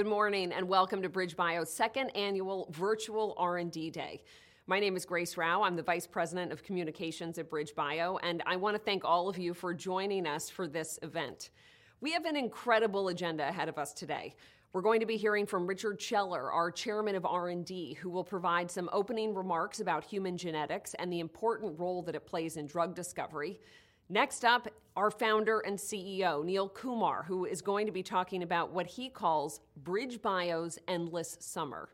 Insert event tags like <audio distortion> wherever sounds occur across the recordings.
Good morning and welcome to BridgeBio's Second Annual Virtual R&D Day. My name is Grace Rauh. I'm the Vice President of Communications at BridgeBio, and I want to thank all of you for joining us for this event. We have an incredible agenda ahead of us today. We're going to be hearing from Richard Scheller, our Chairman of R&D, who will provide some opening remarks about human genetics and the important role that it plays in drug discovery. Next up, our Founder and CEO, Neil Kumar, who is going to be talking about what he calls BridgeBio's endless summer.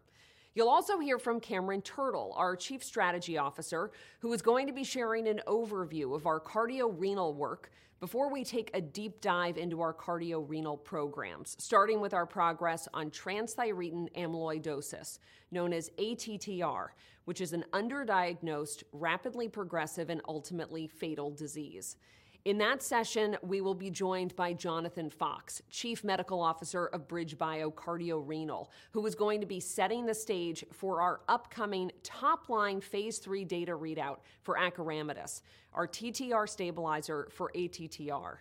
You'll also hear from Cameron Turtle, our Chief Strategy Officer, who is going to be sharing an overview of our cardiorenal work before we take a deep dive into our cardiorenal programs, starting with our progress on transthyretin amyloidosis, known as ATTR, which is an underdiagnosed, rapidly progressive, and ultimately fatal disease. In that session, we will be joined by Jonathan Fox, Chief Medical Officer of BridgeBio Cardiorenal, who is going to be setting the stage for our upcoming top-line phase III data readout for acoramidis, our TTR stabilizer for ATTR.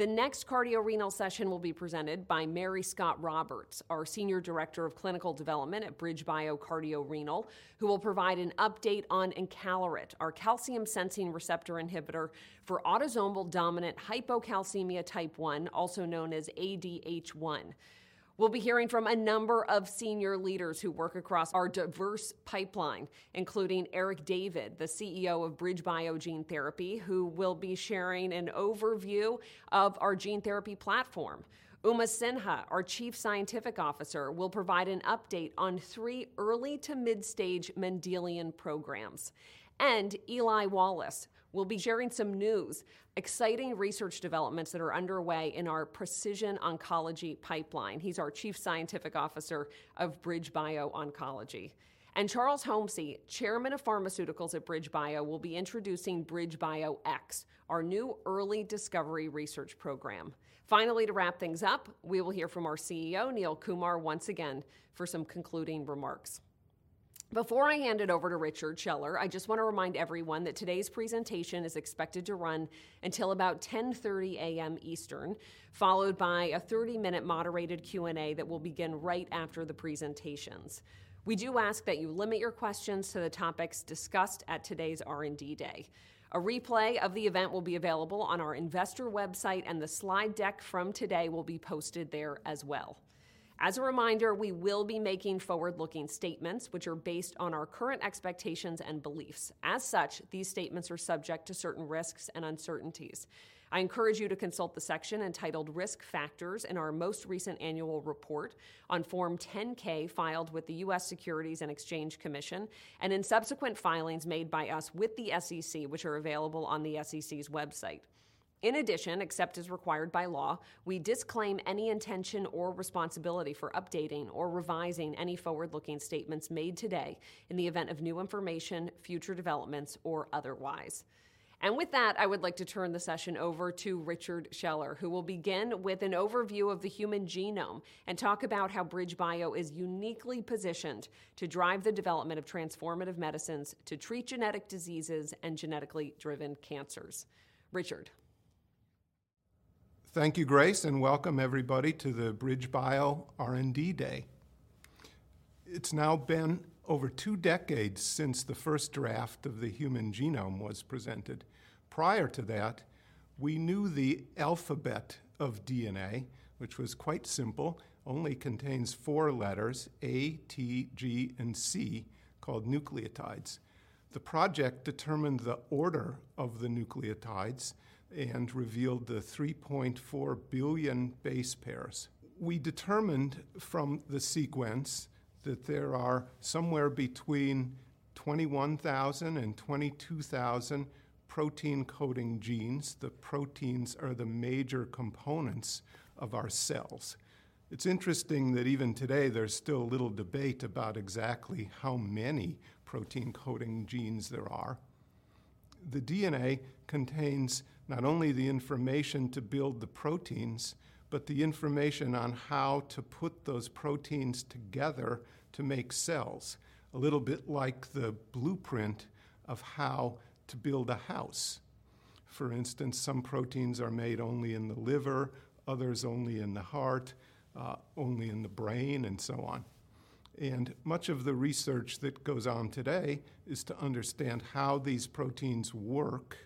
The next cardiorenal session will be presented by Mary Scott Roberts, our Senior Director of Clinical Development at BridgeBio Cardiorenal, who will provide an update on encaleret, our calcium sensing receptor inhibitor for autosomal dominant hypocalcemia type 1, also known as ADH1. We'll be hearing from a number of senior leaders who work across our diverse pipeline, including Eric David, the CEO of BridgeBio Gene Therapy, who will be sharing an overview of our gene therapy platform; Uma Sinha, our Chief Scientific Officer, will provide an update on three early to mid-stage Mendelian programs; and Eli Wallace will be sharing some news, exciting research developments that are underway in our precision oncology pipeline. He's our Chief Scientific Officer of BridgeBio Oncology. Charles Homcy, Chairman of Pharmaceuticals at BridgeBio, will be introducing BridgeBioX, our new early discovery research program. Finally, to wrap things up, we will hear from our CEO, Neil Kumar, once again for some concluding remarks. Before I hand it over to Richard Scheller, I just want to remind everyone that today's presentation is expected to run until about 10:30 A.M. Eastern, followed by a 30-minute moderated Q&A that will begin right after the presentations. We do ask that you limit your questions to the topics discussed at today's R&D Day. A replay of the event will be available on our investor website, and the slide deck from today will be posted there as well. As a reminder, we will be making forward-looking statements which are based on our current expectations and beliefs. As such, these statements are subject to certain risks and uncertainties. I encourage you to consult the section entitled Risk Factors in our most recent annual report on Form 10-K filed with the U.S. Securities and Exchange Commission, and in subsequent filings made by us with the SEC, which are available on the SEC's website. In addition, except as required by law, we disclaim any intention or responsibility for updating or revising any forward-looking statements made today in the event of new information, future developments, or otherwise. With that, I would like to turn the session over to Richard Scheller, who will begin with an overview of the human genome and talk about how BridgeBio is uniquely positioned to drive the development of transformative medicines to treat genetic diseases and genetically driven cancers. Richard. Thank you, Grace, and welcome everybody to the BridgeBio R&D Day. It's now been over two decades since the first draft of the human genome was presented. Prior to that, we knew the alphabet of DNA, which was quite simple, only contains four letters, A, T, G, and C, called nucleotides. The project determined the order of the nucleotides and revealed the 3.4 billion base pairs. We determined from the sequence that there are somewhere between 21,000 and 22,000 protein coding genes. The proteins are the major components of our cells. It's interesting that even today, there's still a little debate about exactly how many protein coding genes there are. The DNA contains not only the information to build the proteins, but the information on how to put those proteins together to make cells, a little bit like the blueprint of how to build a house. For instance, some proteins are made only in the liver, others only in the heart, only in the brain, and so on. Much of the research that goes on today is to understand how these proteins work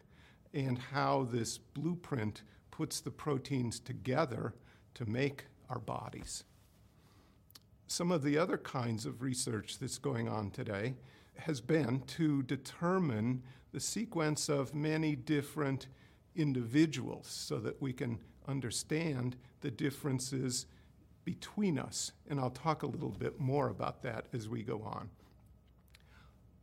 and how this blueprint puts the proteins together to make our bodies. Some of the other kinds of research that's going on today has been to determine the sequence of many different individuals so that we can understand the differences between us, and I'll talk a little bit more about that as we go on.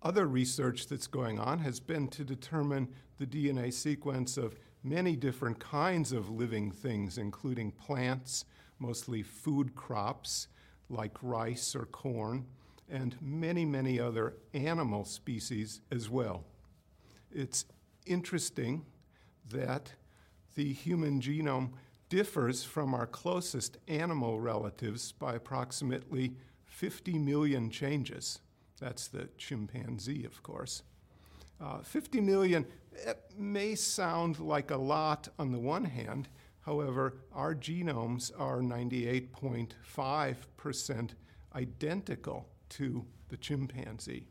Other research that's going on has been to determine the DNA sequence of many different kinds of living things, including plants, mostly food crops like rice or corn, and many, many other animal species as well. It's interesting that the human genome differs from our closest animal relatives by approximately 50 million changes. That's the chimpanzee, of course. 50 million may sound like a lot on the one hand, however, our genomes are 98.5% identical to the chimpanzee.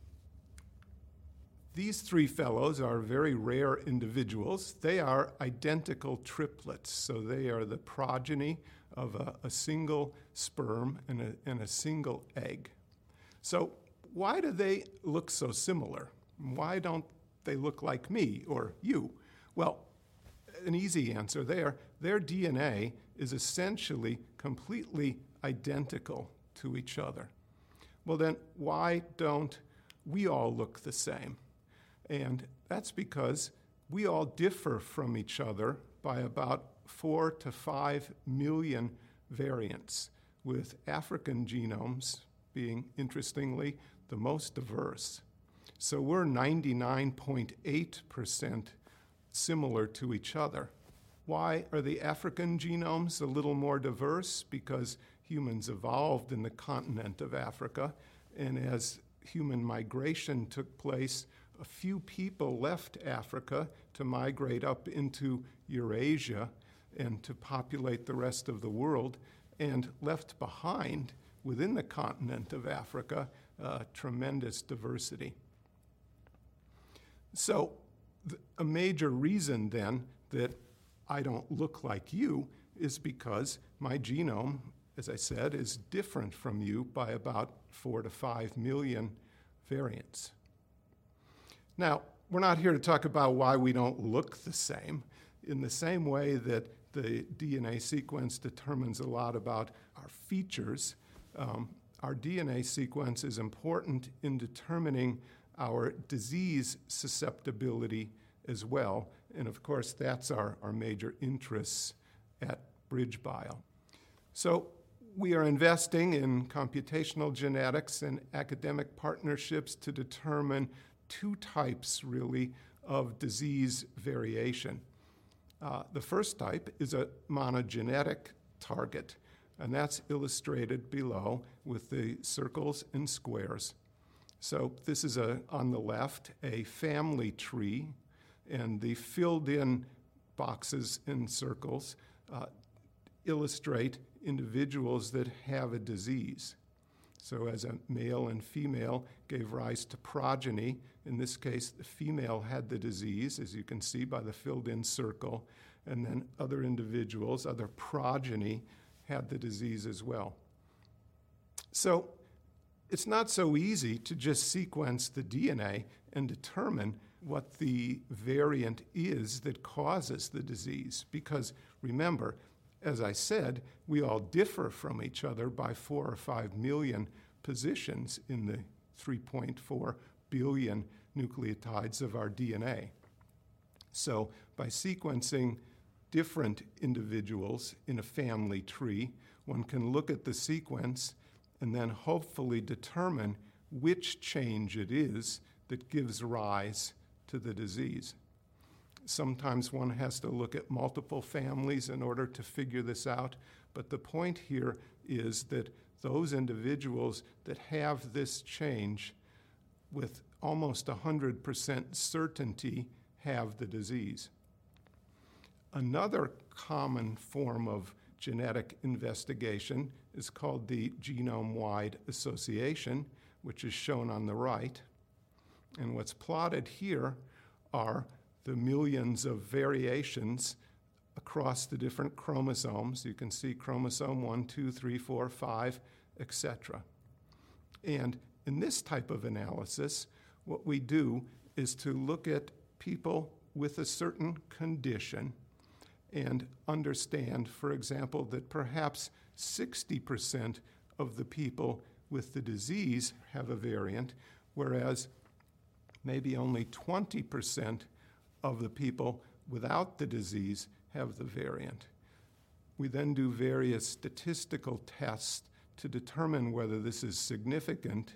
These three fellows are very rare individuals. They are identical triplets, so they are the progeny of a single sperm and a single egg. Why do they look so similar? Why don't they look like me or you? Well, an easy answer there. Their DNA is essentially completely identical to each other. Well then, why don't we all look the same? That's because we all differ from each other by about 4 million-5 million variants, with African genomes being interestingly the most diverse. We're 99.8% similar to each other. Why are the African genomes a little more diverse? Because humans evolved in the continent of Africa, and as human migration took place, a few people left Africa to migrate up into Eurasia and to populate the rest of the world, and left behind, within the continent of Africa, tremendous diversity. A major reason then that I don't look like you is because my genome, as I said, is different from you by about 4 million-5 million variants. Now, we're not here to talk about why we don't look the same. In the same way that the DNA sequence determines a lot about our features, our DNA sequence is important in determining our disease susceptibility as well. Of course, that's our major interests at BridgeBio. We are investing in computational genetics and academic partnerships to determine two types, really, of disease variation. The first type is a monogenetic target, and that's illustrated below with the circles and squares. This is, on the left, a family tree, and the filled-in boxes and circles illustrate individuals that have a disease. As a male and female gave rise to progeny, in this case, the female had the disease, as you can see by the filled-in circle, and then other individuals, other progeny, had the disease as well. It's not so easy to just sequence the DNA and determine what the variant is that causes the disease, because remember, as I said, we all differ from each other by 4 million or 5 million positions in the 3.4 billion nucleotides of our DNA. By sequencing different individuals in a family tree, one can look at the sequence and then hopefully determine which change it is that gives rise to the disease. Sometimes one has to look at multiple families in order to figure this out, but the point here is that those individuals that have this change with almost 100% certainty have the disease. Another common form of genetic investigation is called the genome-wide association, which is shown on the right, and what's plotted here are the millions of variations across the different chromosomes. You can see chromosome one, two, three, four, five, et cetera. In this type of analysis, what we do is to look at people with a certain condition and understand, for example, that perhaps 60% of the people with the disease have a variant, whereas maybe only 20% of the people without the disease have the variant. We then do various statistical tests to determine whether this is significant,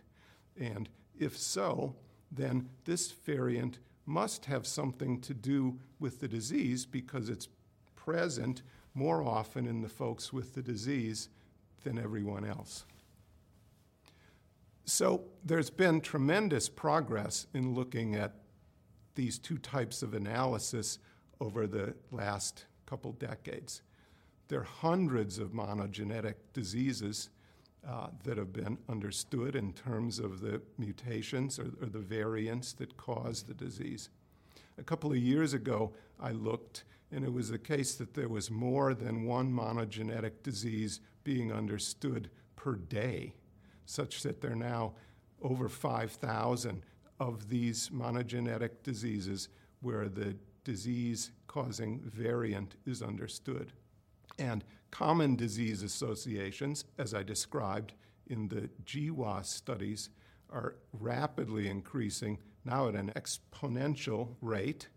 and if so, then this variant must have something to do with the disease because it's present more often in the folks with the disease than everyone else. There's been tremendous progress in looking at these two types of analysis over the last couple decades. There are hundreds of monogenetic diseases that have been understood in terms of the mutations or the variants that cause the disease. A couple of years ago, I looked, and it was the case that there was more than one monogenetic disease being understood per day, such that there are now over 5,000 of these monogenetic diseases where the disease-causing variant is understood. Common disease associations, as I described in the GWAS studies, are rapidly increasing, now at an exponential rate,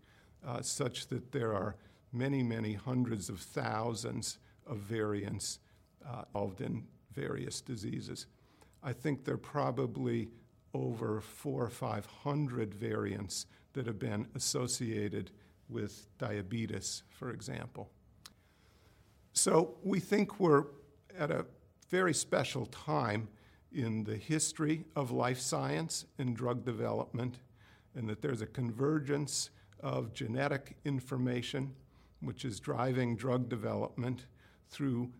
such that there are many, many hundreds of thousands of variants involved in various diseases. I think there are probably over 400 or 500 variants that have been associated with diabetes, for example. We think we're at a very special time in the history of life science and drug development, and that there's a convergence of genetic information which is driving drug development through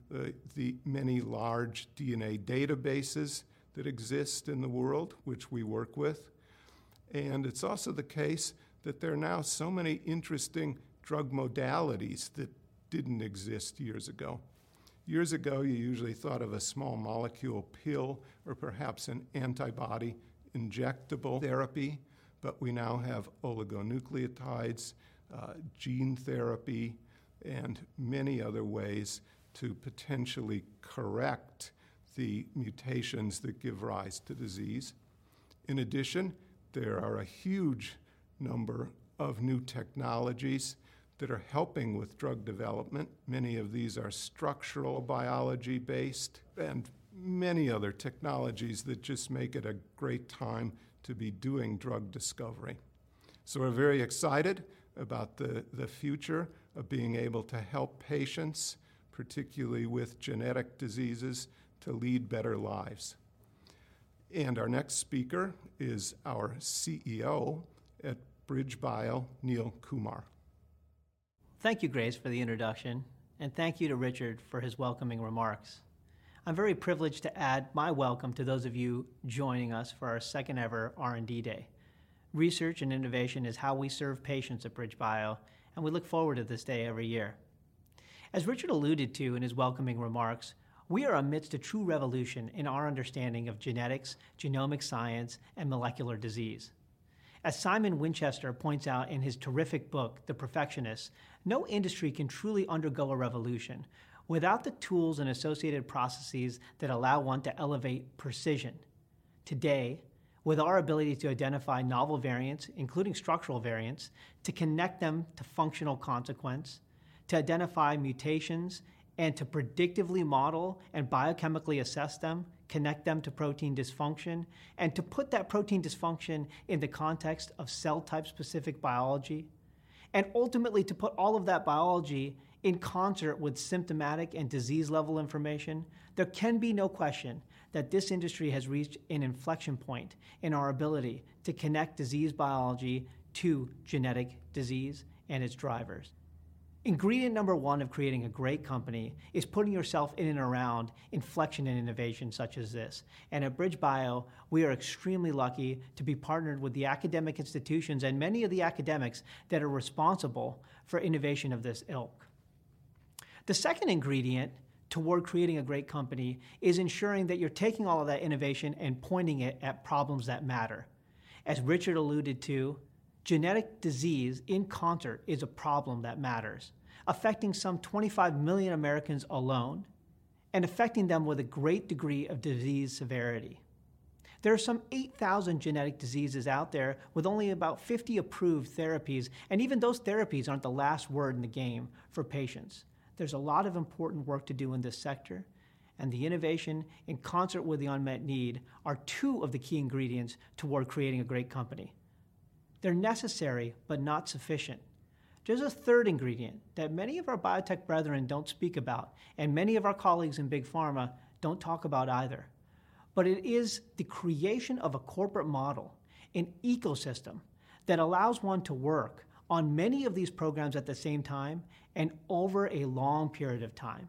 the many large DNA databases that exist in the world, which we work with. It's also the case that there are now so many interesting drug modalities that didn't exist years ago. Years ago, you usually thought of a small molecule pill or perhaps an antibody injectable therapy, but we now have oligonucleotides, gene therapy, and many other ways to potentially correct the mutations that give rise to disease. In addition, there are a huge number of new technologies that are helping with drug development. Many of these are structural biology-based and many other technologies that just make it a great time to be doing drug discovery. We're very excited about the future of being able to help patients, particularly with genetic diseases, to lead better lives. Our next speaker is our CEO at BridgeBio, Neil Kumar. Thank you, Grace, for the introduction, and thank you to Richard for his welcoming remarks. I'm very privileged to add my welcome to those of you joining us for our second-ever R&D Day. Research and innovation is how we serve patients at BridgeBio, and we look forward to this day every year. As Richard alluded to in his welcoming remarks, we are amidst a true revolution in our understanding of genetics, genomic science, and molecular disease. As Simon Winchester points out in his terrific book, "The Perfectionists," no industry can truly undergo a revolution without the tools and associated processes that allow one to elevate precision. Today, with our ability to identify novel variants, including structural variants, to connect them to functional consequence, to identify mutations, and to predictively model and biochemically assess them, connect them to protein dysfunction, and to put that protein dysfunction in the context of cell type-specific biology, and ultimately to put all of that biology in concert with symptomatic and disease-level information, there can be no question that this industry has reached an inflection point in our ability to connect disease biology to genetic disease and its drivers. Ingredient number one of creating a great company is putting yourself in and around inflection and innovation such as this. At BridgeBio, we are extremely lucky to be partnered with the academic institutions and many of the academics that are responsible for innovation of this ilk. The second ingredient toward creating a great company is ensuring that you're taking all of that innovation and pointing it at problems that matter. As Richard alluded to, genetic disease in concert is a problem that matters, affecting some 25 million Americans alone and affecting them with a great degree of disease severity. There are some 8,000 genetic diseases out there with only about 50 approved therapies, and even those therapies aren't the last word in the game for patients. There's a lot of important work to do in this sector, and the innovation in concert with the unmet need are two of the key ingredients toward creating a great company. They're necessary, but not sufficient. There's a third ingredient that many of our biotech brethren don't speak about, and many of our colleagues in big pharma don't talk about either. It is the creation of a corporate model, an ecosystem that allows one to work on many of these programs at the same time and over a long period of time.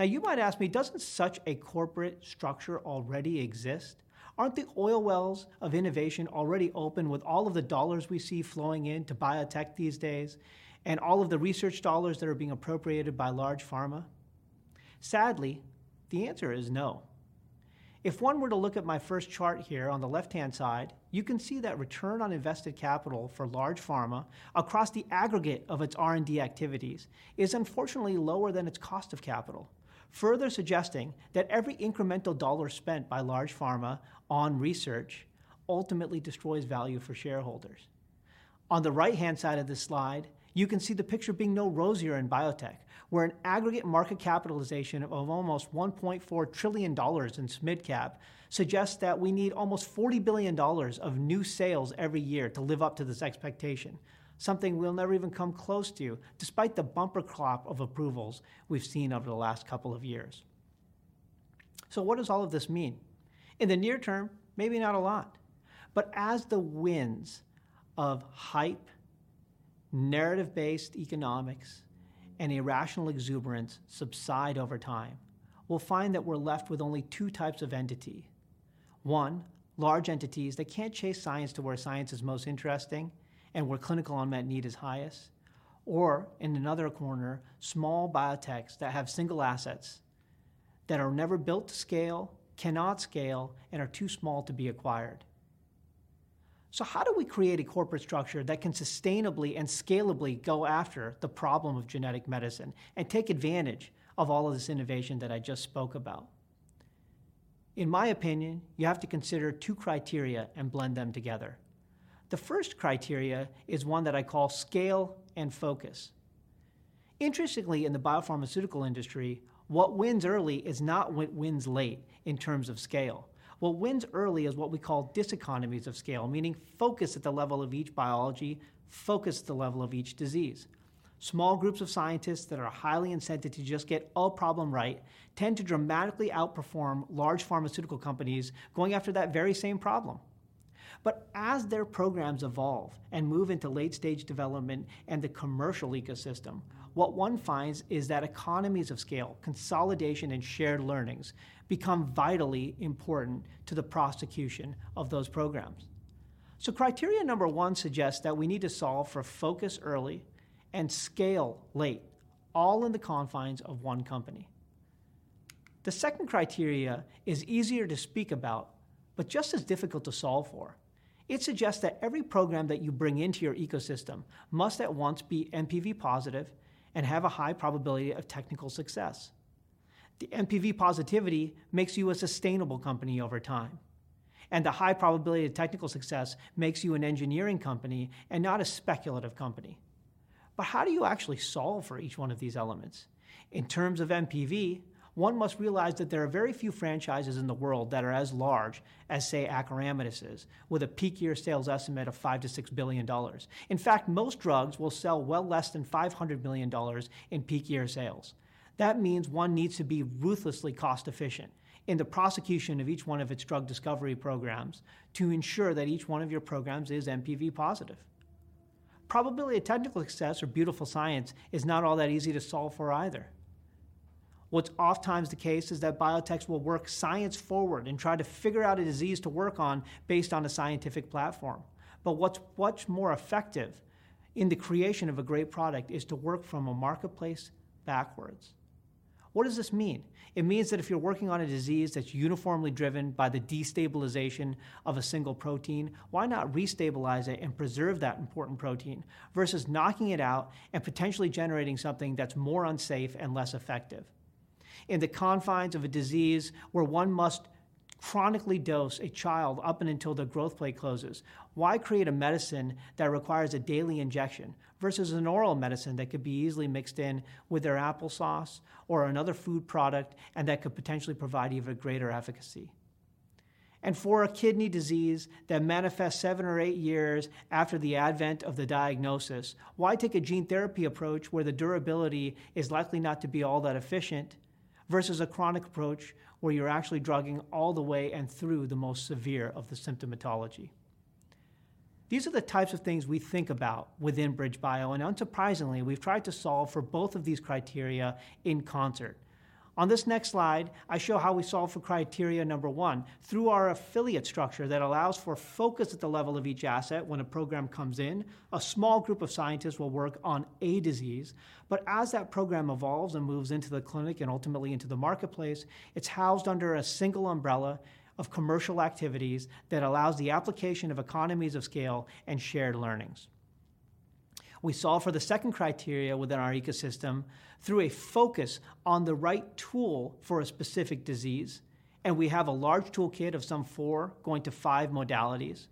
You might ask me, doesn't such a corporate structure already exist? Aren't the oil wells of innovation already open with all of the dollars we see flowing into biotech these days and all of the research dollars that are being appropriated by large pharma? Sadly, the answer is no. If one were to look at my first chart here on the left-hand side, you can see that return on invested capital for large pharma across the aggregate of its R&D activities is unfortunately lower than its cost of capital, further suggesting that every incremental dollar spent by large pharma on research ultimately destroys value for shareholders. On the right-hand side of this slide, you can see the picture being no rosier in biotech, where an aggregate market capitalization of almost $1.4 trillion in midcap suggests that we need almost $40 billion of new sales every year to live up to this expectation, something we'll never even come close to, despite the bumper crop of approvals we've seen over the last couple of years. What does all of this mean? In the near term, maybe not a lot, but as the winds of hype, narrative-based economics, and irrational exuberance subside over time, we'll find that we're left with only two types of entity. One, large entities that can't chase science to where science is most interesting and where clinical unmet need is highest, or in another corner, small biotechs that have single assets that are never built to scale, cannot scale, and are too small to be acquired. So, how do we create a corporate structure that can sustainably and scalably go after the problem of genetic medicine and take advantage of all of this innovation that I just spoke about? In my opinion, you have to consider two criteria and blend them together. The first criteria is one that I call scale and focus. Interestingly, in the biopharmaceutical industry, what wins early is not what wins late in terms of scale. What wins early is what we call diseconomies of scale, meaning focus at the level of each biology, focus at the level of each disease. Small groups of scientists that are highly incented to just get a problem right tend to dramatically outperform large pharmaceutical companies going after that very same problem. But as their programs evolve and move into late-stage development and the commercial ecosystem, what one finds is that economies of scale, consolidation, and shared learnings become vitally important to the prosecution of those programs. Criteria number one suggests that we need to solve for focus early and scale late, all in the confines of one company. The second criteria is easier to speak about, but just as difficult to solve for. It suggests that every program that you bring into your ecosystem must at once be NPV positive and have a high probability of technical success. The NPV positivity makes you a sustainable company over time, and the high probability of technical success makes you an engineering company and not a speculative company. How do you actually solve for each one of these elements? In terms of NPV, one must realize that there are very few franchises in the world that are as large as, say, acoramidis is, with a peak year sales estimate of $5 billion-$6 billion. In fact, most drugs will sell well less than $500 million in peak year sales. That means one needs to be ruthlessly cost-efficient in the prosecution of each one of its drug discovery programs to ensure that each one of your programs is NPV positive. Probability of technical success or beautiful science is not all that easy to solve for either. What's ofttimes the case is that biotechs will work science forward and try to figure out a disease to work on based on a scientific platform. But what's much more effective in the creation of a great product is to work from a marketplace backwards. What does this mean? It means that if you're working on a disease that's uniformly driven by the destabilization of a single protein, why not restabilize it and preserve that important protein versus knocking it out and potentially generating something that's more unsafe and less effective? In the confines of a disease where one must chronically dose a child up and until their growth plate closes, why create a medicine that requires a daily injection versus an oral medicine that could be easily mixed in with their applesauce or another food product, and that could potentially provide even greater efficacy? For a kidney disease that manifests seven or eight years after the advent of the diagnosis, why take a gene therapy approach where the durability is likely not to be all that efficient versus a chronic approach where you're actually drugging all the way and through the most severe of the symptomatology? These are the types of things we think about within BridgeBio, and unsurprisingly, we've tried to solve for both of these criteria in concert. On this next slide, I show how we solve for criteria number one through our affiliate structure that allows for focus at the level of each asset. When a program comes in, a small group of scientists will work on a disease, but as that program evolves and moves into the clinic and ultimately into the marketplace, it's housed under a single umbrella of commercial activities that allows the application of economies of scale and shared learnings. We solve for the second criteria within our ecosystem through a focus on the right tool for a specific disease, and we have a large toolkit of some four going to five modalities,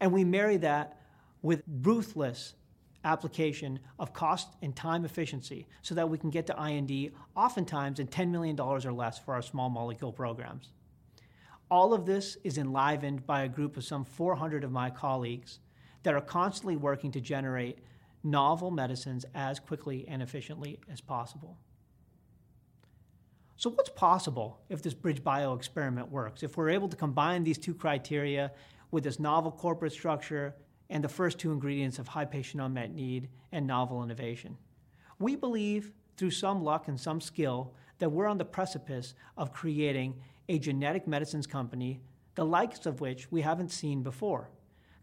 and we marry that with ruthless application of cost and time efficiency so that we can get to IND, oftentimes in $10 million or less for our small molecule programs. All of this is enlivened by a group of some 400 of my colleagues that are constantly working to generate novel medicines as quickly and efficiently as possible. What's possible if this BridgeBio experiment works, if we're able to combine these two criteria with this novel corporate structure and the first two ingredients of high patient unmet need and novel innovation? We believe, through some luck and some skill, that we're on the precipice of creating a genetic medicines company, the likes of which we haven't seen before.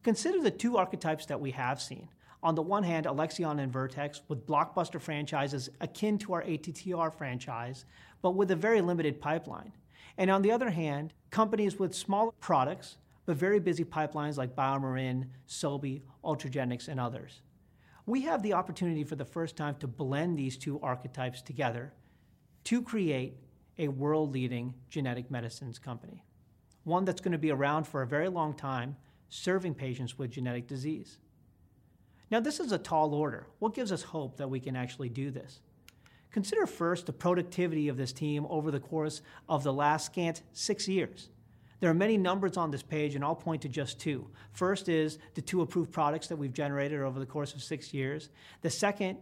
Consider the two archetypes that we have seen. On the one hand, Alexion and Vertex, with blockbuster franchises akin to our ATTR franchise, but with a very limited pipeline. On the other hand, companies with small products but very busy pipelines like BioMarin, Sobi, Ultragenyx, and others. We have the opportunity for the first time to blend these two archetypes together to create a world-leading genetic medicines company, one that's going to be around for a very long time serving patients with genetic disease. Now, this is a tall order. What gives us hope that we can actually do this? Consider first the productivity of this team over the course of the last scant six years. There are many numbers on this page, and I'll point to just two. First is the two approved products that we've generated over the course of six years. The second,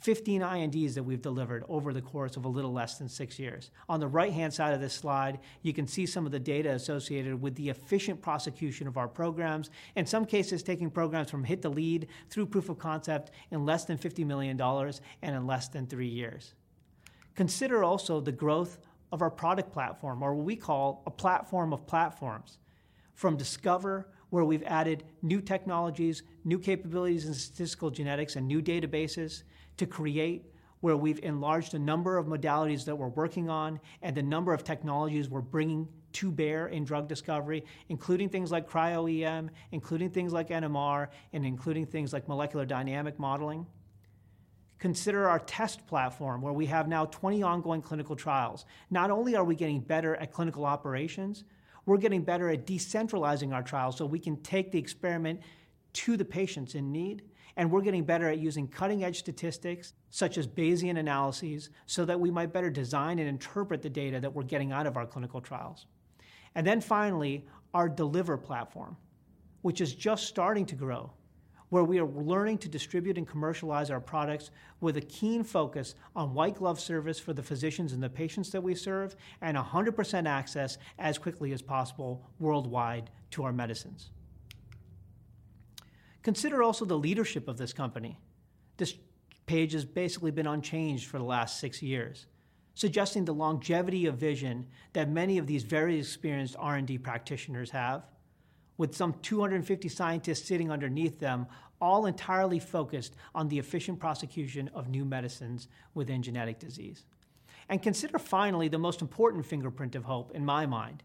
15 INDs that we've delivered over the course of a little less than six years. On the right-hand side of this slide, you can see some of the data associated with the efficient prosecution of our programs. In some cases, taking programs from hit to lead through proof of concept in less than $50 million and in less than three years. Consider also the growth of our product platform, or what we call a platform of platforms. From discover, where we've added new technologies, new capabilities in statistical genetics, and new databases, to create, where we've enlarged the number of modalities that we're working on and the number of technologies we're bringing to bear in drug discovery, including things like cryo-EM, including things like NMR, and including things like molecular dynamic modeling. Consider our test platform, where we have now 20 ongoing clinical trials. Not only are we getting better at clinical operations, we're getting better at decentralizing our trials so we can take the experiment to the patients in need, and we're getting better at using cutting-edge statistics such as Bayesian analyses so that we might better design and interpret the data that we're getting out of our clinical trials. Finally, our deliver platform, which is just starting to grow, where we are learning to distribute and commercialize our products with a keen focus on white glove service for the physicians and the patients that we serve, and 100% access as quickly as possible worldwide to our medicines. Consider also the leadership of this company. This page has basically been unchanged for the last six years, suggesting the longevity of vision that many of these very experienced R&D practitioners have, with some 250 scientists sitting underneath them, all entirely focused on the efficient prosecution of new medicines within genetic disease. Consider finally, the most important fingerprint of hope in my mind,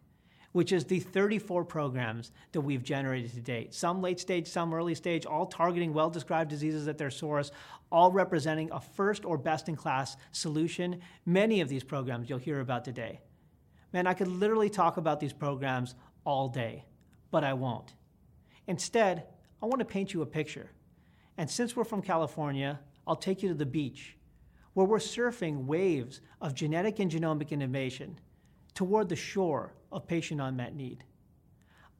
which is the 34 programs that we've generated to date, some late stage, some early stage, all targeting well-described diseases at their source, all representing a first or best-in-class solution. Many of these programs you'll hear about today. Man, I could literally talk about these programs all day, but I won't. Instead, I want to paint you a picture, and since we're from California, I'll take you to the beach, where we're surfing waves of genetic and genomic innovation toward the shore of patient unmet need.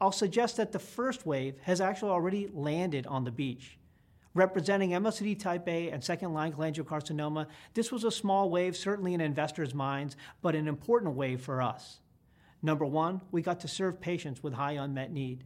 I'll suggest that the first wave has actually already landed on the beach, representing MoCD type A and second-line cholangiocarcinoma. This was a small wave, certainly in investors' minds, but an important wave for us. Number one, we got to serve patients with high unmet need.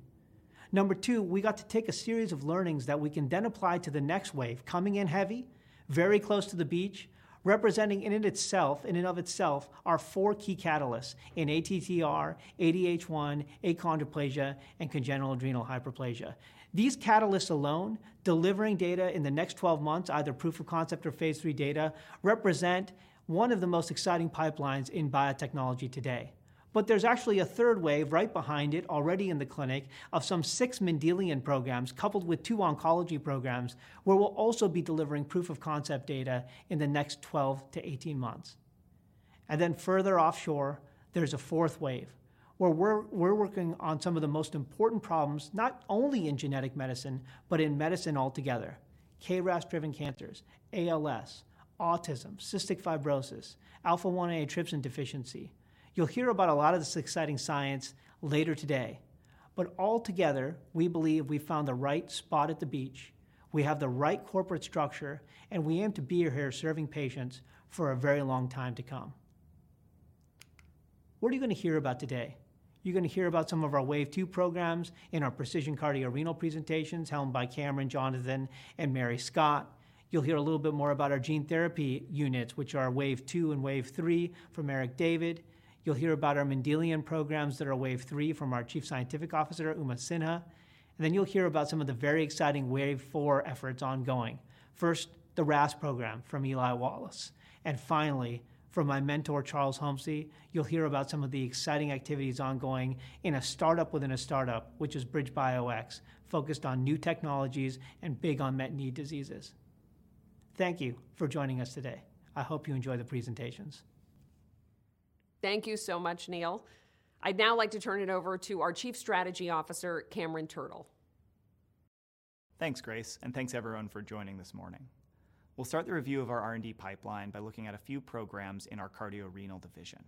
Number two, we got to take a series of learnings that we can then apply to the next wave, coming in heavy, very close to the beach, representing in and of itself, our four key catalysts in ATTR, ADH1, achondroplasia, and congenital adrenal hyperplasia. These catalysts alone, delivering data in the next 12 months, either proof of concept or phase III data, represent one of the most exciting pipelines in biotechnology today. But there's actually a third wave right behind it, already in the clinic, of some six Mendelian programs, coupled with two oncology programs, where we'll also be delivering proof of concept data in the next 12-18 months. Further offshore, there's a fourth wave, where we're working on some of the most important problems, not only in genetic medicine, but in medicine altogether, KRAS-driven cancers, ALS, autism, cystic fibrosis, alpha-1 antitrypsin deficiency. You'll hear about a lot of this exciting science later today, but altogether, we believe we've found the right spot at the beach. We have the right corporate structure, and we aim to be here serving patients for a very long time to come. What are you going to hear about today? You're going to hear about some of our Wave 2 programs in our precision cardiorenal presentations, helmed by Cameron, Jonathan, and Mary Scott. You'll hear a little bit more about our gene therapy units, which are Wave 2 and Wave 3 from Eric David. You'll hear about our Mendelian programs that are Wave 3 from our Chief Scientific Officer, Uma Sinha. Then, you'll hear about some of the very exciting Wave 4 efforts ongoing. First, the RAS program from Eli Wallace, and finally, from my mentor, Charles Homcy, you'll hear about some of the exciting activities ongoing in a startup within a startup, which is BridgeBioX, focused on new technologies and big unmet need diseases. Thank you for joining us today. I hope you enjoy the presentations. Thank you so much, Neil. I'd now like to turn it over to our Chief Strategy Officer, Cameron Turtle. Thanks, Grace and thanks everyone for joining this morning. We'll start the review of our R&D pipeline by looking at a few programs in our Cardiorenal Division.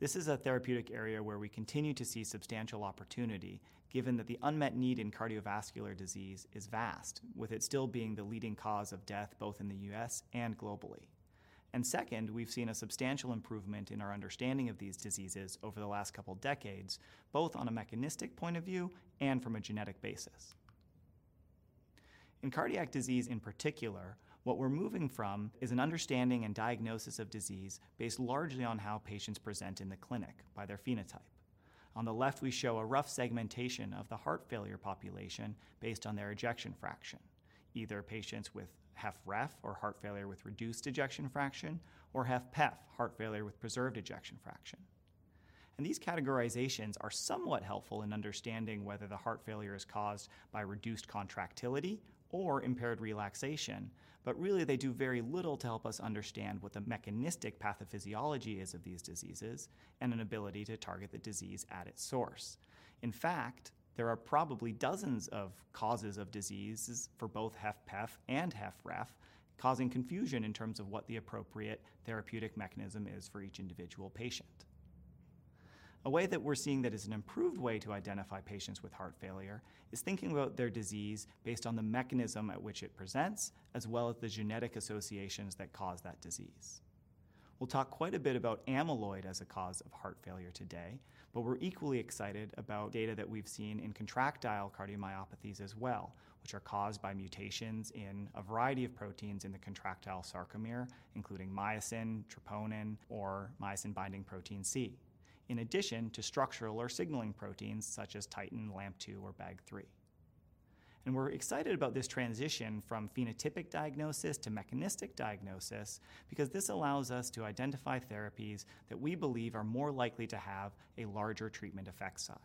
This is a therapeutic area where we continue to see substantial opportunity, given that the unmet need in cardiovascular disease is vast, with it still being the leading cause of death both in the U.S. and globally. Second, we've seen a substantial improvement in our understanding of these diseases over the last couple decades, both on a mechanistic point of view and from a genetic basis. In cardiac disease in particular, what we're moving from is an understanding and diagnosis of disease based largely on how patients present in the clinic by their phenotype. On the left, we show a rough segmentation of the heart failure population based on their ejection fraction. Either patients with HFrEF, or heart failure with reduced ejection fraction, or HFpEF, heart failure with preserved ejection fraction. These categorizations are somewhat helpful in understanding whether the heart failure is caused by reduced contractility or impaired relaxation, but really, they do very little to help us understand what the mechanistic pathophysiology is of these diseases, and an ability to target the disease at its source. In fact, there are probably dozens of causes of diseases for both HFpEF and HFrEF, causing confusion in terms of what the appropriate therapeutic mechanism is for each individual patient. A way that we're seeing that is an improved way to identify patients with heart failure is thinking about their disease based on the mechanism at which it presents, as well as the genetic associations that cause that disease. We'll talk quite a bit about amyloid as a cause of heart failure today, but we're equally excited about data that we've seen in contractile cardiomyopathies as well, which are caused by mutations in a variety of proteins in the contractile sarcomere, including myosin, troponin, or myosin-binding protein C, in addition to structural or signaling proteins such as titin, LAMP2, or BAG3. We're excited about this transition from phenotypic diagnosis to mechanistic diagnosis because this allows us to identify therapies that we believe are more likely to have a larger treatment effect size.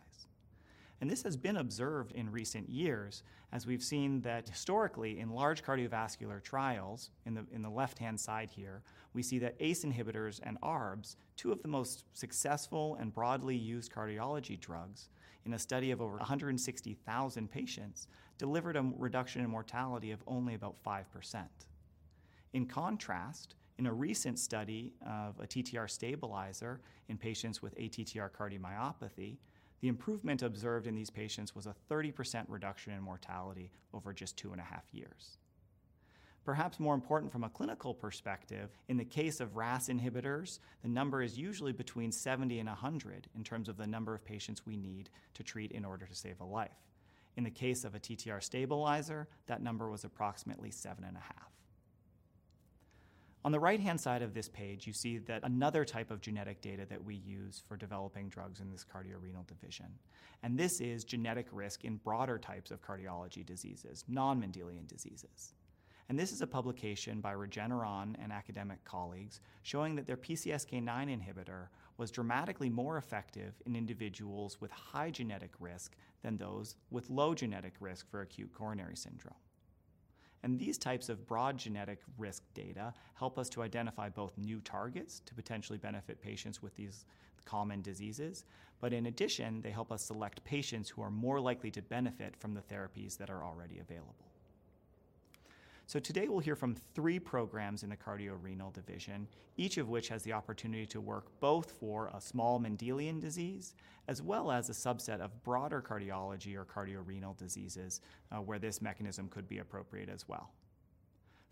This has been observed in recent years, as we've seen that historically, in large cardiovascular trials, in the left-hand side here, we see that ACE inhibitors and ARBs, two of the most successful and broadly used cardiology drugs, in a study of over 160,000 patients, delivered a reduction in mortality of only about 5%. In contrast, in a recent study of a TTR stabilizer in patients with ATTR cardiomyopathy, the improvement observed in these patients was a 30% reduction in mortality over just two and a half years. Perhaps more important from a clinical perspective, in the case of RAS inhibitors, the number is usually between 70 and 100 in terms of the number of patients we need to treat in order to save a life. In the case of a TTR stabilizer, that number was approximately seven and a half. On the right-hand side of this page, you see that another type of genetic data that we use for developing drugs in this Cardiorenal Division, and this is genetic risk in broader types of cardiology diseases, non-Mendelian diseases. This is a publication by Regeneron and academic colleagues showing that their PCSK9 inhibitor was dramatically more effective in individuals with high genetic risk than those with low genetic risk for acute coronary syndrome. These types of broad genetic risk data help us to identify both new targets to potentially benefit patients with these common diseases, but in addition, they help us select patients who are more likely to benefit from the therapies that are already available. Today we'll hear from three programs in the Cardiorenal Division, each of which has the opportunity to work both for a small Mendelian disease as well as a subset of broader cardiology or cardiorenal diseases where this mechanism could be appropriate as well.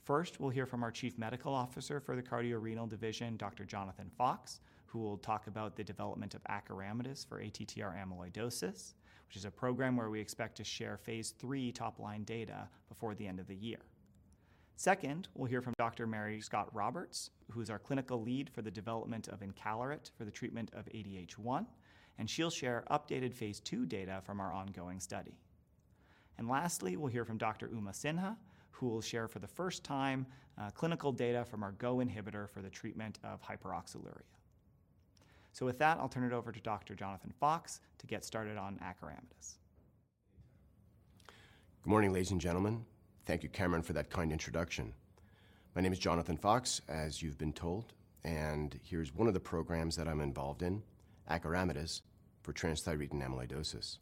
First, we'll hear from our Chief Medical Officer for the Cardiorenal Division, Dr. Jonathan Fox, who will talk about the development of acoramidis for ATTR amyloidosis, which is a program where we expect to share phase III top-line data before the end of the year. Second, we'll hear from Dr. Mary Scott Roberts, who is our clinical lead for the development of encaleret for the treatment of ADH1, and she'll share updated phase II data from our ongoing study. Lastly, we'll hear from Dr. Uma Sinha, who will share for the first time clinical data from our GO inhibitor for the treatment of hyperoxaluria. With that, I'll turn it over to Dr. Jonathan Fox to get started on acoramidis. Good morning, ladies and gentlemen. Thank you, Cameron, for that kind introduction. My name is Jonathan Fox, as you've been told, and here's one of the programs that I'm involved in, acoramidis for transthyretin amyloidosis.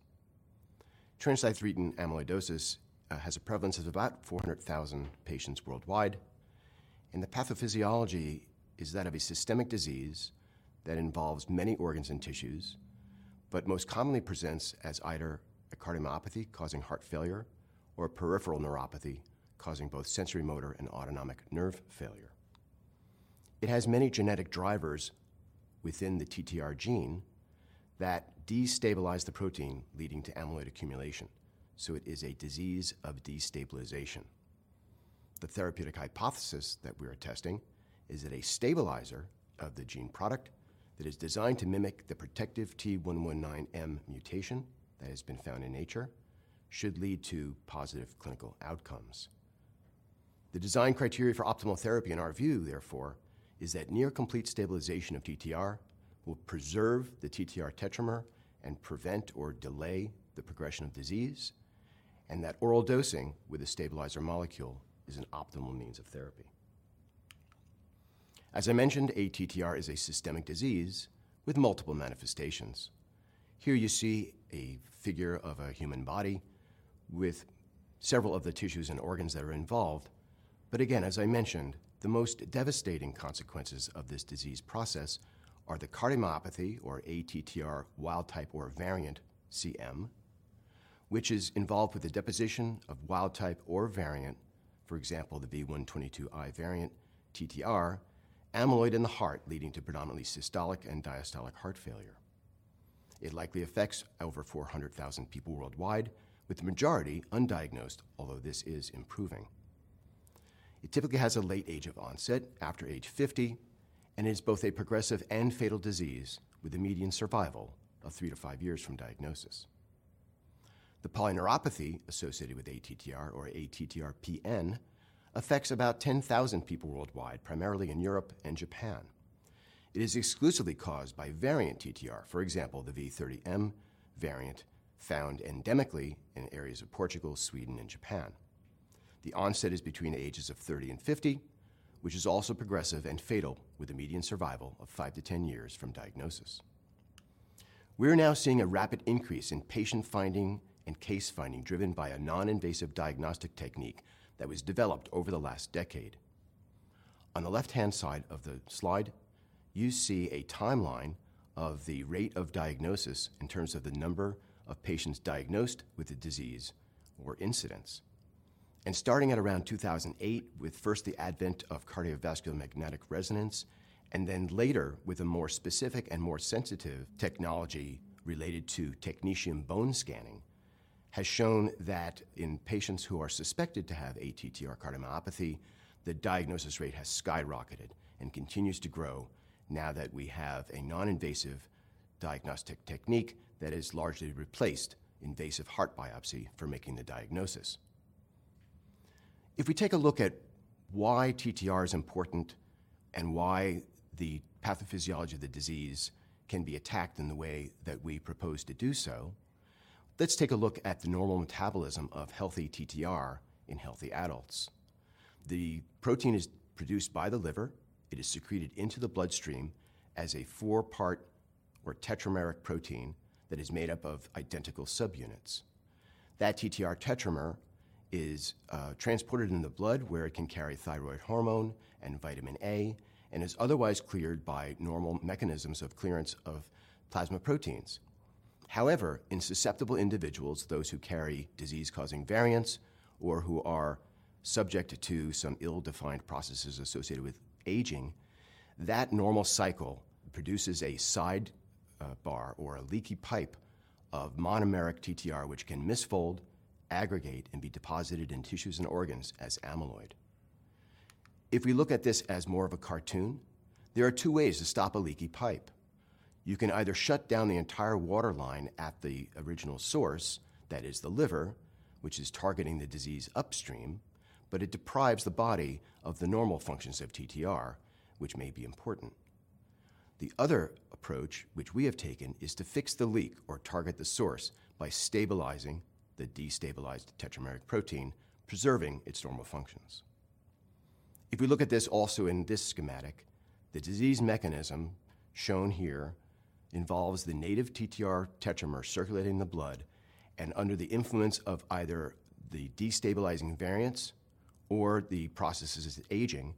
Transthyretin amyloidosis has a prevalence of about 400,000 patients worldwide. The pathophysiology is that of a systemic disease that involves many organs and tissues, but most commonly presents as either a cardiomyopathy causing heart failure or peripheral neuropathy, causing both sensory-motor and autonomic nerve failure. It has many genetic drivers within the TTR gene that destabilize the protein leading to amyloid accumulation, so it is a disease of destabilization. The therapeutic hypothesis that we are testing is that a stabilizer of the gene product that is designed to mimic the protective T119M mutation that has been found in nature should lead to positive clinical outcomes. The design criteria for optimal therapy in our view, therefore, is that near complete stabilization of TTR will preserve the TTR tetramer and prevent or delay the progression of disease, and that oral dosing with a stabilizer molecule is an optimal means of therapy. As I mentioned, ATTR is a systemic disease with multiple manifestations. Here, you see a figure of a human body with several of the tissues and organs that are involved. Again, as I mentioned, the most devastating consequences of this disease process are the cardiomyopathy or ATTR wild type or variant CM, which is involved with the deposition of wild type or variant, for example, the V122I variant TTR amyloid in the heart leading to predominantly systolic and diastolic heart failure. It likely affects over 400,000 people worldwide, with the majority undiagnosed, although this is improving. It typically has a late age of onset after age 50 and is both a progressive and fatal disease with a median survival of three to five years from diagnosis. The polyneuropathy associated with ATTR or ATTR-PN affects about 10,000 people worldwide, primarily in Europe and Japan. It is exclusively caused by variant TTR, for example, the V30M variant found endemically in areas of Portugal, Sweden, and Japan. The onset is between the ages of 30 and 50, which is also progressive and fatal with a median survival of 5-10 years from diagnosis. We're now seeing a rapid increase in patient finding and case finding driven by a non-invasive diagnostic technique that was developed over the last decade. On the left-hand side of the slide, you see a timeline of the rate of diagnosis in terms of the number of patients diagnosed with the disease or incidence, and starting at around 2008 with first the advent of cardiovascular magnetic resonance, and then later with a more specific and more sensitive technology related to technetium bone scanning, has shown that in patients who are suspected to have ATTR cardiomyopathy, the diagnosis rate has skyrocketed and continues to grow now that we have a non-invasive diagnostic technique that has largely replaced invasive heart biopsy for making the diagnosis. If we take a look at why TTR is important and why the pathophysiology of the disease can be attacked in the way that we propose to do so, let's take a look at the normal metabolism of healthy TTR in healthy adults. The protein is produced by the liver. It is secreted into the bloodstream as a four-part or tetrameric protein that is made up of identical subunits. That TTR tetramer is transported in the blood where it can carry thyroid hormone and vitamin A and is otherwise cleared by normal mechanisms of clearance of plasma proteins. However, in susceptible individuals, those who carry disease-causing variants or who are subject to some ill-defined processes associated with aging, that normal cycle produces a sidebar or a leaky pipe of monomeric TTR, which can misfold, aggregate, and be deposited in tissues and organs as amyloid. If we look at this as more of a cartoon, there are two ways to stop a leaky pipe. You can either shut down the entire water line at the original source, that is the liver, which is targeting the disease upstream, but it deprives the body of the normal functions of TTR, which may be important. The other approach, which we have taken, is to fix the leak or target the source by stabilizing the destabilized tetrameric protein, preserving its normal functions. If we look at this also in this schematic, the disease mechanism shown here involves the native TTR tetramer circulating the blood and under the influence of either the destabilizing variants or the processes aging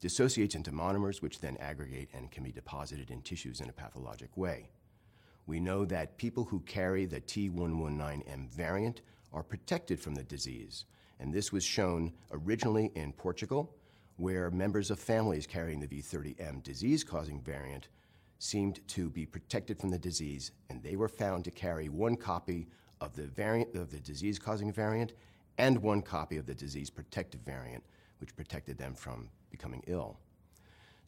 dissociates into monomers, which then aggregate and can be deposited in tissues in a pathologic way. We know that people who carry the T119M variant are protected from the disease, and this was shown originally in Portugal, where members of families carrying the V30M disease-causing variant seemed to be protected from the disease, and they were found to carry one copy of the disease-causing variant and one copy of the disease protective variant, which protected them from becoming ill.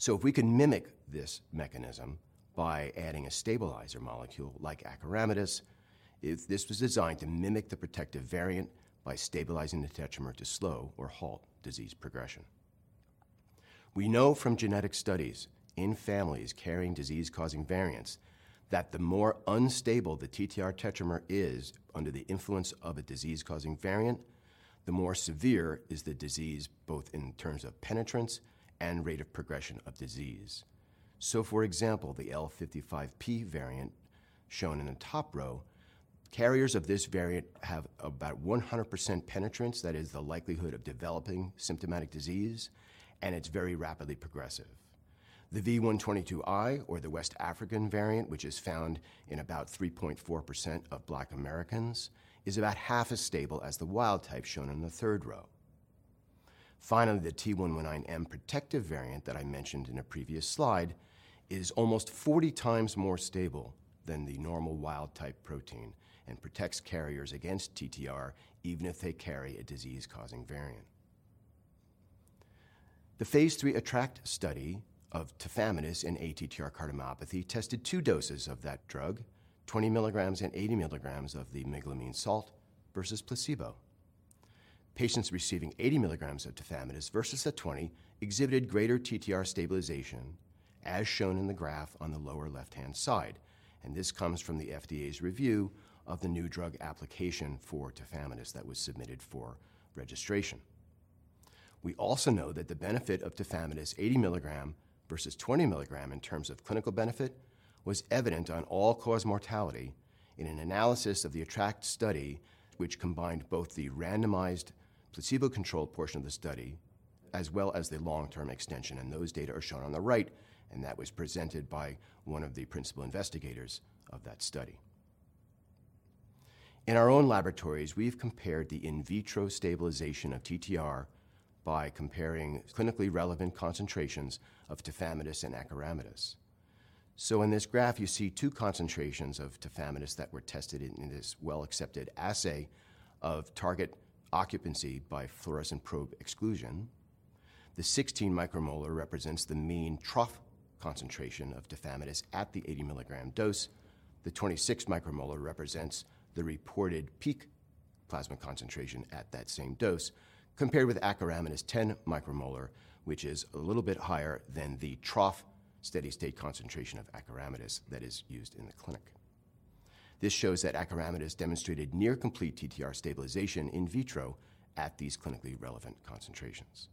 If we can mimic this mechanism by adding a stabilizer molecule like acoramidis, if this was designed to mimic the protective variant by stabilizing the tetramer to slow or halt disease progression. We know from genetic studies in families carrying disease-causing variants that the more unstable the TTR tetramer is under the influence of a disease-causing variant, the more severe is the disease, both in terms of penetrance and rate of progression of disease. For example, the L55P variant shown in the top row, carriers of this variant have about 100% penetrance, that is the likelihood of developing symptomatic disease, and it's very rapidly progressive. The V122I or the West African variant, which is found in about 3.4% of Black Americans, is about half as stable as the wild type shown in the third row. Finally, the T119M protective variant that I mentioned in a previous slide is almost 40 times more stable than the normal wild-type protein and protects carriers against TTR even if they carry a disease-causing variant. The phase III ATTR-ACT study of tafamidis in ATTR cardiomyopathy tested two doses of that drug, 20 mg and 80 mg of the meglumine salt versus placebo. Patients receiving 80 mg of tafamidis versus the 20 mg exhibited greater TTR stabilization, as shown in the graph on the lower left-hand side, and this comes from the FDA's review of the new drug application for tafamidis that was submitted for registration. We also know that the benefit of tafamidis 80 mg versus 20 mg in terms of clinical benefit was evident on all-cause mortality in an analysis of the ATTR-ACT study, which combined both the randomized placebo-controlled portion of the study as well as the long-term extension, and those data are shown on the right, and that was presented by one of the principal investigators of that study. In our own laboratories, we've compared the in vitro stabilization of TTR by comparing clinically relevant concentrations of tafamidis and acoramidis. In this graph, you see two concentrations of tafamidis that were tested in this well-accepted assay of target occupancy by fluorescent probe exclusion. The 16 micromolar represents the mean trough concentration of tafamidis at the 80 mg dose. The 26 micromolar represents the reported peak plasma concentration at that same dose, compared with acoramidis 10 micromolar, which is a little bit higher than the trough steady-state concentration of acoramidis that is used in the clinic. This shows that acoramidis demonstrated near complete TTR stabilization in vitro at these clinically relevant concentrations.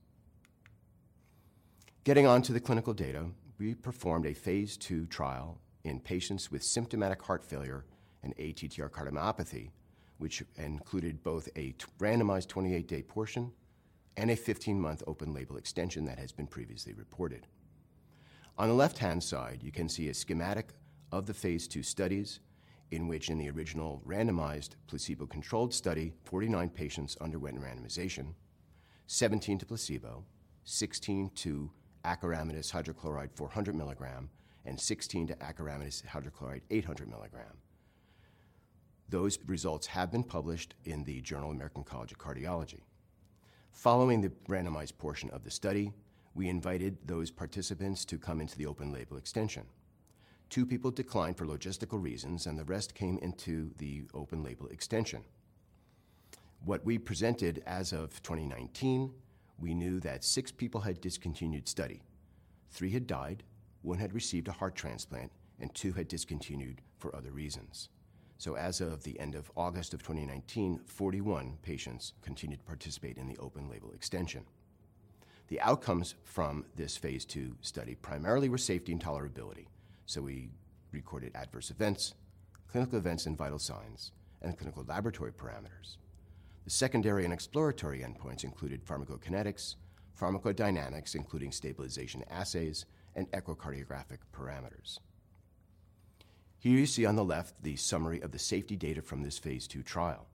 Getting onto the clinical data, we performed a phase II trial in patients with symptomatic heart failure and ATTR cardiomyopathy, which included both a randomized 28-day portion and a 15-month open label extension that has been previously reported. On the left-hand side, you can see a schematic of the phase II studies in which in the original randomized placebo-controlled study, 49 patients underwent randomization, 17 to placebo, 16 to acoramidis hydrochloride 400 mg, and 16 to acoramidis hydrochloride 800 mg. Those results have been published in the Journal of the American College of Cardiology. Following the randomized portion of the study, we invited those participants to come into the open label extension. Two people declined for logistical reasons, and the rest came into the open label extension. What we presented as of 2019, we knew that six people had discontinued study. Three had died, one had received a heart transplant, and two had discontinued for other reasons. As of the end of August of 2019, 41 patients continued to participate in the open label extension. The outcomes from this phase II study primarily were safety and tolerability, so we recorded adverse events, clinical events, and vital signs, and clinical laboratory parameters. The secondary and exploratory endpoints included pharmacokinetics, pharmacodynamics, including stabilization assays, and echocardiographic parameters. Here, you see on the left, the summary of the safety data from this phase II trial.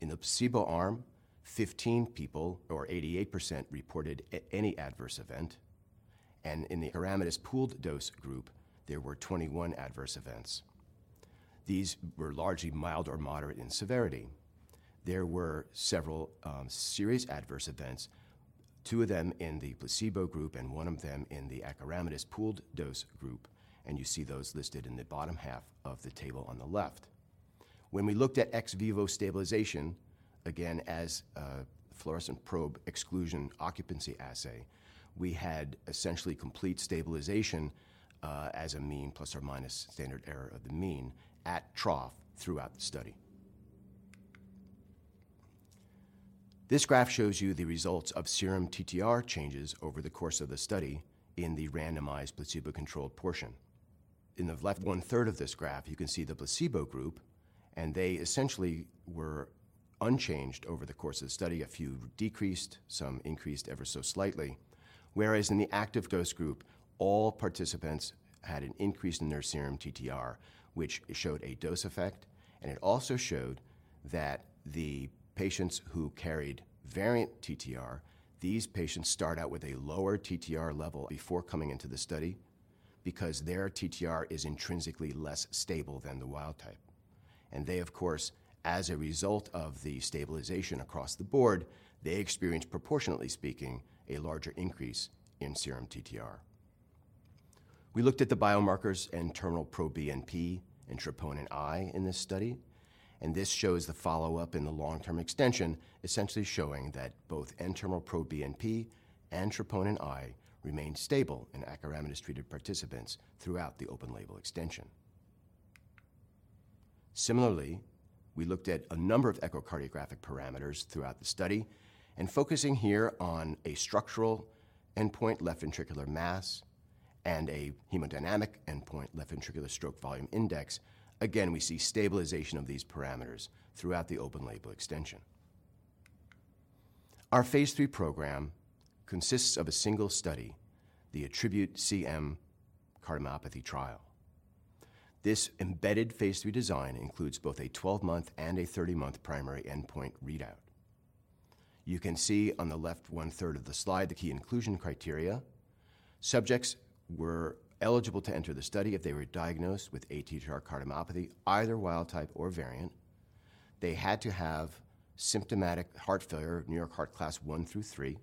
In the placebo arm, 15 people or 88%, reported any adverse event, and in the acoramidis pooled dose group, there were 21 adverse events. These were largely mild or moderate in severity. There were several serious adverse events, two of them in the placebo group and one of them in the acoramidis pooled dose group, and you see those listed in the bottom half of the table on the left. When we looked at ex vivo stabilization, again, as a fluorescent probe exclusion occupancy assay, we had essentially complete stabilization as a mean plus or minus standard error of the mean at trough throughout the study. This graph shows you the results of serum TTR changes over the course of the study in the randomized placebo-controlled portion. In the left one-third of this graph, you can see the placebo group, and they essentially were unchanged over the course of the study. A few decreased, some increased ever so slightly, whereas in the active dose group, all participants had an increase in their serum TTR, which showed a dose effect. It also showed that the patients who carried variant TTR, these patients start out with a lower TTR level before coming into the study because their TTR is intrinsically less stable than the wild type. They, of course, as a result of the stabilization across the board, they experience, proportionally speaking, a larger increase in serum TTR. We looked at the biomarkers N-terminal pro-BNP and troponin I in this study. This shows the follow-up in the long-term extension, essentially showing that both N-terminal pro-BNP and troponin I remained stable in acoramidis-treated participants throughout the open label extension. Similarly, we looked at a number of echocardiographic parameters throughout the study, and focusing here on a structural endpoint left ventricular mass and a hemodynamic endpoint left ventricular stroke volume index. Again, we see stabilization of these parameters throughout the open label extension. Our phase III program consists of a single study, the ATTRibute-CM cardiomyopathy trial. This embedded phase III design includes both a 12-month and a 30-month primary endpoint readout. You can see on the left one-third of the slide the key inclusion criteria. Subjects were eligible to enter the study if they were diagnosed with ATTR cardiomyopathy, either wild type or variant. They had to have symptomatic heart failure, New York Heart Class I through III,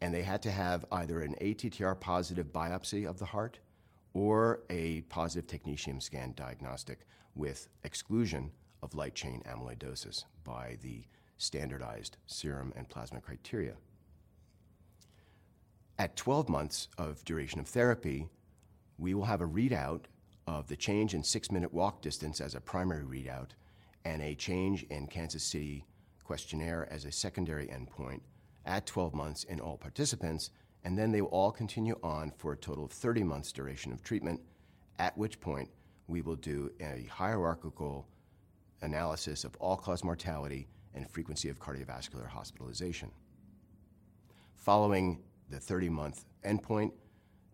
and they had to have either an ATTR positive biopsy of the heart or a positive technetium scan diagnostic with exclusion of light chain amyloidosis by the standardized serum and plasma criteria. At 12 months of duration of therapy, we will have a readout of the change in six-minute walk distance as a primary readout and a change in Kansas City Questionnaire as a secondary endpoint at 12 months in all participants, and then they will all continue on for a total of 30 months duration of treatment, at which point we will do a hierarchical analysis of all-cause mortality and frequency of cardiovascular hospitalization. Following the 30-month endpoint,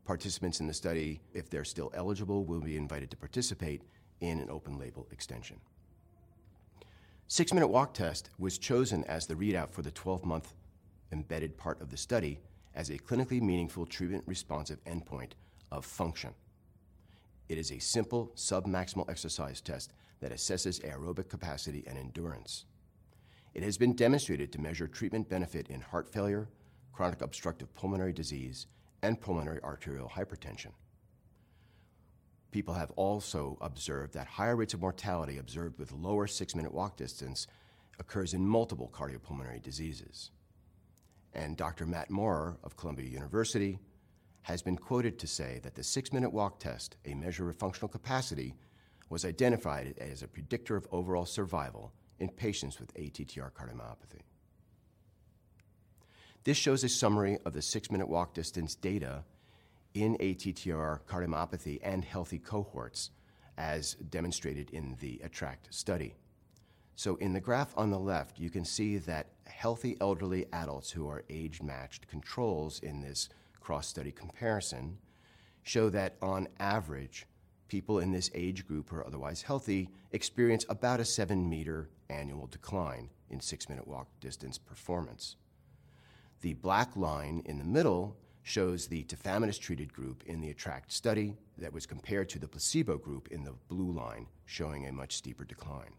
participants in the study, if they're still eligible, will be invited to participate in an open-label extension. Six-minute walk test was chosen as the readout for the 12-month embedded part of the study as a clinically meaningful treatment responsive endpoint of function. It is a simple submaximal exercise test that assesses aerobic capacity and endurance. It has been demonstrated to measure treatment benefit in heart failure, chronic obstructive pulmonary disease, and pulmonary arterial hypertension. People have also observed that higher rates of mortality observed with lower six-minute walk distance occurs in multiple cardiopulmonary diseases. Dr. Matt Maurer of Columbia University has been quoted to say that the six-minute walk test, a measure of functional capacity, was identified as a predictor of overall survival in patients with ATTR cardiomyopathy. This shows a summary of the six-minute walk distance data in ATTR cardiomyopathy and healthy cohorts as demonstrated in the ATTR-ACT study. In the graph on the left, you can see that healthy elderly adults who are age-matched controls in this cross-study comparison show that on average, people in this age group who are otherwise healthy experience about a 7-m annual decline in six-minute walk distance performance. The black line in the middle shows the tafamidis-treated group in the ATTR-ACT study that was compared to the placebo group in the blue line, showing a much steeper decline.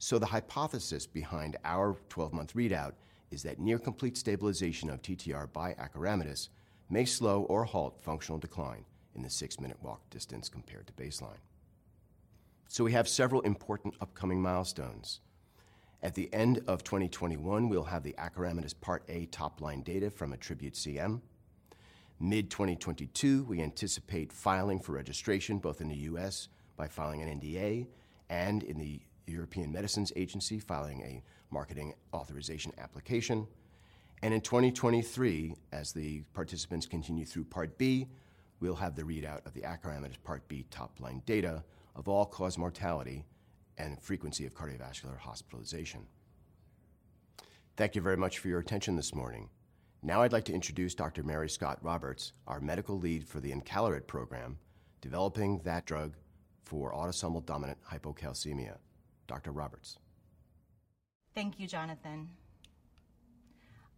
The hypothesis behind our 12-month readout is that near complete stabilization of TTR by acoramidis may slow or halt functional decline in the six-minute walk distance compared to baseline. We have several important upcoming milestones. At the end of 2021, we'll have the acoramidis Part A top-line data from ATTRibute-CM. Mid-2022, we anticipate filing for registration both in the U.S. by filing an NDA and in the European Medicines Agency, filing a marketing authorization application. In 2023, as the participants continue through Part B, we'll have the readout of the acoramidis Part B top-line data of all-cause mortality and frequency of cardiovascular hospitalization. Thank you very much for your attention this morning. Now, I'd like to introduce Dr. Mary Scott Roberts, our medical lead for the encaleret program, developing that drug for autosomal dominant hypocalcemia. Dr. Roberts. Thank you, Jonathan.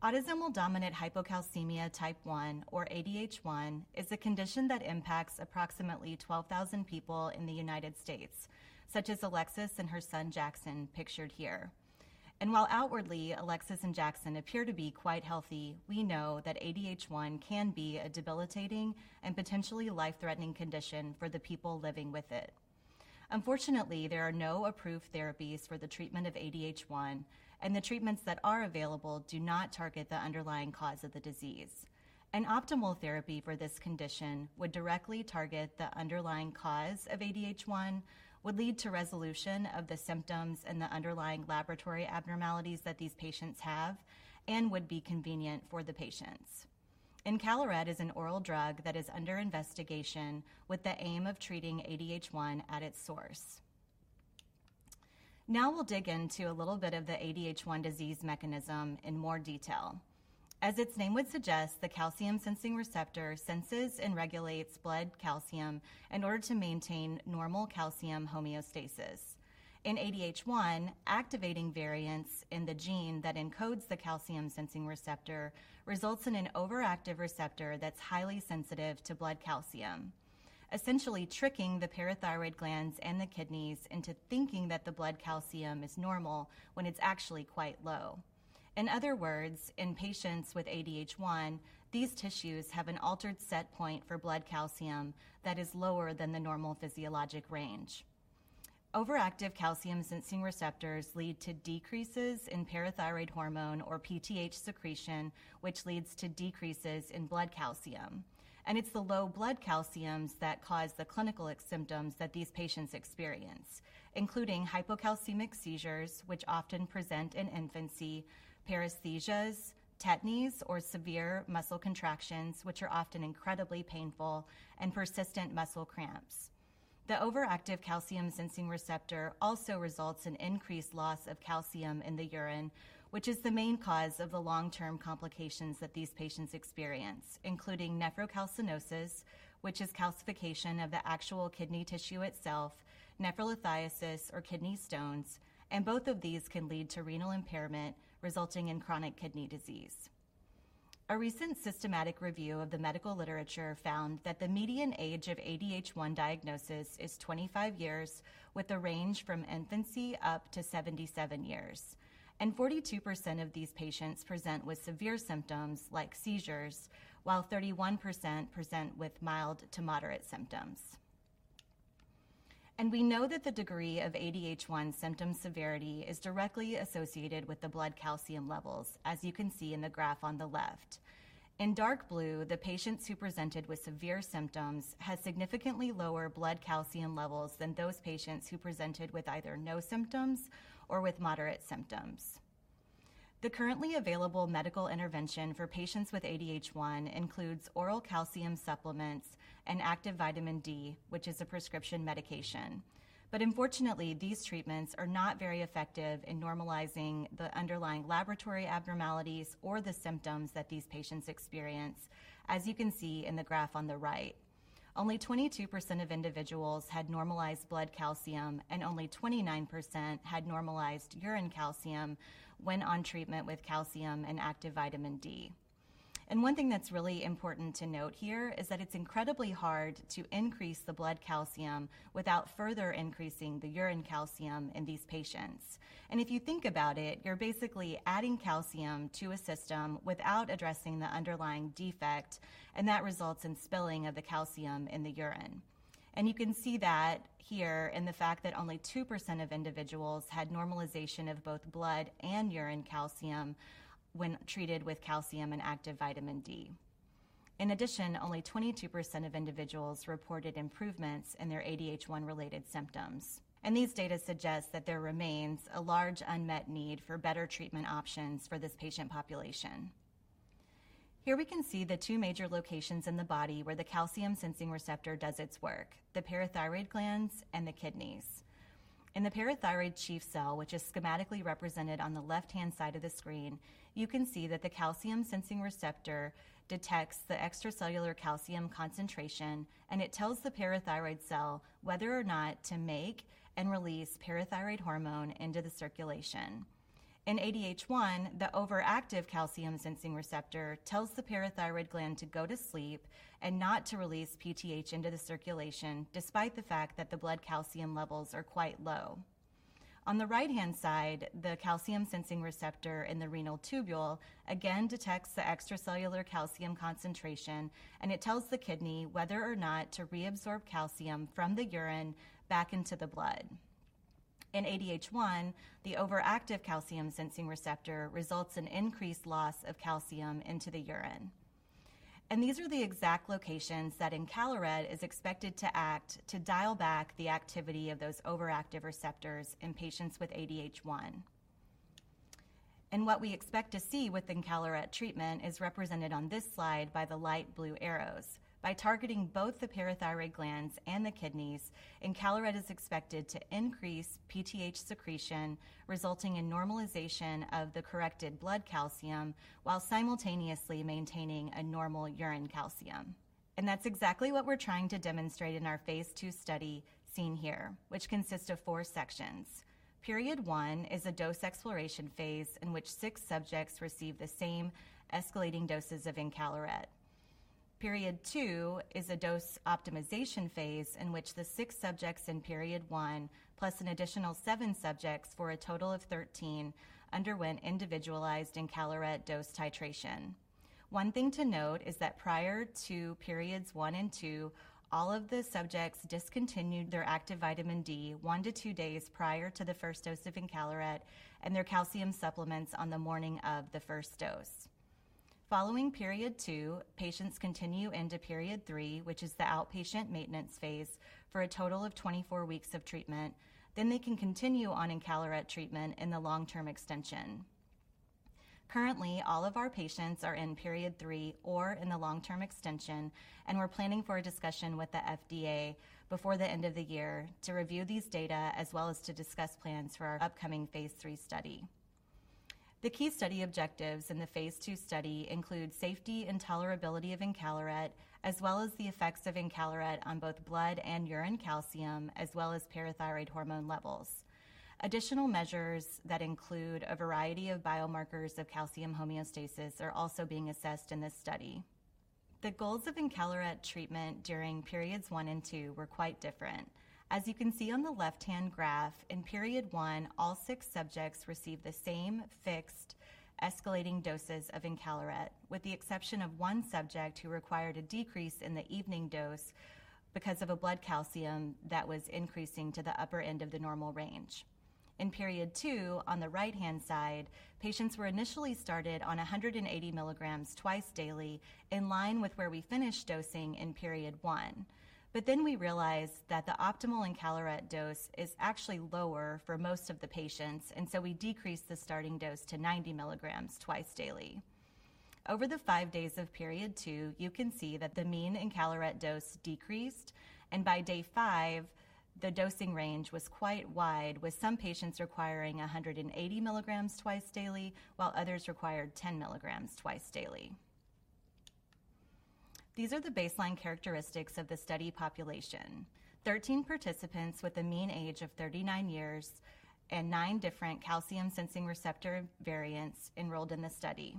Autosomal dominant hypocalcemia type 1, or ADH1, is a condition that impacts approximately 12,000 people in the U.S., such as Alexis and her son Jackson, pictured here. While outwardly Alexis and Jackson appear to be quite healthy, we know that ADH1 can be a debilitating and potentially life-threatening condition for the people living with it. Unfortunately, there are no approved therapies for the treatment of ADH1, and the treatments that are available do not target the underlying cause of the disease. An optimal therapy for this condition would directly target the underlying cause of ADH1, would lead to resolution of the symptoms and the underlying laboratory abnormalities that these patients have, and would be convenient for the patients. Encaleret is an oral drug that is under investigation with the aim of treating ADH1 at its source. Now, we'll dig into a little bit of the ADH1 disease mechanism in more detail. As its name would suggest, the calcium sensing receptor senses and regulates blood calcium in order to maintain normal calcium homeostasis. In ADH1, activating variants in the gene that encodes the calcium sensing receptor results in an overactive receptor that's highly sensitive to blood calcium, essentially tricking the parathyroid glands and the kidneys into thinking that the blood calcium is normal when it's actually quite low. In other words, in patients with ADH1, these tissues have an altered set point for blood calcium that is lower than the normal physiologic range. Overactive calcium sensing receptors lead to decreases in parathyroid hormone, or PTH secretion, which leads to decreases in blood calcium. It's the low blood calciums that cause the clinical symptoms that these patients experience, including hypocalcemic seizures, which often present in infancy, paresthesias, tetanies or severe muscle contractions, which are often incredibly painful, and persistent muscle cramps. The overactive calcium sensing receptor also results in increased loss of calcium in the urine, which is the main cause of the long-term complications that these patients experience, including nephrocalcinosis, which is calcification of the actual kidney tissue itself, nephrolithiasis or kidney stones, and both of these can lead to renal impairment, resulting in chronic kidney disease. A recent systematic review of the medical literature found that the median age of ADH1 diagnosis is 25 years, with a range from infancy up to 77 years. 42% of these patients present with severe symptoms like seizures, while 31% present with mild to moderate symptoms. We know that the degree of ADH1 symptom severity is directly associated with the blood calcium levels, as you can see in the graph on the left. In dark blue, the patients who presented with severe symptoms had significantly lower blood calcium levels than those patients who presented with either no symptoms or with moderate symptoms. The currently available medical intervention for patients with ADH1 includes oral calcium supplements and active vitamin D, which is a prescription medication. Unfortunately, these treatments are not very effective in normalizing the underlying laboratory abnormalities or the symptoms that these patients experience, as you can see in the graph on the right. Only 22% of individuals had normalized blood calcium, and only 29% had normalized urine calcium when on treatment with calcium and active vitamin D. One thing that's really important to note here is that it's incredibly hard to increase the blood calcium without further increasing the urine calcium in these patients. If you think about it, you're basically adding calcium to a system without addressing the underlying defect, and that results in spilling of the calcium in the urine. You can see that here in the fact that only 2% of individuals had normalization of both blood and urine calcium when treated with calcium and active vitamin D. In addition, only 22% of individuals reported improvements in their ADH1-related symptoms. These data suggest that there remains a large unmet need for better treatment options for this patient population. Here, we can see the two major locations in the body where the calcium sensing receptor does its work, the parathyroid glands and the kidneys. In the parathyroid chief cell, which is schematically represented on the left-hand side of the screen, you can see that the calcium sensing receptor detects the extracellular calcium concentration, and it tells the parathyroid cell whether or not to make and release parathyroid hormone into the circulation. In ADH1, the overactive calcium sensing receptor tells the parathyroid gland to go to sleep and not to release PTH into the circulation, despite the fact that the blood calcium levels are quite low. On the right-hand side, the calcium sensing receptor in the renal tubule again detects the extracellular calcium concentration, and it tells the kidney whether or not to reabsorb calcium from the urine back into the blood. In ADH1, the overactive calcium sensing receptor results in increased loss of calcium into the urine. These are the exact locations that encaleret is expected to act to dial back the activity of those overactive receptors in patients with ADH1. What we expect to see with encaleret treatment is represented on this slide by the light blue arrows. By targeting both the parathyroid glands and the kidneys, encaleret is expected to increase PTH secretion, resulting in normalization of the corrected blood calcium while simultaneously maintaining a normal urine calcium. That's exactly what we're trying to demonstrate in our phase II study seen here, which consists of four sections. Period 1 is a dose exploration phase in which six subjects receive the same escalating doses of encaleret. Period 2 is a dose optimization phase in which the six subjects in Period 1 plus an additional seven subjects, for a total of 13, underwent individualized encaleret dose titration. One thing to note is that prior to Periods 1 and 2, all of the subjects discontinued their active vitamin D one to two days prior to the first dose of encaleret and their calcium supplements on the morning of the first dose. Following Period 2, patients continue into Period 3, which is the outpatient maintenance phase for a total of 24 weeks of treatment, then they can continue on encaleret treatment in the long-term extension. Currently, all of our patients are in Period 3 or in the long-term extension, and we're planning for a discussion with the FDA before the end of the year to review these data as well as to discuss plans for our upcoming phase III study. The key study objectives in the phase II study include safety and tolerability of encaleret, as well as the effects of encaleret on both blood and urine calcium, as well as parathyroid hormone levels. Additional measures that include a variety of biomarkers of calcium homeostasis are also being assessed in this study. The goals of encaleret treatment during Periods 1 and 2 were quite different. As you can see on the left-hand graph, in Period 1, all six subjects received the same fixed escalating doses of encaleret, with the exception of one subject who required a decrease in the evening dose because of a blood calcium that was increasing to the upper end of the normal range. In Period 2, on the right-hand side, patients were initially started on 180 mg twice daily, in line with where we finished dosing in Period 1. But then we realized that the optimal encaleret dose is actually lower for most of the patients, and so we decreased the starting dose to 90 mg twice daily. Over the five days of Period 2, you can see that the mean encaleret dose decreased, and by day five, the dosing range was quite wide, with some patients requiring 180 mg twice daily, while others required 10 mg twice daily. These are the baseline characteristics of the study population. 13 participants with a mean age of 39 years and nine different calcium sensing receptor variants enrolled in the study.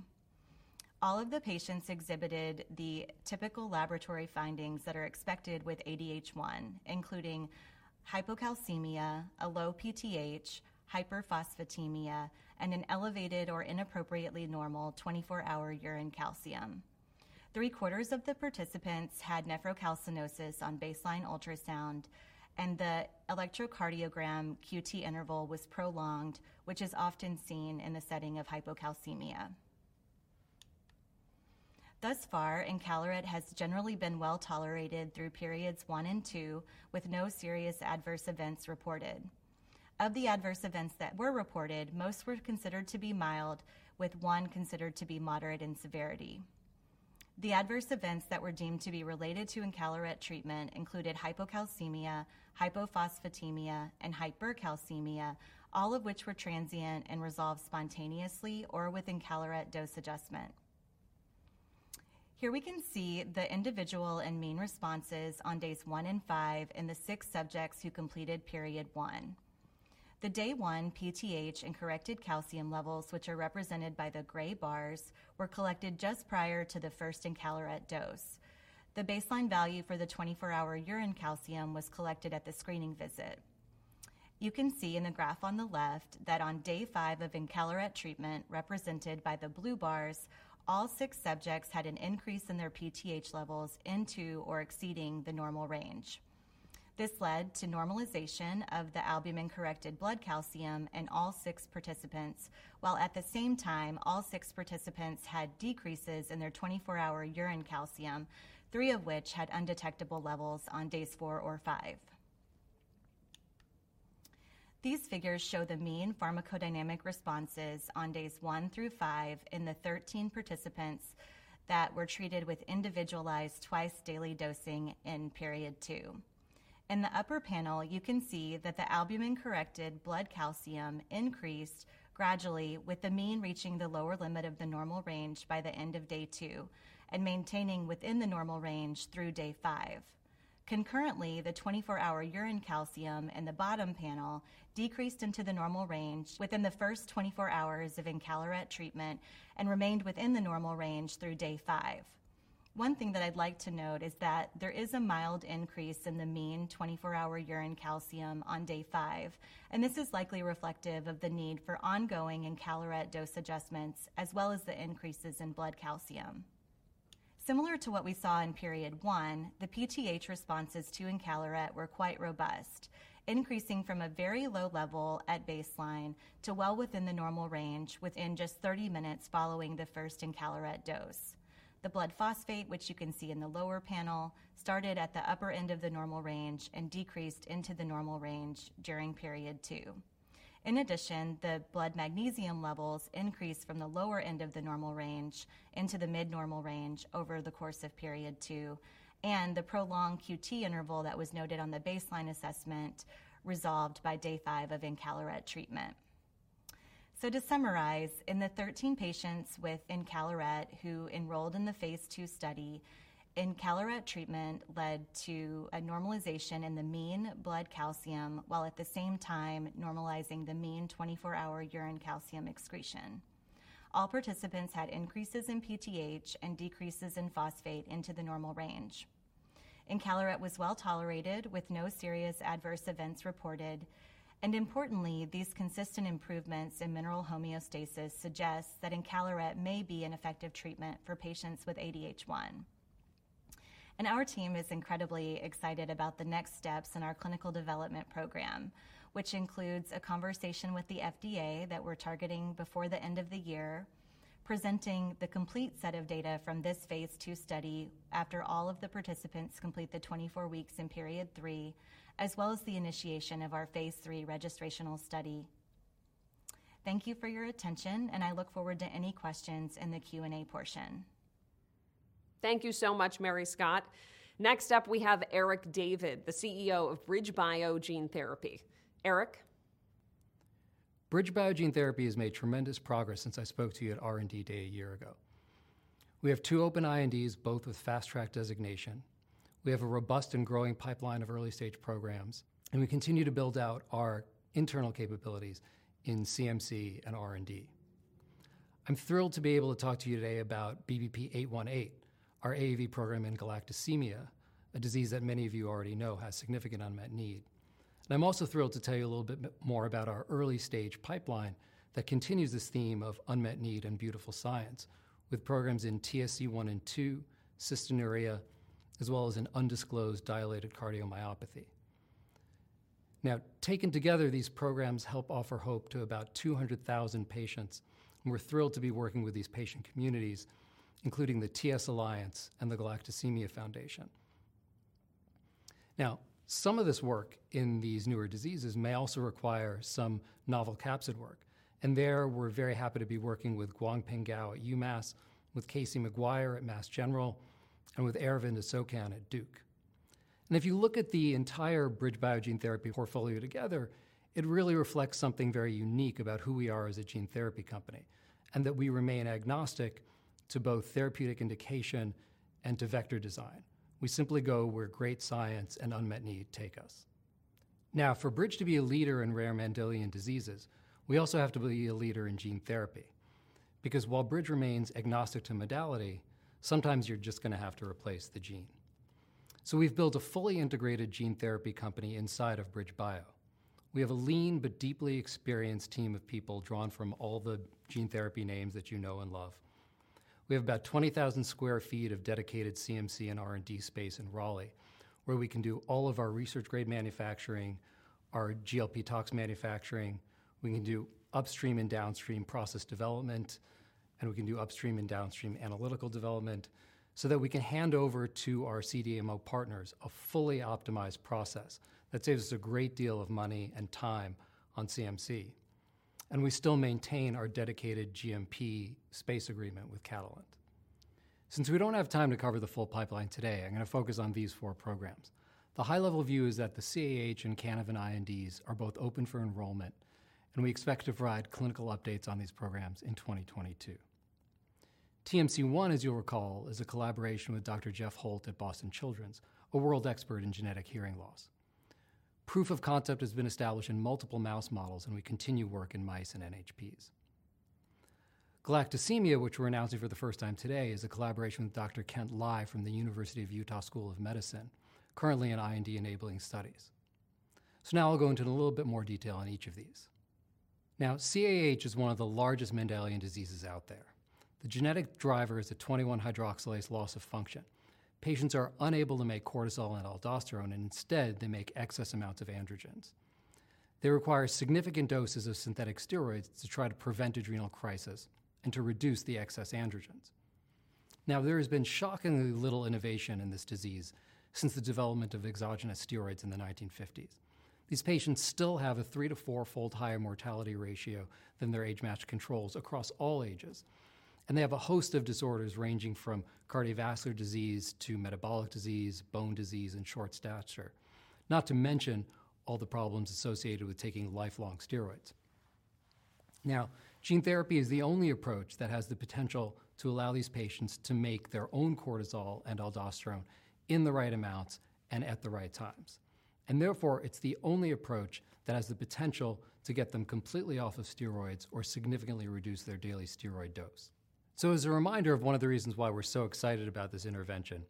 All of the patients exhibited the typical laboratory findings that are expected with ADH1, including hypocalcemia, a low PTH, hyperphosphatemia, and an elevated or inappropriately normal 24-hour urine calcium. Three-quarters of the participants had nephrocalcinosis on baseline ultrasound, and the electrocardiogram QT interval was prolonged, which is often seen in the setting of hypocalcemia. Thus far, encaleret has generally been well-tolerated through Periods 1 and 2, with no serious adverse events reported. Of the adverse events that were reported, most were considered to be mild, with one considered to be moderate in severity. The adverse events that were deemed to be related to encaleret treatment included hypocalcemia, hypophosphatemia, and hypercalcemia, all of which were transient and resolved spontaneously or with encaleret dose adjustment. Here, we can see the individual and mean responses on days one and five in the six subjects who completed Period 1. The day one PTH and corrected calcium levels, which are represented by the gray bars, were collected just prior to the first encaleret dose. The baseline value for the 24-hour urine calcium was collected at the screening visit. You can see in the graph on the left that on day five of encaleret treatment, represented by the blue bars, all six subjects had an increase in their PTH levels into or exceeding the normal range. This led to normalization of the albumin-corrected blood calcium in all six participants, while at the same time, all six participants had decreases in their 24-hour urine calcium, three of which had undetectable levels on days four or five. These figures show the mean pharmacodynamic responses on days one through five in the 13 participants that were treated with individualized twice-daily dosing in Period 2. In the upper panel, you can see that the albumin-corrected blood calcium increased gradually with the mean reaching the lower limit of the normal range by the end of day two and maintaining within the normal range through day five. Concurrently, the 24-hour urine calcium in the bottom panel decreased into the normal range within the first 24 hours of encaleret treatment and remained within the normal range through day five. One thing that I'd like to note is that there is a mild increase in the mean 24-hour urine calcium on day five, and this is likely reflective of the need for ongoing encaleret dose adjustments, as well as the increases in blood calcium. Similar to what we saw in Period 1, the PTH responses to encaleret were quite robust, increasing from a very low level at baseline to well within the normal range within just 30 minutes following the first encaleret dose. The blood phosphate, which you can see in the lower panel, started at the upper end of the normal range and decreased into the normal range during Period 2. In addition, the blood magnesium levels increased from the lower end of the normal range into the mid-normal range over the course of Period 2, and the prolonged QT interval that was noted on the baseline assessment resolved by day five of encaleret treatment. To summarize, in the 13 patients with encaleret who enrolled in the phase II study, encaleret treatment led to a normalization in the mean blood calcium, while at the same time normalizing the mean 24-hour urine calcium excretion. All participants had increases in PTH and decreases in phosphate into the normal range. Encaleret was well-tolerated with no serious adverse events reported, and importantly, these consistent improvements in mineral homeostasis suggest that encaleret may be an effective treatment for patients with ADH1. Our team is incredibly excited about the next steps in our clinical development program, which includes a conversation with the FDA that we're targeting before the end of the year, presenting the complete set of data from this phase II study after all of the participants complete the 24 weeks in Period 3, as well as the initiation of our phase III registrational study. Thank you for your attention, and I look forward to any questions in the Q&A portion. Thank you so much, Mary Scott. Next up, we have Eric David, the CEO of BridgeBio Gene Therapy. Eric. BridgeBio Gene Therapy has made tremendous progress since I spoke to you at R&D Day a year ago. We have two open INDs, both with Fast Track designation. We have a robust and growing pipeline of early-stage programs, and we continue to build out our internal capabilities in CMC and R&D. I'm thrilled to be able to talk to you today about BBP-818, our AAV program in galactosemia, a disease that many of you already know has significant unmet need. I'm also thrilled to tell you a little bit more about our early-stage pipeline that continues this theme of unmet need and beautiful science with programs in TSC1/2, cystinuria, as well as an undisclosed dilated cardiomyopathy. Now, taken together, these programs help offer hope to about 200,000 patients, and we're thrilled to be working with these patient communities, including the TSC Alliance and the Galactosemia Foundation. Now, some of this work in these newer diseases may also require some novel capsid work, and there we're very happy to be working with Guangping Gao at UMass, with Casey Maguire at Mass General, and with Aravind Asokan at Duke. If you look at the entire BridgeBio Gene Therapy portfolio together, it really reflects something very unique about who we are as a gene therapy company, and that we remain agnostic to both therapeutic indication and to vector design. We simply go where great science and unmet need take us. Now, for Bridge to be a leader in rare Mendelian diseases, we also have to be a leader in gene therapy, because while Bridge remains agnostic to modality, sometimes you're just going to have to replace the gene. So, we've built a fully integrated gene therapy company inside of BridgeBio. We have a lean but deeply experienced team of people drawn from all the gene therapy names that you know and love. We have about 20,000 sq ft of dedicated CMC and R&D space in Raleigh, where we can do all of our research-grade manufacturing, our GLP tox manufacturing, we can do upstream and downstream process development, and we can do upstream and downstream analytical development so that we can hand over to our CDMO partners a fully optimized process that saves a great deal of money and time on CMC. And we still maintain our dedicated GMP space agreement with Catalent. Since we don't have time to cover the full pipeline today, I'm going to focus on these four programs. The high-level view is that the CAH and Canavan INDs are both open for enrollment, and we expect to provide clinical updates on these programs in 2022. TMC1, as you'll recall, is a collaboration with Dr. Jeff Holt at Boston Children's, a world expert in genetic hearing loss. Proof of concept has been established in multiple mouse models, and we continue work in mice and NHPs. Galactosemia, which we're announcing for the first time today, is a collaboration with Dr. Kent Lai from the University of Utah School of Medicine, currently in IND-enabling studies. Now, I'll go into a little bit more detail on each of these. Now, CAH is one of the largest Mendelian diseases out there. The genetic driver is a 21-hydroxylase loss of function. Patients are unable to make cortisol and aldosterone, and instead, they make excess amounts of androgens. They require significant doses of synthetic steroids to try to prevent adrenal crisis and to reduce the excess androgens. There has been shockingly little innovation in this disease since the development of exogenous steroids in the 1950s. These patients still have a three- to four-fold higher mortality ratio than their age-matched controls across all ages, and they have a host of disorders ranging from cardiovascular disease to metabolic disease, bone disease, and short stature, not to mention all the problems associated with taking lifelong steroids. Gene therapy is the only approach that has the potential to allow these patients to make their own cortisol and aldosterone in the right amounts and at the right times. Therefore, it's the only approach that has the potential to get them completely off of steroids or significantly reduce their daily steroid dose. As a reminder of one of the reasons why we're so excited about this intervention,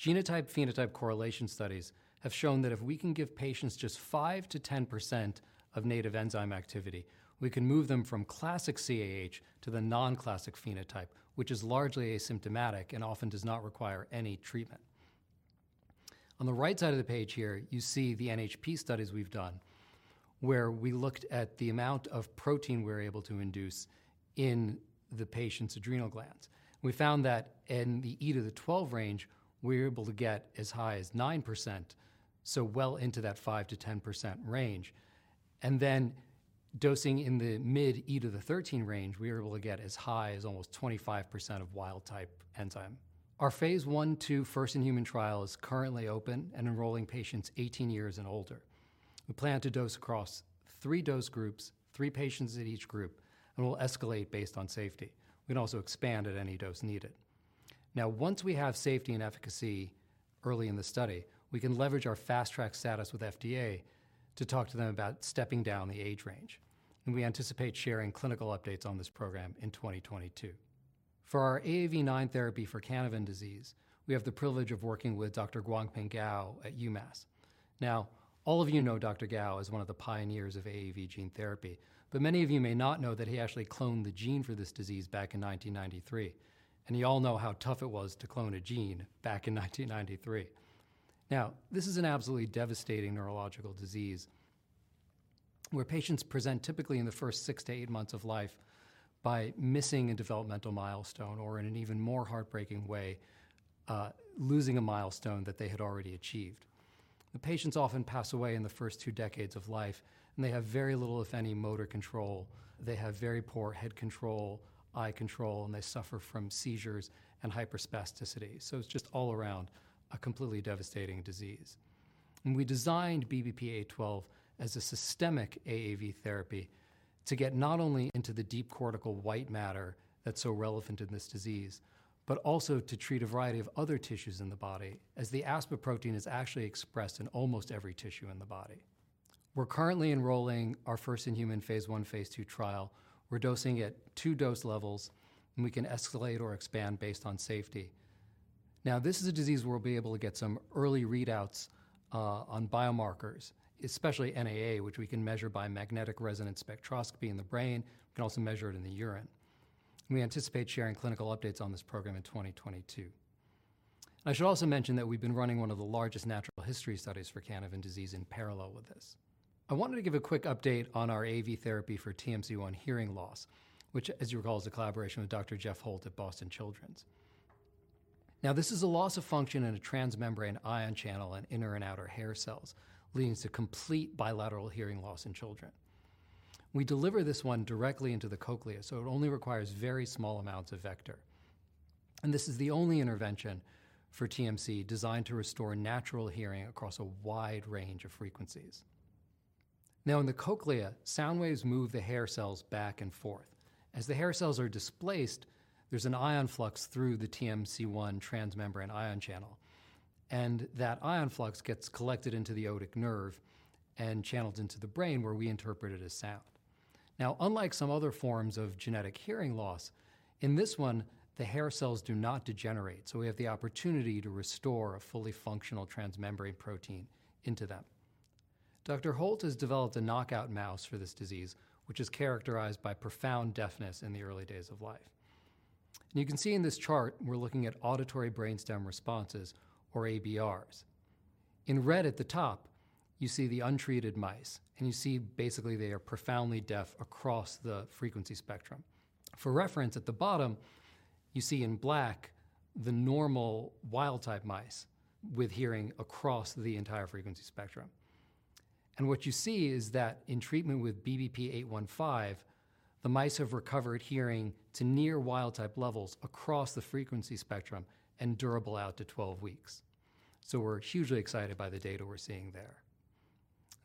genotype-phenotype correlation studies have shown that if we can give patients just 5%-10% of native enzyme activity, we can move them from classic CAH to the non-classic phenotype, which is largely asymptomatic and often does not require any treatment. On the right side of the page here, you see the NHP studies we've done, where we looked at the amount of protein we were able to induce in the patient's adrenal glands. We found that in the E to the 12 range, we were able to get as high as 9%, so well into that 5%-10% range. Then, dosing in the mid E to the 13 range, we were able to get as high as almost 25% of wild type enzyme. Our phase I/II first-in-human trial is currently open and enrolling patients 18 years and older. We plan to dose across three dose groups, three patients in each group, and we'll escalate based on safety. We can also expand at any dose needed. Once we have safety and efficacy early in the study, we can leverage our Fast Track status with FDA to talk to them about stepping down the age range, and we anticipate sharing clinical updates on this program in 2022. For our AAV9 therapy for Canavan disease, we have the privilege of working with Dr. Guangping Gao at UMass. Now, all of you know Dr. Gao as one of the pioneers of AAV gene therapy, but many of you may not know that he actually cloned the gene for this disease back in 1993, and you all know how tough it was to clone a gene back in 1993. This is an absolutely devastating neurological disease, where patients present typically in the first six to eight months of life by missing a developmental milestone, or in an even more heartbreaking way, losing a milestone that they had already achieved. The patients often pass away in the first two decades of life, and they have very little, if any, motor control. They have very poor head control, eye control, and they suffer from seizures and hyperspasticity, so it's just all around a completely devastating disease. We designed BBP-812 as a systemic AAV therapy to get not only into the deep cortical white matter that's so relevant in this disease, but also to treat a variety of other tissues in the body, as the ASPA protein is actually expressed in almost every tissue in the body. We're currently enrolling our first-in-human phase I/II trial. We're dosing at two dose levels, and we can escalate or expand based on safety. This is a disease where we'll be able to get some early readouts on biomarkers, especially NAA, which we can measure by magnetic resonance spectroscopy in the brain. We can also measure it in the urine. We anticipate sharing clinical updates on this program in 2022. I should also mention that we've been running one of the largest natural history studies for Canavan disease in parallel with this. I wanted to give a quick update on our AAV therapy for TMC1 hearing loss, which, as you recall, is a collaboration with Dr. Jeff Holt at Boston Children's. Now, this is a loss of function in a transmembrane ion channel in inner and outer hair cells, leading to complete bilateral hearing loss in children. We deliver this one directly into the cochlea, so it only requires very small amounts of vector. This is the only intervention for TMC designed to restore natural hearing across a wide range of frequencies. In the cochlea, sound waves move the hair cells back and forth. As the hair cells are displaced, there's an ion flux through the TMC1 transmembrane ion channel, and that ion flux gets collected into the otic nerve and channeled into the brain, where we interpret it as sound. Now, unlike some other forms of genetic hearing loss, in this one, the hair cells do not degenerate, so we have the opportunity to restore a fully functional transmembrane protein into them. Dr. Holt has developed a knockout mouse for this disease, which is characterized by profound deafness in the early days of life. You can see in this chart, we're looking at auditory brainstem responses, or ABRs. In red at the top, you see the untreated mice, and you see basically they are profoundly deaf across the frequency spectrum. For reference, at the bottom, you see in black the normal wild-type mice with hearing across the entire frequency spectrum. What you see is that in treatment with BBP-815, the mice have recovered hearing to near wild-type levels across the frequency spectrum and durable out to 12 weeks. We're hugely excited by the data we're seeing there.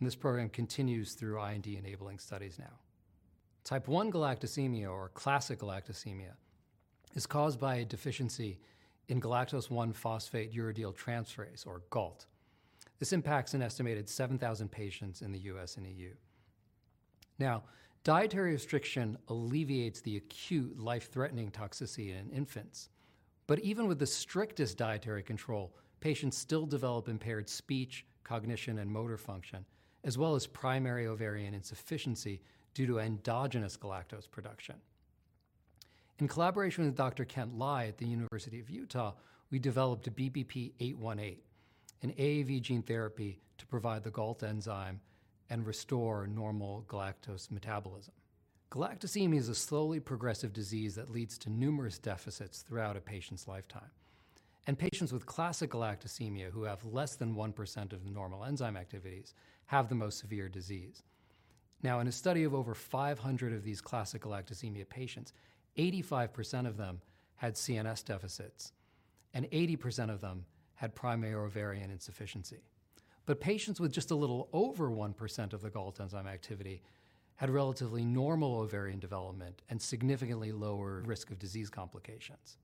This program continues through R&D enabling studies now. Type 1 galactosemia, or classic galactosemia, is caused by a deficiency in galactose-1-phosphate uridylyltransferase, or GALT. This impacts an estimated 7,000 patients in the U.S. and EU. Now, dietary restriction alleviates the acute life-threatening toxicity in infants, but even with the strictest dietary control, patients still develop impaired speech, cognition, and motor function, as well as primary ovarian insufficiency due to endogenous galactose production. In collaboration with Dr. Kent Lai at the University of Utah, we developed BBP-818, an AAV gene therapy to provide the GALT enzyme and restore normal galactose metabolism. Galactosemia is a slowly progressive disease that leads to numerous deficits throughout a patient's lifetime, and patients with classic galactosemia who have less than 1% of normal enzyme activities have the most severe disease. In a study of over 500 of these classic galactosemia patients, 85% of them had CNS deficits, and 80% of them had primary ovarian insufficiency, but patients with just a little over 1% of the GALT enzyme activity had relatively normal ovarian development and significantly lower risk of disease complications.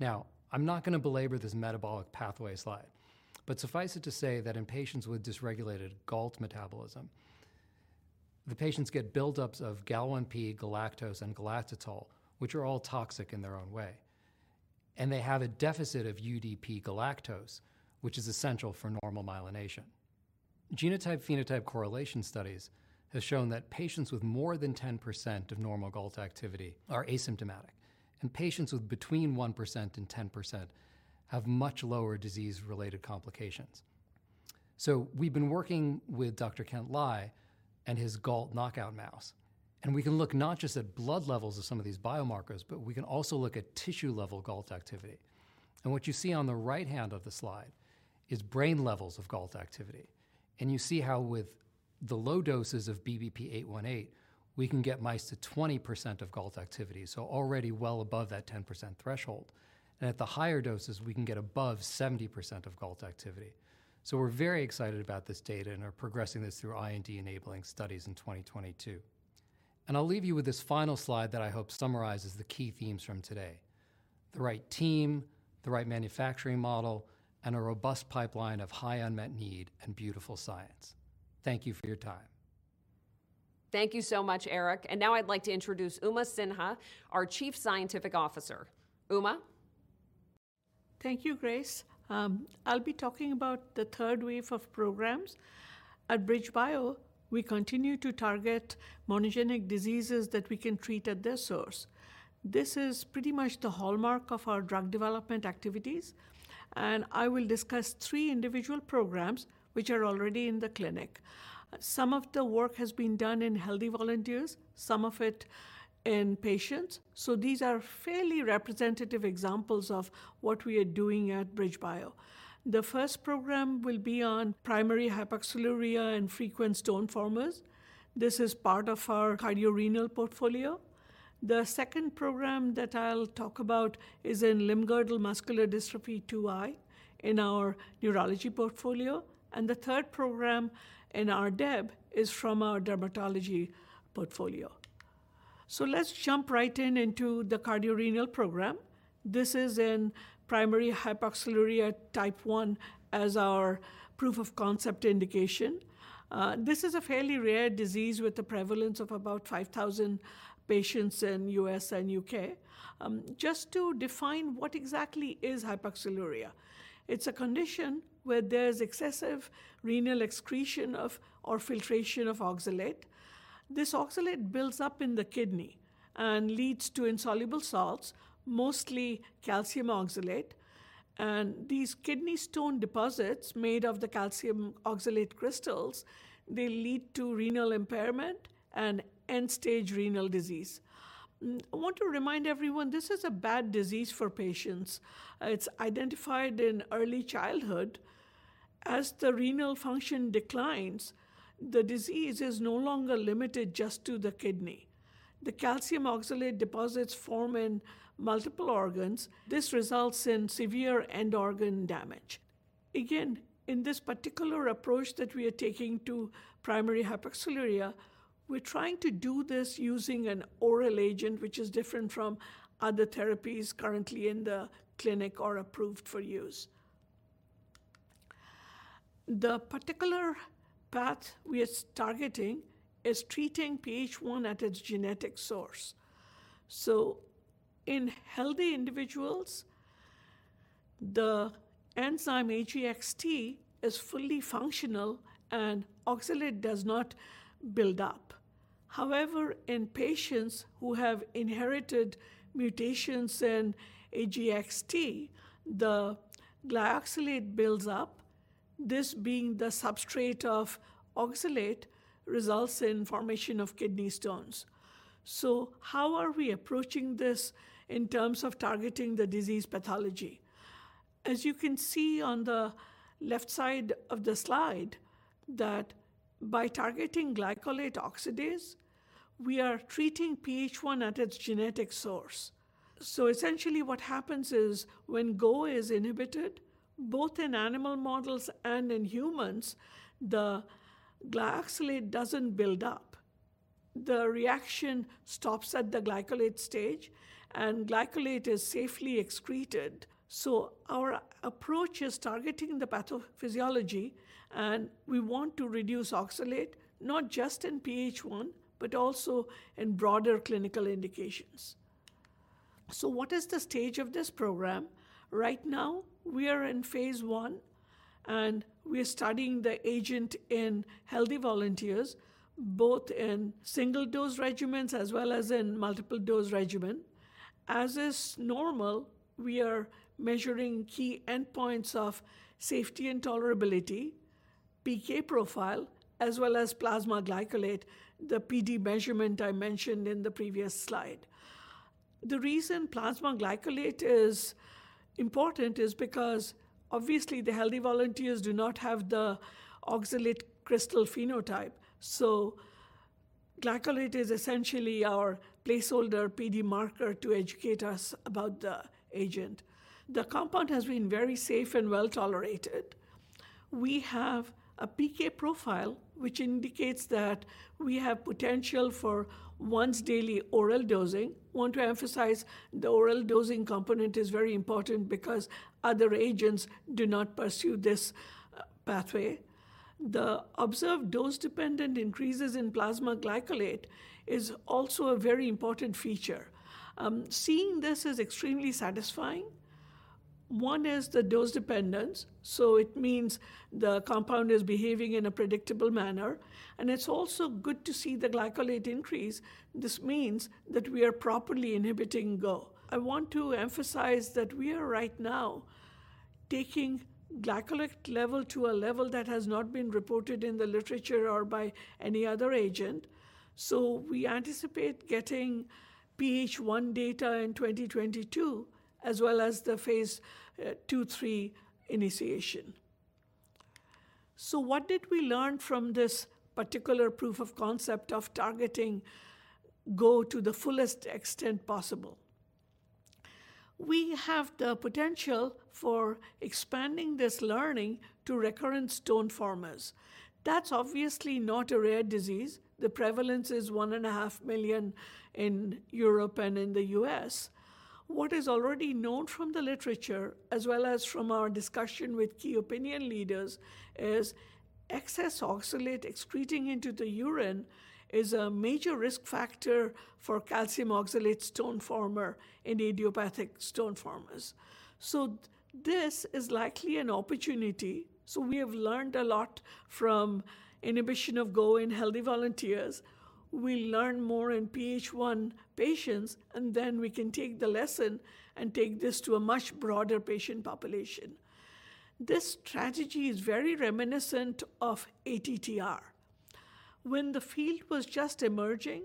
Now, I'm not going to belabor this metabolic pathway slide, but suffice it to say that in patients with dysregulated GALT metabolism, patients get buildups of Gal-1P, galactose, and galactitol, which are all toxic in their own way, and they have a deficit of UDP-galactose, which is essential for normal myelination. Genotype-phenotype correlation studies have shown that patients with more than 10% of normal GALT activity are asymptomatic, and patients with between 1% and 10% have much lower disease-related complications. We've been working with Dr. Kent Lai and his GALT knockout mouse, and we can look not just at blood levels of some of these biomarkers, but we can also look at tissue-level GALT activity. What you see on the right-hand of the slide is brain levels of GALT activity. You see how with the low doses of BBP-818, we can get mice to 20% of GALT activity, so already well above that 10% threshold. At the higher doses, we can get above 70% of GALT activity. So, we're very excited about this data and are progressing this through IND-enabling studies in 2022. I'll leave you with this final slide that I hope summarizes the key themes from today, the right team, the right manufacturing model, and a robust pipeline of high unmet need and beautiful science. Thank you for your time. Thank you so much, Eric, and now, I'd like to introduce Uma Sinha, our Chief Scientific Officer. Uma? Thank you, Grace. I'll be talking about the third wave of programs. At BridgeBio, we continue to target monogenic diseases that we can treat at their source. This is pretty much the hallmark of our drug development activities, and I will discuss three individual programs which are already in the clinic. Some of the work has been done in healthy volunteers, some of it in patients, so these are fairly representative examples of what we are doing at BridgeBio. The first program will be on primary hyperoxaluria and frequent stone formers, this is part of our cardiorenal portfolio. The second program that I'll talk about is in limb-girdle muscular dystrophy 2I in our neurology portfolio. The third program in our RDEB is from our dermatology portfolio. Let's jump right in into the cardiorenal program. This is in primary hyperoxaluria type 1 as our proof-of-concept indication. This is a fairly rare disease with a prevalence of about 5,000 patients in U.S. and U.K. Just to define what exactly is hyperoxaluria, it's a condition where there's excessive renal excretion of, or filtration of oxalate. This oxalate builds up in the kidney and leads to insoluble salts, mostly calcium oxalate, and these kidney stone deposits made of the calcium oxalate crystals, they lead to renal impairment and end-stage renal disease. I want to remind everyone this is a bad disease for patients. It's identified in early childhood. As the renal function declines, the disease is no longer limited just to the kidney. The calcium oxalate deposits form in multiple organs. This results in severe end organ damage. In this particular approach that we are taking to primary hyperoxaluria, we're trying to do this using an oral agent, which is different from other therapies currently in the clinic or approved for use. The particular path we are targeting is treating PH1 at its genetic source. In healthy individuals, the enzyme AGXT is fully functional, and oxalate does not build up. However, in patients who have inherited mutations in AGXT, the glyoxylate builds up, this being the substrate of oxalate results in formation of kidney stones. How are we approaching this in terms of targeting the disease pathology? As you can see on the left side of the slide, that by targeting glycolate oxidase, we are treating PH1 at its genetic source. Essentially, what happens is when GO is inhibited, both in animal models and in humans, the glyoxylate doesn't build up. The reaction stops at the glycolate stage, and glycolate is safely excreted. Our approach is targeting the pathophysiology, and we want to reduce oxalate, not just in PH1, but also in broader clinical indications. What is the stage of this program? Right now, we are in phase I, and we are studying the agent in healthy volunteers, both in single dose regimens as well as in multiple dose regimen. As is normal, we are measuring key endpoints of safety and tolerability, PK profile, as well as plasma glycolate, the PD measurement I mentioned in the previous slide. The reason plasma glycolate is important is because obviously, the healthy volunteers do not have the oxalate crystal phenotype, so glycolate is essentially our placeholder PD marker to educate us about the agent. The compound has been very safe and well-tolerated. We have a PK profile, which indicates that we have potential for once-daily oral dosing. We want to emphasize the oral dosing component is very important because other agents do not pursue this pathway. The observed dose-dependent increases in plasma glycolate is also a very important feature. Seeing this is extremely satisfying. One is the dose dependence. It means the compound is behaving in a predictable manner, and it's also good to see the glycolate increase. This means that we are properly inhibiting GO. I want to emphasize that we are right now taking glycolate level to a level that has not been reported in the literature or by any other agent. We anticipate getting PH1 data in 2022, as well as the phase II/III initiation. What did we learn from this particular proof of concept of targeting GO to the fullest extent possible? We have the potential for expanding this learning to recurrent stone formers. That's obviously not a rare disease, the prevalence is 1.5 million in Europe and in the U.S. What is already known from the literature, as well as from our discussion with key opinion leaders, is excess oxalate excreting into the urine is a major risk factor for calcium oxalate stone former and idiopathic stone formers. This is likely an opportunity. We have learned a lot from inhibition of GO in healthy volunteers, we learn more in PH1 patients, and then we can take the lesson and take this to a much broader patient population. This strategy is very reminiscent of ATTR. When the field was just emerging,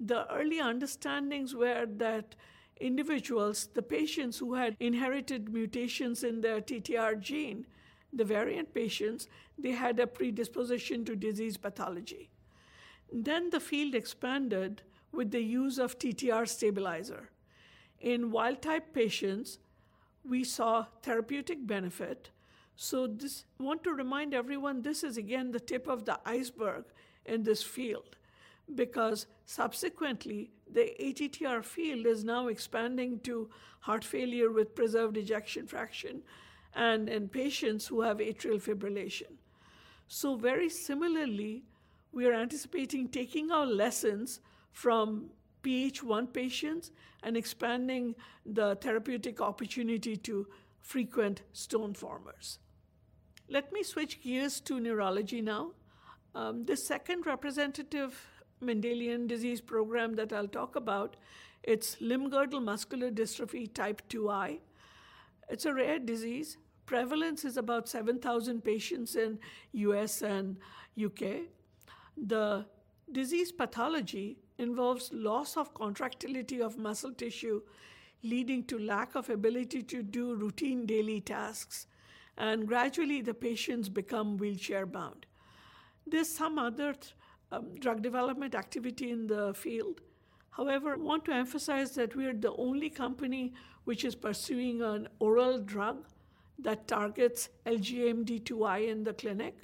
the early understandings were that individuals, the patients who had inherited mutations in their TTR gene, the variant patients, they had a predisposition to disease pathology. Then, the field expanded with the use of TTR stabilizer. In wild-type patients, we saw therapeutic benefit. I want to remind everyone, this is, again, the tip of the iceberg in this field, because subsequently, the ATTR field is now expanding to heart failure with preserved ejection fraction and in patients who have atrial fibrillation. Very similarly, we are anticipating taking our lessons from PH1 patients and expanding the therapeutic opportunity to frequent stone formers. Let me switch gears to neurology now. The second representative Mendelian disease program that I'll talk about, it's limb-girdle muscular dystrophy type 2I. It's a rare disease, prevalence is about 7,000 patients in U.S. and U.K. The disease pathology involves loss of contractility of muscle tissue, leading to lack of ability to do routine daily tasks, and gradually the patients become wheelchair-bound. There's some other drug development activity in the field. However, I want to emphasize that we are the only company which is pursuing an oral drug that targets LGMD2I in the clinic.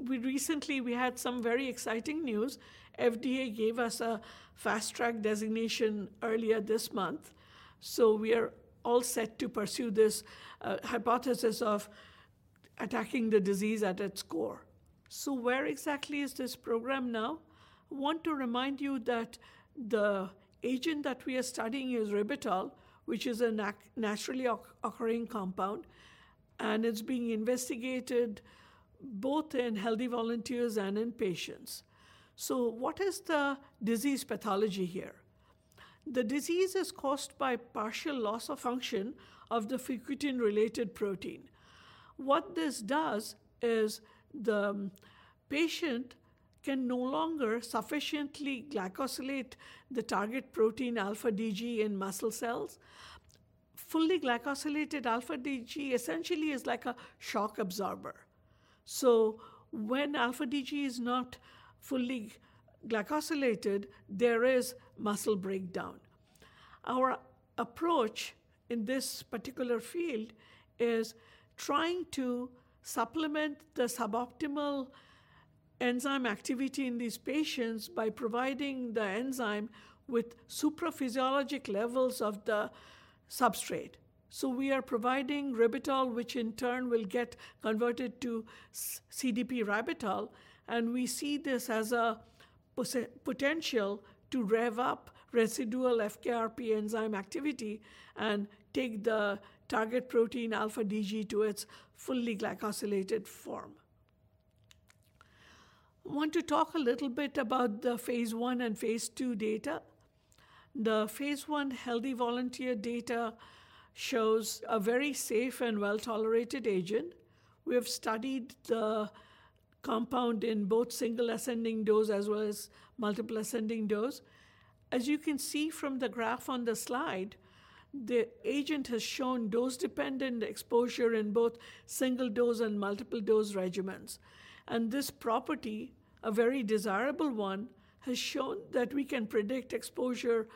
Recently, we had some very exciting news. FDA gave us a Fast Track designation earlier this month, so we are all set to pursue this hypothesis of attacking the disease at its core. Where exactly is this program now? I want to remind you that the agent that we are studying is ribitol, which is a naturally occurring compound, and it's being investigated both in healthy volunteers and in patients. What is the disease pathology here? The disease is caused by partial loss of function of the fukutin-related protein. What this does is the patient can no longer sufficiently glycosylate the target protein α-DG in muscle cells. Fully glycosylated α-DG, essentially, is like a shock absorber. When α-DG is not fully glycosylated, there is muscle breakdown. Our approach in this particular field is trying to supplement the suboptimal enzyme activity in these patients by providing the enzyme with supraphysiologic levels of the substrate. We are providing ribitol, which in turn will get converted to CDP-ribitol, and we see this as a potential to rev up residual FKRP enzyme activity and take the target protein α-DG to its fully glycosylated form. I want to talk a little bit about the phase I and phase II data. The phase I healthy volunteer data shows a very safe and well-tolerated agent. We have studied the compound in both single ascending dose as well as multiple ascending dose. As you can see from the graph on the slide, the agent has shown dose-dependent exposure in both single-dose and multiple-dose regimens. This property, a very desirable one, has shown that we can predict exposure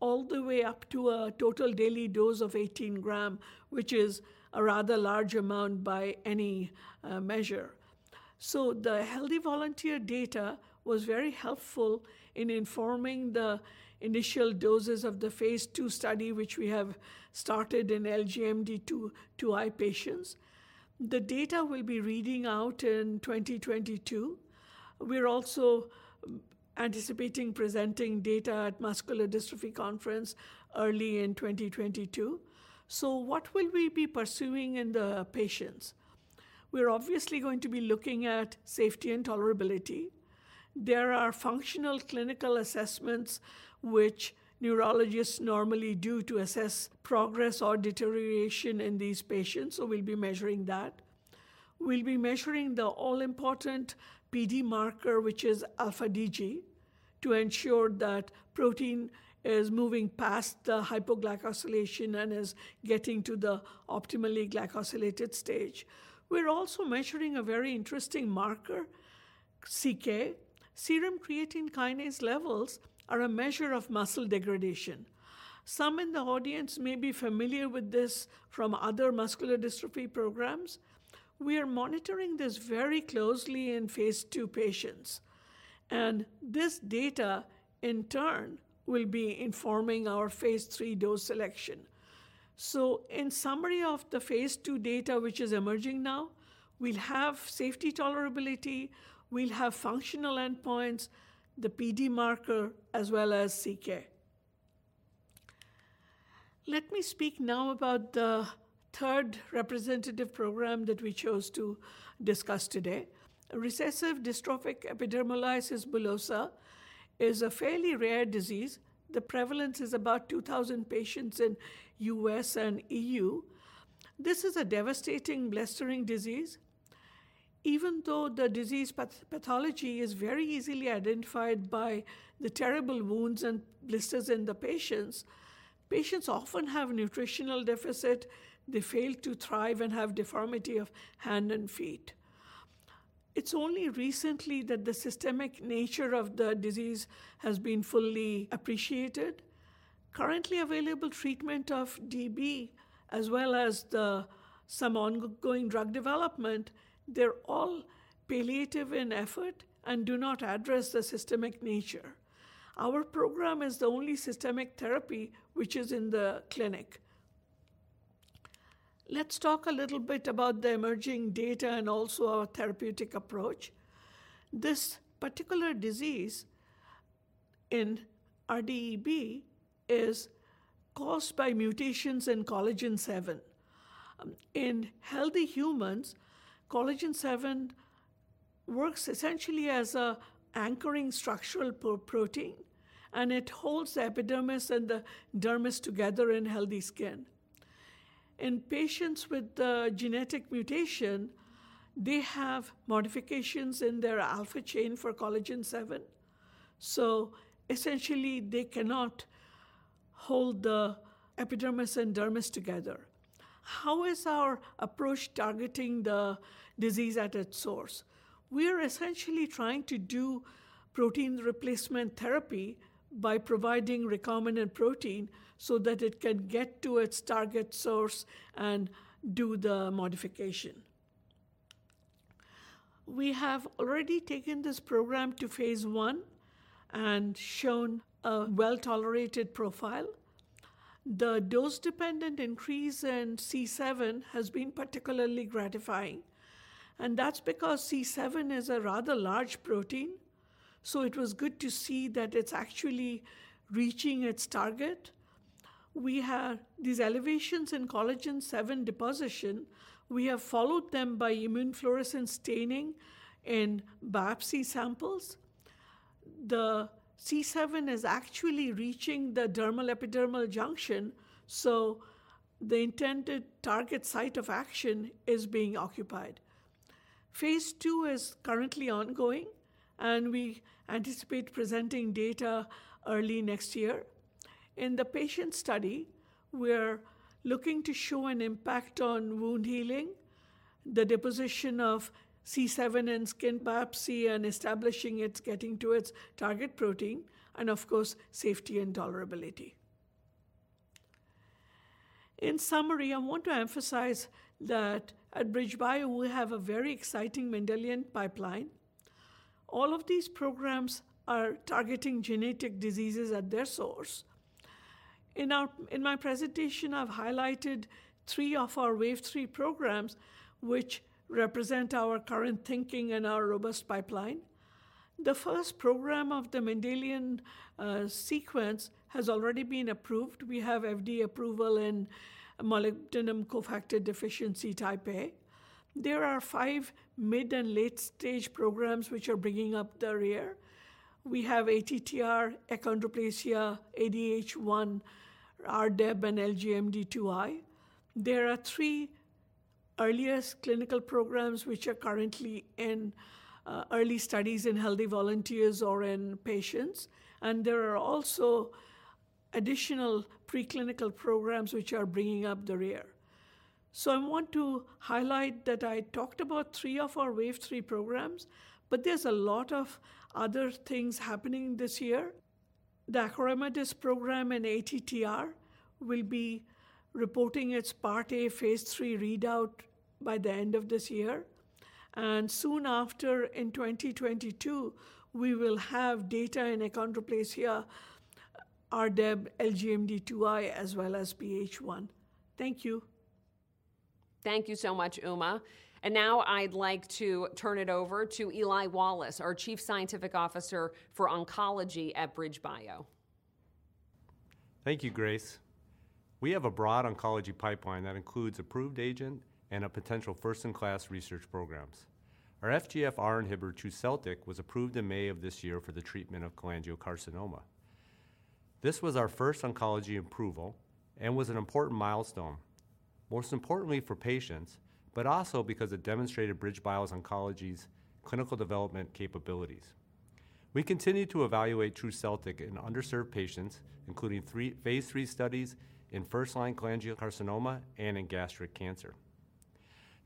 all the way up to a total daily dose of 18 g, which is a rather large amount by any measure. The healthy volunteer data was very helpful in informing the initial doses of the phase II study, which we have started in LGMD2I patients. The data will be reading out in 2022. We are also anticipating presenting data at Muscular Dystrophy Conference early in 2022. What will we be pursuing in the patients? We are obviously going to be looking at safety and tolerability. There are functional clinical assessments which neurologists normally do to assess progress or deterioration in these patients, so we will be measuring that. We will be measuring the all-important PD marker, which is α-DG, to ensure that protein is moving past the hypoglycosylation and is getting to the optimally glycosylated stage. We're also measuring a very interesting marker, CK. Serum creatine kinase levels are a measure of muscle degradation. Some in the audience may be familiar with this from other muscular dystrophy programs. We are monitoring this very closely in phase II patients. This data, in turn, will be informing our phase III dose selection. In summary of the phase II data, which is emerging now, we'll have safety tolerability, we'll have functional endpoints, the PD marker, as well as CK. Let me speak now about the third representative program that we chose to discuss today. Recessive dystrophic epidermolysis bullosa is a fairly rare disease, the prevalence is about 2,000 patients in U.S. and EU. This is a devastating blistering disease. Even though the disease pathology is very easily identified by the terrible wounds and blisters in the patients, patients often have nutritional deficit. They fail to thrive and have deformity of hand and feet. It's only recently that the systemic nature of the disease has been fully appreciated. Currently, available treatment of RDEB, as well as some ongoing drug development, they're all palliative in effort and do not address the systemic nature. Our program is the only systemic therapy which is in the clinic. Let's talk a little bit about the emerging data and also our therapeutic approach. This particular disease in RDEB is caused by mutations in collagen VII. In healthy humans, collagen VII works essentially as an anchoring structural protein, and it holds the epidermis and the dermis together in healthy skin. In patients with the genetic mutation, they have modifications in their alpha chain for collagen VII, so essentially, they cannot hold the epidermis and the dermis together. How is our approach targeting the disease at its source? We are essentially trying to do protein replacement therapy by providing recombinant protein so that it can get to its target source and do the modification. We have already taken this program to phase I and shown a well-tolerated profile. The dose-dependent increase in C7 has been particularly gratifying, and that's because C7 is a rather large protein. It was good to see that it's actually reaching its target. We have these elevations in collagen VII deposition. We have followed them by immunofluorescent staining in biopsy samples. The C7 is actually reaching the dermal epidermal junction, so the intended target site of action is being occupied. Phase II is currently ongoing, and we anticipate presenting data early next year. In the patient study, we're looking to show an impact on wound healing, the deposition of C7 in skin biopsy, and establishing it's getting to its target protein, and of course, safety and tolerability. In summary, I want to emphasize that at BridgeBio, we have a very exciting Mendelian pipeline. All of these programs are targeting genetic diseases at their source. In my presentation, I've highlighted three of our Wave 3 programs, which represent our current thinking and our robust pipeline. The first program of the Mendelian sequence has already been approved. We have FDA approval in molybdenum cofactor deficiency type A. There are five mid and late-stage programs which are bringing up the rear. We have ATTR, achondroplasia, ADH1, RDEB, and LGMD2I. There are three earliest clinical programs which are currently in early studies in healthy volunteers or in patients, and there are also additional preclinical programs which are bringing up the rear. I want to highlight that I talked about three of our Wave 3 programs, but there's a lot of other things happening this year. The acoramidis program in ATTR will be reporting its Part A phase III readout by the end of this year. Soon after, in 2022, we will have data in achondroplasia, RDEB, LGMD2I, as well as PH1. Thank you. Thank you so much, Uma. Now, I'd like to turn it over to Eli Wallace, our Chief Scientific Officer for Oncology at BridgeBio. Thank you, Grace. We have a broad oncology pipeline that includes approved agent and potential first-in-class research programs. Our FGFR inhibitor, TRUSELTIQ, was approved in May of this year for the treatment of cholangiocarcinoma. This was our first oncology approval and was an important milestone, most importantly for patients, but also because it demonstrated BridgeBio's oncology's clinical development capabilities. We continue to evaluate TRUSELTIQ in underserved patients, including phase III studies in first-line cholangiocarcinoma and in gastric cancer.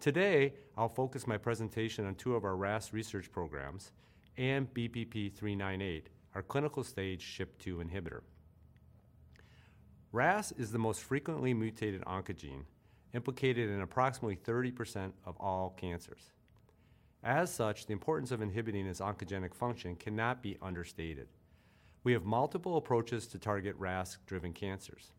Today, I'll focus my presentation on two of our RAS research programs and BBP-398, our clinical stage SHP2 inhibitor. RAS is the most frequently mutated oncogene, implicated in approximately 30% of all cancers. As such, the importance of inhibiting its oncogenic function cannot be understated. We have multiple approaches to target RAS-driven cancers.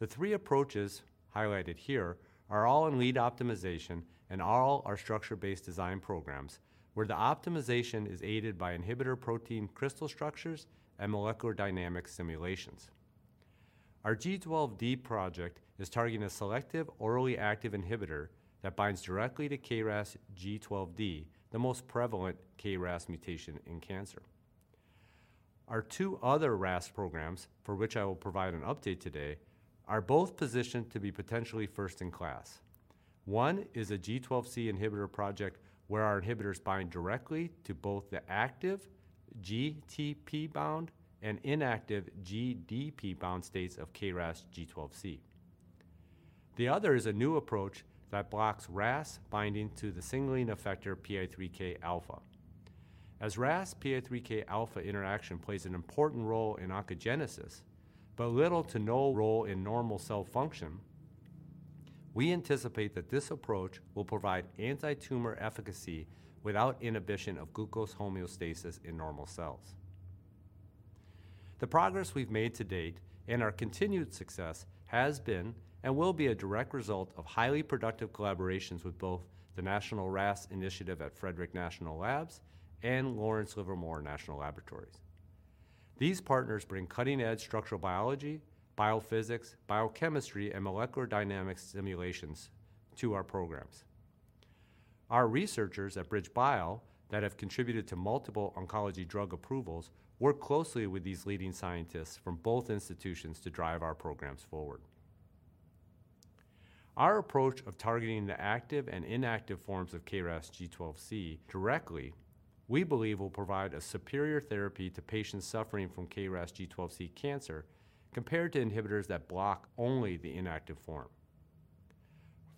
The three approaches highlighted here are all in lead optimization and all are structure-based design programs where the optimization is aided by inhibitor protein crystal structures and molecular dynamic simulations. Our G12D project is targeting a selective orally active inhibitor that binds directly to KRAS G12D, the most prevalent KRAS mutation in cancer. Our two other RAS programs, for which I will provide an update today, are both positioned to be potentially first-in-class. One is a G12C inhibitor project where our inhibitors bind directly to both the active GTP-bound and inactive GDP-bound states of KRAS G12C. The other is a new approach that blocks RAS binding to the signaling effector PI3Kα. As RAS PI3Kα interaction plays an important role in oncogenesis, but little to no role in normal cell function, we anticipate that this approach will provide anti-tumor efficacy without inhibition of glucose homeostasis in normal cells. The progress we've made to date and our continued success has been and will be a direct result of highly productive collaborations with both the National RAS Initiative at Frederick National Labs and Lawrence Livermore National Laboratories. These partners bring cutting-edge structural biology, biophysics, biochemistry, and molecular dynamic simulations to our programs. Our researchers at BridgeBio that have contributed to multiple oncology drug approvals work closely with these leading scientists from both institutions to drive our programs forward. Our approach of targeting the active and inactive forms of KRAS G12C directly, we believe will provide a superior therapy to patients suffering from KRAS G12C cancer compared to inhibitors that block only the inactive form.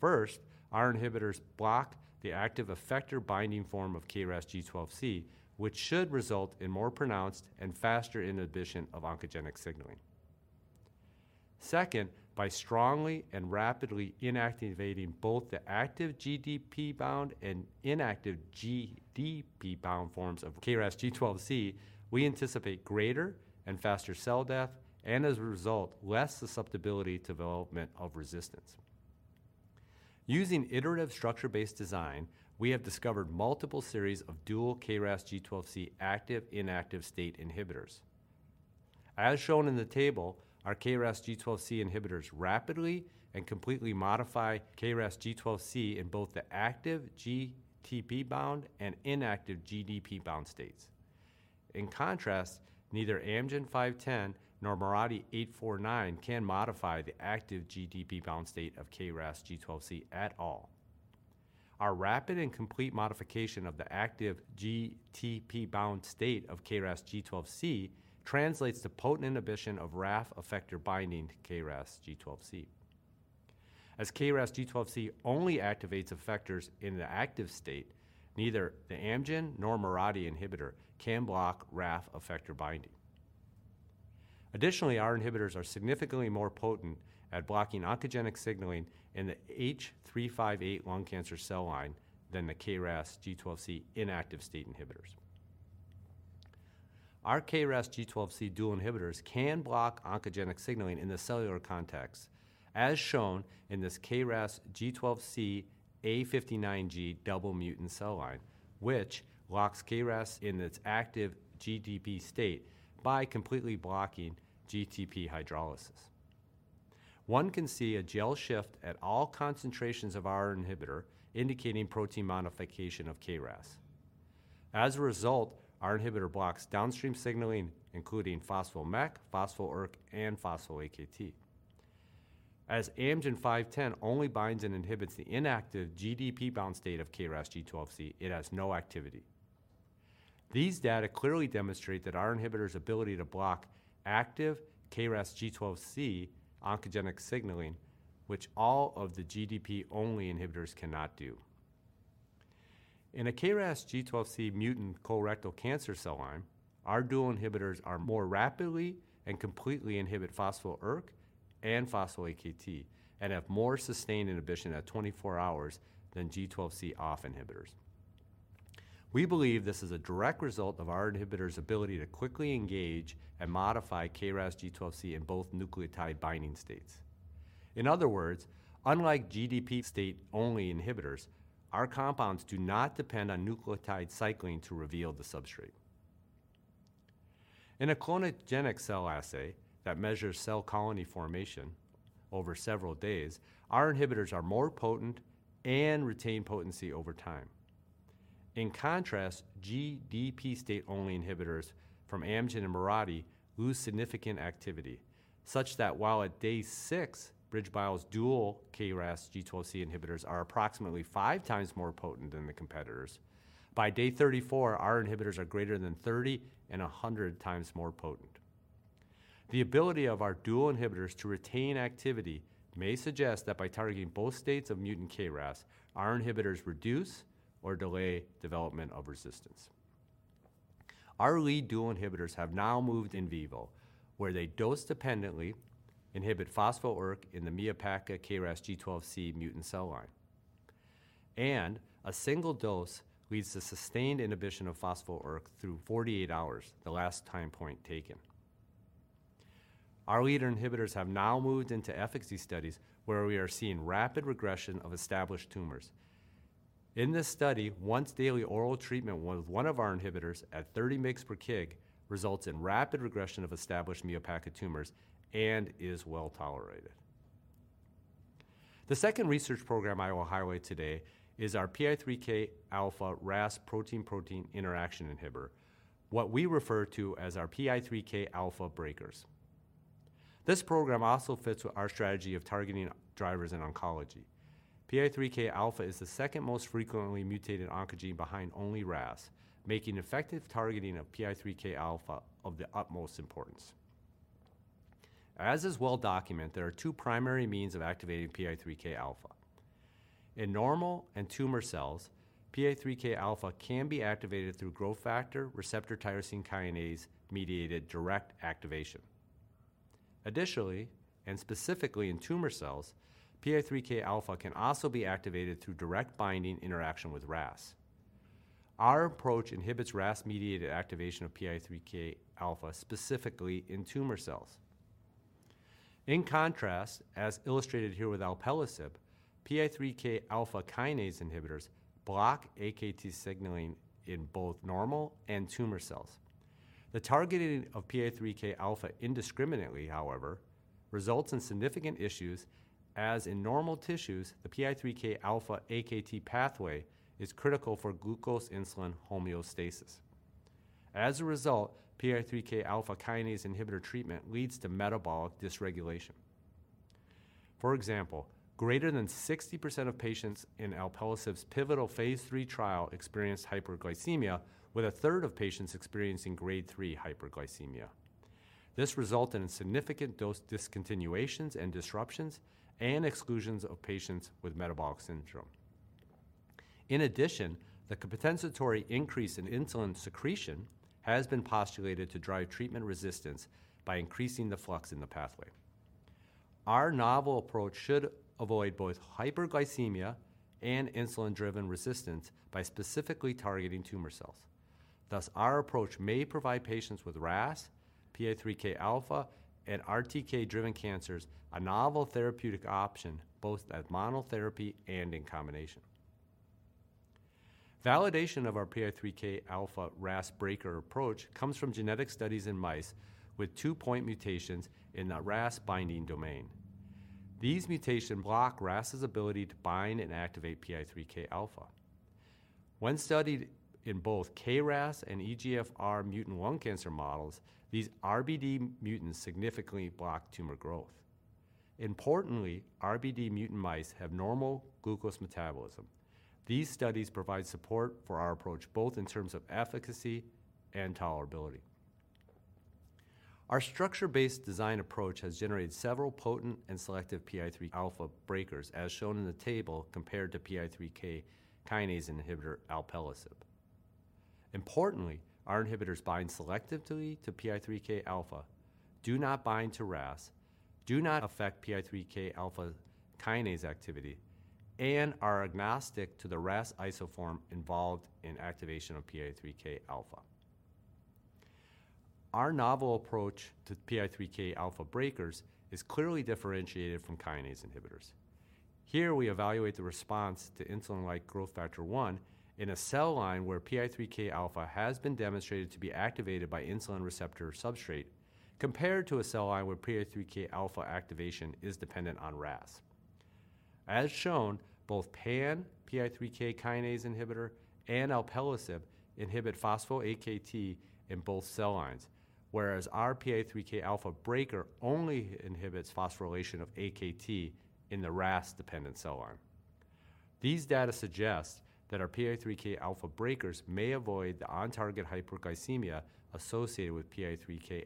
First, our inhibitors block the active effector binding form of KRAS G12C, which should result in more pronounced and faster inhibition of oncogenic signaling. Second, by strongly and rapidly inactivating both the active GDP-bound and inactive GDP-bound forms of KRAS G12C, we anticipate greater and faster cell death, and as a result, less susceptibility to development of resistance. Using iterative structure-based design, we have discovered multiple series of dual KRAS G12C active/inactive state inhibitors. As shown in the table, our KRAS G12C inhibitors rapidly and completely modify KRAS G12C in both the active GTP-bound and inactive GDP-bound states. In contrast, neither Amgen 510 nor Mirati 849 can modify the active GDP-bound state of KRAS G12C at all. Our rapid and complete modification of the active GTP-bound state of KRAS G12C translates to potent inhibition of RAF effector binding to KRAS G12C. As KRAS G12C only activates effectors in the active state, neither the Amgen nor Mirati inhibitor can block RAF effector binding. Additionally, our inhibitors are significantly more potent at blocking oncogenic signaling in the H358 lung cancer cell line than the KRAS G12C inactive state inhibitors. Our KRAS G12C dual inhibitors can block oncogenic signaling in the cellular context, as shown in this KRAS G12C A59G double mutant cell line, which locks KRAS in its active GDP state by completely blocking GTP hydrolysis. One can see a gel shift at all concentrations of our inhibitor, indicating protein modification of KRAS. As a result, our inhibitor blocks downstream signaling, including phospho-MEK, phospho-ERK, and phospho-AKT. As Amgen 510 only binds and inhibits the inactive GDP-bound state of KRAS G12C, it has no activity. These data clearly demonstrate that our inhibitor's ability to block active KRAS G12C oncogenic signaling, which all of the GDP-only inhibitors cannot do. In a KRAS G12C mutant colorectal cancer cell line, our dual inhibitors are more rapidly and completely inhibit phospho-ERK and phospho-AKT and have more sustained inhibition at 24 hours than G12C off inhibitors. We believe this is a direct result of our inhibitor's ability to quickly engage and modify KRAS G12C in both nucleotide binding states. In other words, unlike GDP state only inhibitors, our compounds do not depend on nucleotide cycling to reveal the substrate. In a clonogenic cell assay that measures cell colony formation over several days, our inhibitors are more potent and retain potency over time. In contrast, GDP-state-only inhibitors from Amgen and Mirati lose significant activity, such that while at day six, BridgeBio's dual KRAS G12C inhibitors are approximately five times more potent than the competitors. By day 34, our inhibitors are greater than 30 and 100 times more potent. The ability of our dual inhibitors to retain activity may suggest that by targeting both states of mutant KRAS, our inhibitors reduce or delay development of resistance. Our lead dual inhibitors have now moved in vivo, where they dose dependently inhibit phospho-ERK in the MIA PaCa-2 KRAS G12C mutant cell line, and a single dose leads to sustained inhibition of phospho-ERK through 48 hours, the last time point taken. Our lead inhibitors have now moved into efficacy studies where we are seeing rapid regression of established tumors. In this study, once daily oral treatment with one of our inhibitors at 30 mg/kg results in rapid regression of established MIA PaCa-2 tumors and is well-tolerated. The second research program I will highlight today is our PI3Kα-RAS protein-protein interaction inhibitor, what we refer to as our PI3Kα breakers. This program also fits with our strategy of targeting drivers in oncology. PI3Kα is the second most frequently mutated oncogene behind only RAS, making effective targeting of PI3Kα of the utmost importance. As is well documented, there are two primary means of activating PI3Kα. In normal and tumor cells, PI3Kα can be activated through growth factor receptor tyrosine kinase mediated direct activation. Additionally, and specifically in tumor cells, PI3Kα can also be activated through direct binding interaction with RAS. Our approach inhibits RAS mediated activation of PI3Kα, specifically in tumor cells. In contrast, as illustrated here with alpelisib, PI3Kα kinase inhibitors block AKT signaling in both normal and tumor cells. The targeting of PI3Kα indiscriminately, however, results in significant issues, as in normal tissues, the PI3Kα/AKT pathway is critical for glucose insulin homeostasis. As a result, PI3Kα kinase inhibitor treatment leads to metabolic dysregulation. For example, greater than 60% of patients in alpelisib's pivotal phase III trial experienced hyperglycemia, with a third of patients experiencing grade 3 hyperglycemia. This resulted in significant dose discontinuations and disruptions and exclusions of patients with metabolic syndrome. In addition, the compensatory increase in insulin secretion has been postulated to drive treatment resistance by increasing the flux in the pathway. Our novel approach should avoid both hyperglycemia and insulin-driven resistance by specifically targeting tumor cells. Thus, our approach may provide patients with RAS, PI3Kα, and RTK-driven cancers a novel therapeutic option both as monotherapy and in combination. Validation of our PI3Kα RAS breaker approach comes from genetic studies in mice with two-point mutations in the RAS binding domain. These mutations block RAS's ability to bind and activate PI3Kα. When studied in both KRAS and EGFR mutant lung cancer models, these RBD mutants significantly block tumor growth. Importantly, RBD mutant mice have normal glucose metabolism. These studies provide support for our approach both in terms of efficacy and tolerability. Our structure-based design approach has generated several potent and selective PI3Kα breakers, as shown in the table, compared to PI3K kinase inhibitor alpelisib. Importantly, our inhibitors bind selectively to PI3Kα, do not bind to RAS, do not affect PI3Kα kinase activity, and are agnostic to the RAS isoform involved in activation of PI3Kα. Our novel approach to PI3Kα breakers is clearly differentiated from kinase inhibitors. Here, we evaluate the response to insulin-like growth factor 1 in a cell line where PI3Kα has been demonstrated to be activated by insulin receptor substrate compared to a cell line where PI3Kα activation is dependent on RAS. As shown, both pan PI3K kinase inhibitor and alpelisib inhibit phospho-AKT in both cell lines, whereas our PI3Kα breaker only inhibits phosphorylation of AKT in the RAS-dependent cell line. These data suggest that our PI3Kα breakers may avoid the on-target hyperglycemia associated with PI3Kα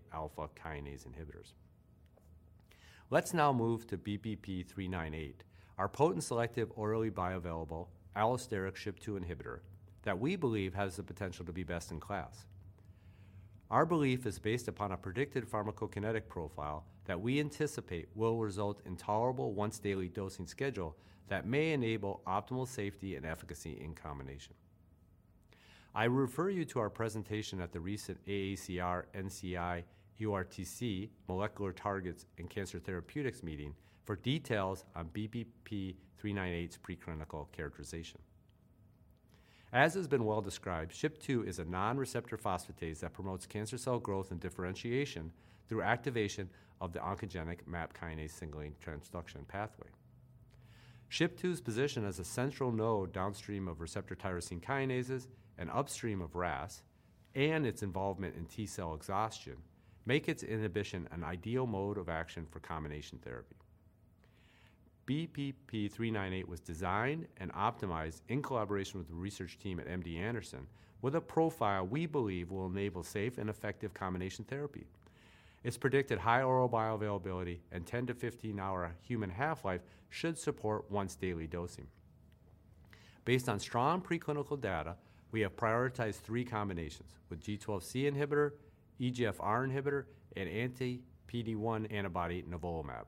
kinase inhibitors. Let's now move to BBP-398, our potent selective orally bioavailable allosteric SHP2 inhibitor that we believe has the potential to be best-in-class. Our belief is based upon a predicted pharmacokinetic profile that we anticipate will result in tolerable once daily dosing schedule that may enable optimal safety and efficacy in combination. I refer you to our presentation at the recent AACR-NCI-EORTC Molecular Targets and Cancer Therapeutics meeting for details on BBP-398's preclinical characterization. As has been well-described, SHP2 is a non-receptor phosphatase that promotes cancer cell growth and differentiation through activation of the oncogenic MAP kinase signaling transduction pathway. SHP2's position as a central node downstream of receptor tyrosine kinases and upstream of RAS, and its involvement in T cell exhaustion make its inhibition an ideal mode of action for combination therapy. BBP-398 was designed and optimized in collaboration with the research team at MD Anderson with a profile we believe will enable safe and effective combination therapy. Its predicted high oral bioavailability and 10–15-hour human half-life should support once daily dosing. Based on strong preclinical data, we have prioritized three combinations with G12C inhibitor, EGFR inhibitor, and anti-PD-1 antibody nivolumab.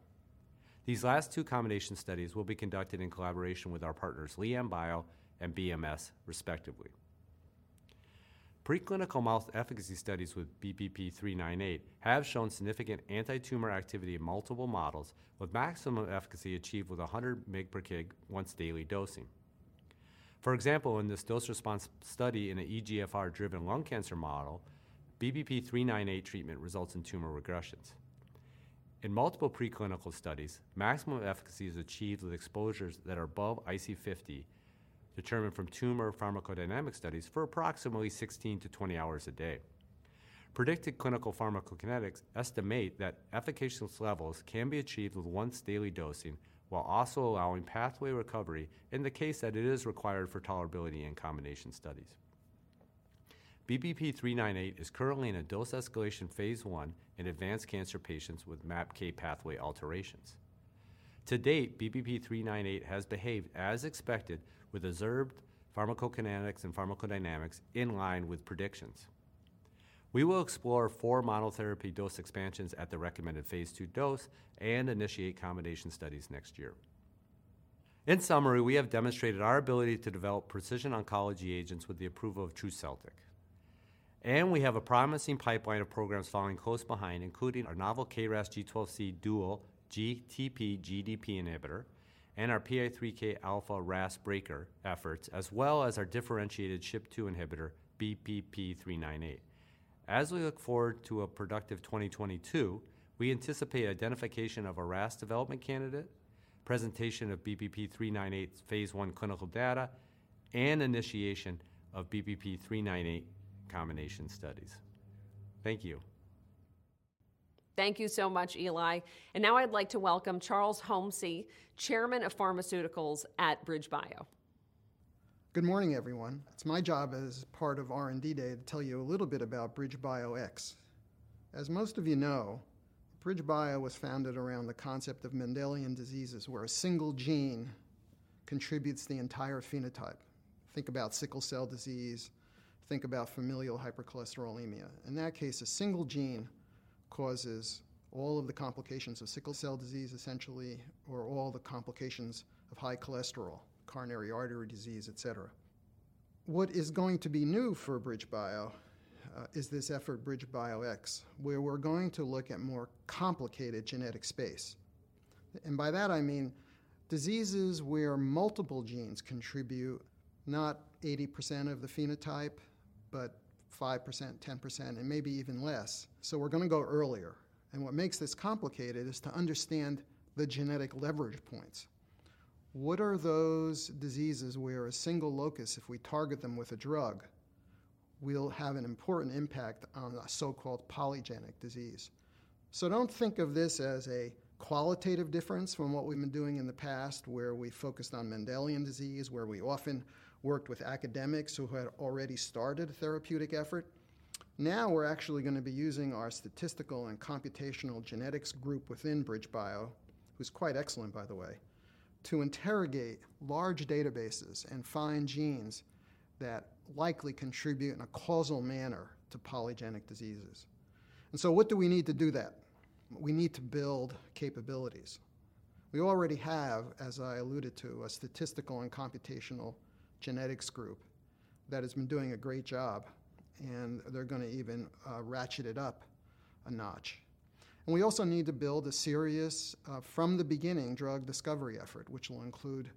These last two combination studies will be conducted in collaboration with our partners LianBio and BMS, respectively. Preclinical mouse efficacy studies with BBP-398 have shown significant anti-tumor activity in multiple models with maximum efficacy achieved with 100 mg/kg once daily dosing. For example, in this dose response study in an EGFR-driven lung cancer model, BBP-398 treatment results in tumor regressions. In multiple preclinical studies, maximum efficacy is achieved with exposures that are above IC50, determined from tumor pharmacodynamic studies for approximately 16-20 hours a day. Predicted clinical pharmacokinetics estimate that efficacious levels can be achieved with once daily dosing while also allowing pathway recovery in the case that it is required for tolerability in combination studies. BBP-398 is currently in a dose escalation phase I in advanced cancer patients with MAPK-pathway alterations. To date, BBP-398 has behaved as expected with observed pharmacokinetics and pharmacodynamics in line with predictions. We will explore four monotherapy dose expansions at the recommended phase II dose and initiate combination studies next year. In summary, we have demonstrated our ability to develop precision oncology agents with the approval of TRUSELTIQ, and we have a promising pipeline of programs following close behind, including our novel KRAS G12C dual GTP/GDP inhibitor and our PI3Kα RAS breaker efforts, as well as our differentiated SHP2 inhibitor, BBP-398. As we look forward to a productive 2022, we anticipate identification of a RAS development candidate, presentation of BBP-398 phase I clinical data, and initiation of BBP-398 combination studies. Thank you. Thank you so much, Eli. Now, I'd like to welcome Charles Homcy, Chairman of Pharmaceuticals at BridgeBio. Good morning, everyone. It's my job as part of R&D Day to tell you a little bit about BridgeBioX. As most of you know, BridgeBio was founded around the concept of Mendelian diseases, where a single gene contributes the entire phenotype. Think about sickle cell disease, think about familial hypercholesterolemia. In that case, a single gene causes all of the complications of sickle cell disease, essentially, or all the complications of high cholesterol, coronary artery disease, et cetera. What is going to be new for BridgeBio is this effort, BridgeBioX, where we're going to look at more complicated genetic space. By that, I mean diseases where multiple genes contribute not 80% of the phenotype, but 5%, 10%, and maybe even less, so we're going to go earlier. What makes this complicated is to understand the genetic leverage points. What are those diseases where a single locus, if we target them with a drug, will have an important impact on a so-called polygenic disease? Don't think of this as a qualitative difference from what we've been doing in the past, where we focused on Mendelian disease, where we often worked with academics who had already started a therapeutic effort. Now, we're actually going to be using our statistical and computational genetics group within BridgeBio, who's quite excellent by the way, to interrogate large databases and find genes that likely contribute in a causal manner to polygenic diseases. What do we need to do that? We need to build capabilities. We already have, as I alluded to, a statistical and computational genetics group that has been doing a great job, and they're going to even ratchet it up a notch. We also need to build a serious from the beginning drug discovery effort, which will include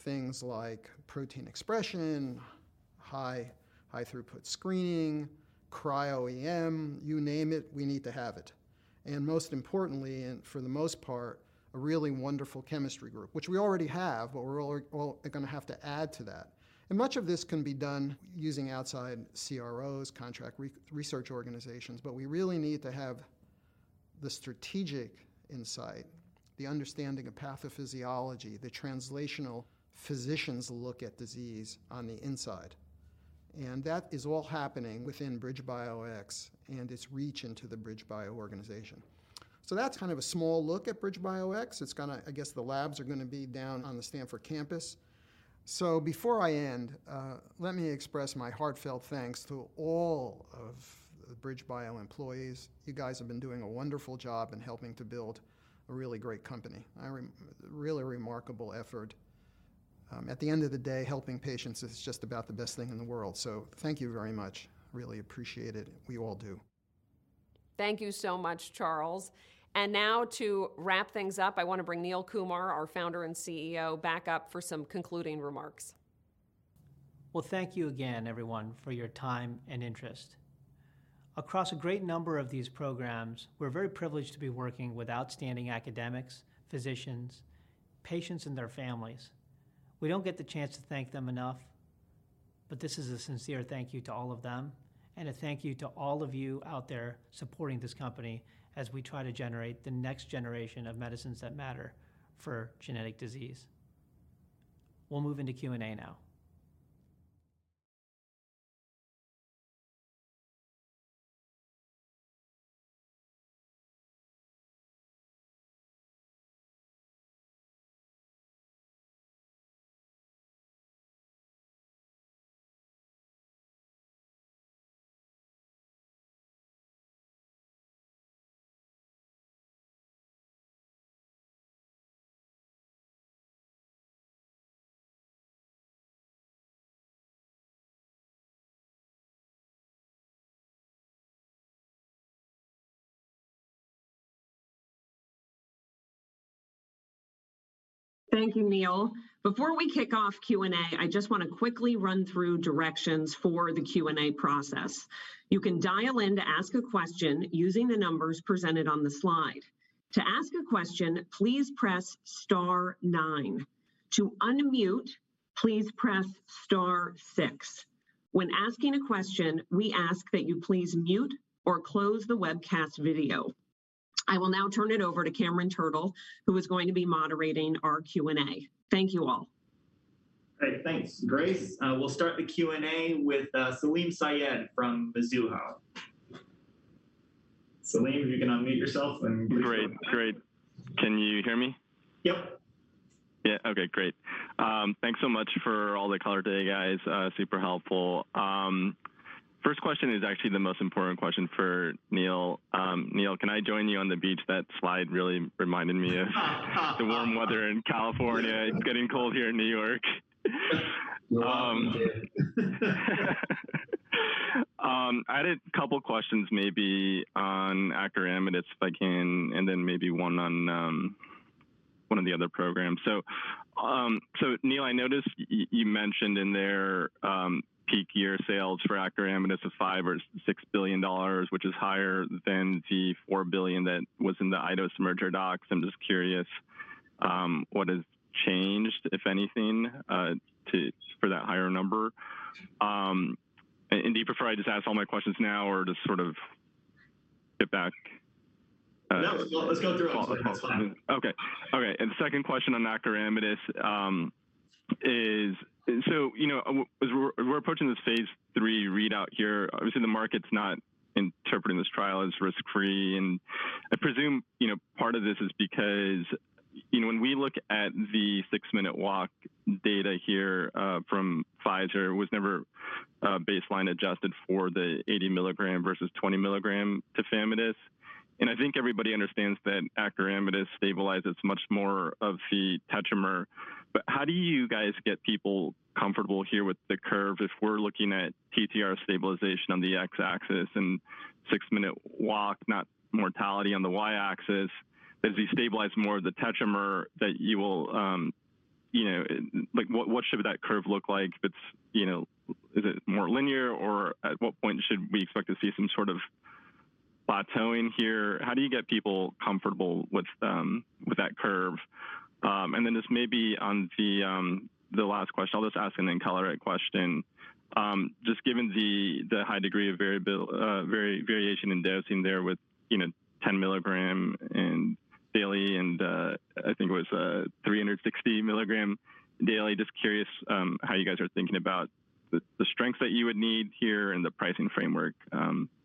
things like protein expression, high throughput screening, cryo-EM. You name it, we need to have it. Most importantly, and for the most part, a really wonderful chemistry group, which we already have, but we're going to have to add to that. Much of this can be done using outside CROs, contract research organizations, but we really need to have the strategic insight, the understanding of pathophysiology, the translational physician's look at disease on the inside, and that is all happening within BridgeBioX and its reach into the BridgeBio organization. That's kind of a small look at BridgeBioX. I guess the labs are going to be down on the Stanford campus. Before I end, let me express my heartfelt thanks to all of the BridgeBio employees. You guys have been doing a wonderful job in helping to build a really great company. A really remarkable effort. At the end of the day, helping patients is just about the best thing in the world, so thank you very much, really appreciate it. We all do. Thank you so much, Charles. Now to wrap things up, I want to bring Neil Kumar, our Founder and CEO, back up for some concluding remarks. Well, thank you again, everyone, for your time and interest. Across a great number of these programs, we're very privileged to be working with outstanding academics, physicians, patients, and their families. We don't get the chance to thank them enough, but this is a sincere thank you to all of them, and a thank you to all of you out there supporting this company as we try to generate the next generation of medicines that matter for genetic disease. We'll move into Q&A now. Thank you, Neil. Before we kick off Q&A, I just want to quickly run through directions for the Q&A process. You can dial in to ask a question using the numbers presented on the slide. To ask a question, please press star nine. To unmute, please press star six. When asking a question, we ask that you please mute or close the webcast video. I will now turn it over to Cameron Turtle, who is going to be moderating our Q&A. Thank you all. Great. Thanks, Grace. We'll start the Q&A with Salim Syed from Mizuho. Salim, if you can unmute yourself and please go ahead. Great. Can you hear me? Yep. Yeah. Okay, great. Thanks so much for all the color today, guys, super helpful. First question is actually the most important question for Neil. Neil, can I join you on the beach? That slide really reminded me of the warm weather in California. It's getting cold here in New York. We welcome you. I had a couple questions maybe on acoramidis, if I can, and then maybe one on the other programs. Neil, I noticed you mentioned in there peak year sales for acoramidis of $5 billion or $6 billion, which is higher than the $4 billion that was in the Eidos merger docs. I'm just curious what has changed, if anything, for that higher number. Do you prefer I just ask all my questions now or just sort of get back? No, let's go through them. That's fine. Okay. Second question on acoramidis is, as we're approaching this phase III readout here, obviously, the market's not interpreting this trial as risk-free. I presume part of this is because when we look at the six-minute walk data here from Pfizer, it was never baseline adjusted for the 80 mg versus 20 mg tafamidis. I think, everybody understands that acoramidis stabilizes much more of the tetramer. How do you guys get people comfortable here with the curve if we're looking at TTR stabilization on the X-axis and six-minute walk, not mortality on the Y-axis, as we stabilize more of the tetramer, that you will, you know, what should that curve look like? Is it more linear, or at what point should we expect to see some sort of plateauing here? How do you get people comfortable with that curve? This may be on the last question. I'll just ask and then tolerate question. Just given the high degree of variation in dosing there with 10 mg daily and I think it was 360 mg daily, just curious how you guys are thinking about the strength that you would need here and the pricing framework,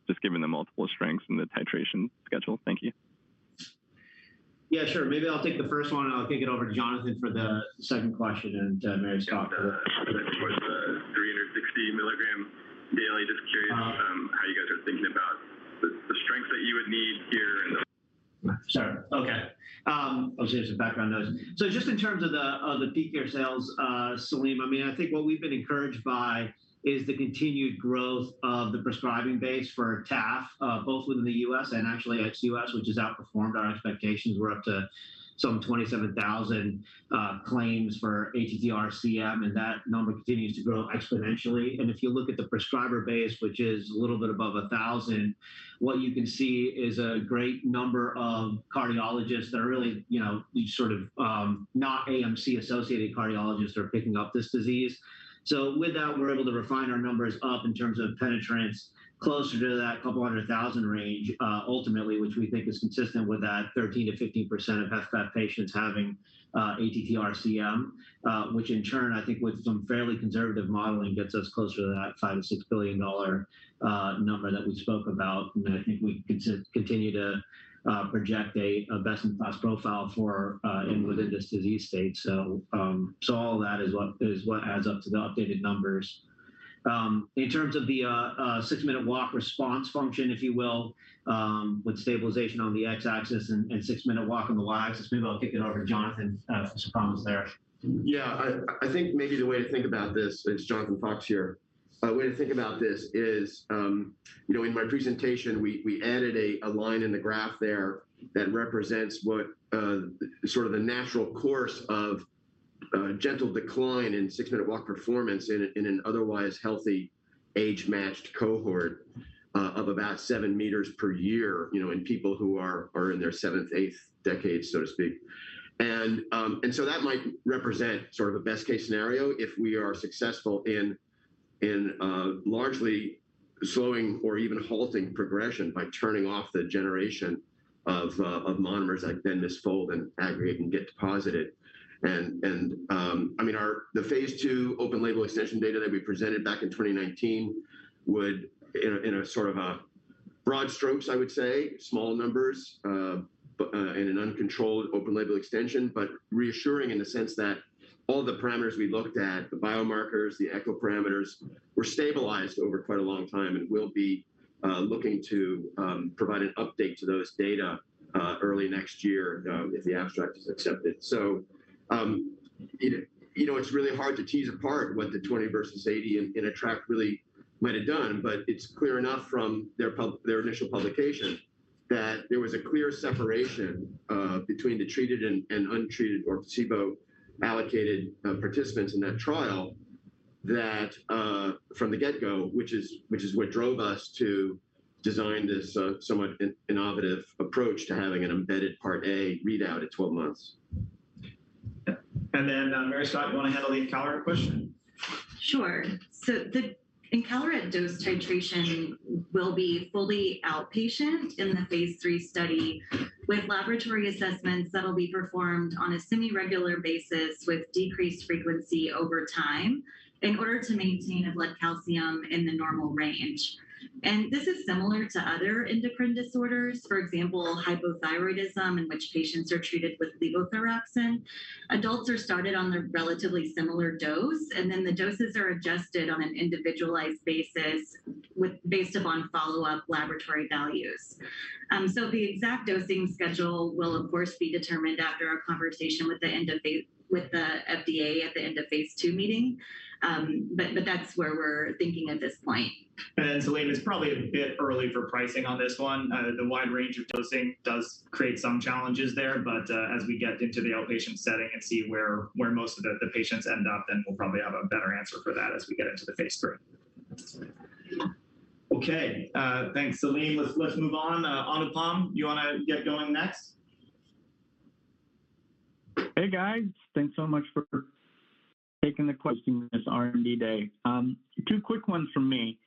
just given the multiple strengths and the titration schedule. Thank you. Yeah, sure. Maybe I'll take the first one, and I'll kick it over to Jonathan for the second question, and Mary Scott for the. <crosstalk> The 360-mg daily, just curious how you guys are thinking about the strength that you would need here. Sorry. Okay. I'll share some background notes. Just in terms of the peak year sales, Salim, I think what we've been encouraged by is the continued growth of the prescribing base for tafamidis, both within the U.S. and actually ex-U.S., which has outperformed our expectations. We're up to some 27,000 claims for ATTR-CM, and that number continues to grow exponentially. If you look at the prescriber base, which is a little bit above 1,000, what you can see is a great number of cardiologists that are really sort of not AMC-associated cardiologists are picking up this disease. With that, we're able to refine our numbers up in terms of penetrance closer to that couple hundred thousand range, ultimately, which we think is consistent with that 13%-15% of HFpEF patients having ATTR-CM, which in turn, I think with some fairly conservative modeling, gets us closer to that $5 billion-$6 billion number that we spoke about. I think, we continue to project a best-in-class profile within this disease state, so all that is what adds up to the updated numbers. In terms of the six-minute walk response function, if you will, with stabilization on the X-axis and six-minute walk on the Y-axis, maybe I'll kick it over to Jonathan for some comments there. Yeah. It is Jonathan Fox here. A way to think about this is, in my presentation, we added a line in the graph there that represents what sort of the natural course of a gentle decline in six-minute walk performance in an otherwise healthy age-matched cohort of about 7 m per year, in people who are in their seventh, eighth decade, so to speak. That might represent sort of a best-case scenario if we are successful in largely slowing or even halting progression by turning off the generation of monomers that then misfold and aggregate and get deposited. I mean, the phase II open label extension data that we presented back in 2019 would, in a sort of a broad strokes, I would say, small numbers, in an uncontrolled open label extension, but reassuring in the sense that all the parameters we looked at, the biomarkers, the echo parameters, were stabilized over quite a long time, and we'll be looking to provide an update to those data early next year if the abstract is accepted. It's really hard to tease apart what the 20 mg versus 80 mg in ATTR-ACT really might have done. It's clear enough from their initial publication that there was a clear separation between the treated and untreated or placebo-allocated participants in that trial, that from the get-go, which is what drove us to design this somewhat innovative approach to having an embedded Part A readout at 12 months. Mary Scott, you want to handle the encaleret question? Sure. The encaleret dose titration will be fully outpatient in the phase III study, with laboratory assessments that'll be performed on a semi-regular basis with decreased frequency over time in order to maintain a blood calcium in the normal range. This is similar to other endocrine disorders, for example, hypothyroidism, in which patients are treated with levothyroxine. Adults are started on a relatively similar dose, and then the doses are adjusted on an individualized basis based upon follow-up laboratory values. The exact dosing schedule will, of course, be determined after our conversation with the FDA at the end of phase II meeting. That's where we're thinking at this point. Salim, it's probably a bit early for pricing on this one. The wide range of dosing does create some challenges there. As we get into the outpatient setting and see where most of the patients end up, then we'll probably have a better answer for that as we get into the phase III. Okay. Thanks, Salim. Let's move on. Anupam, you want to get going next? Hey, guys. Thanks so much for taking the questions this R&D Day. Two quick ones from me.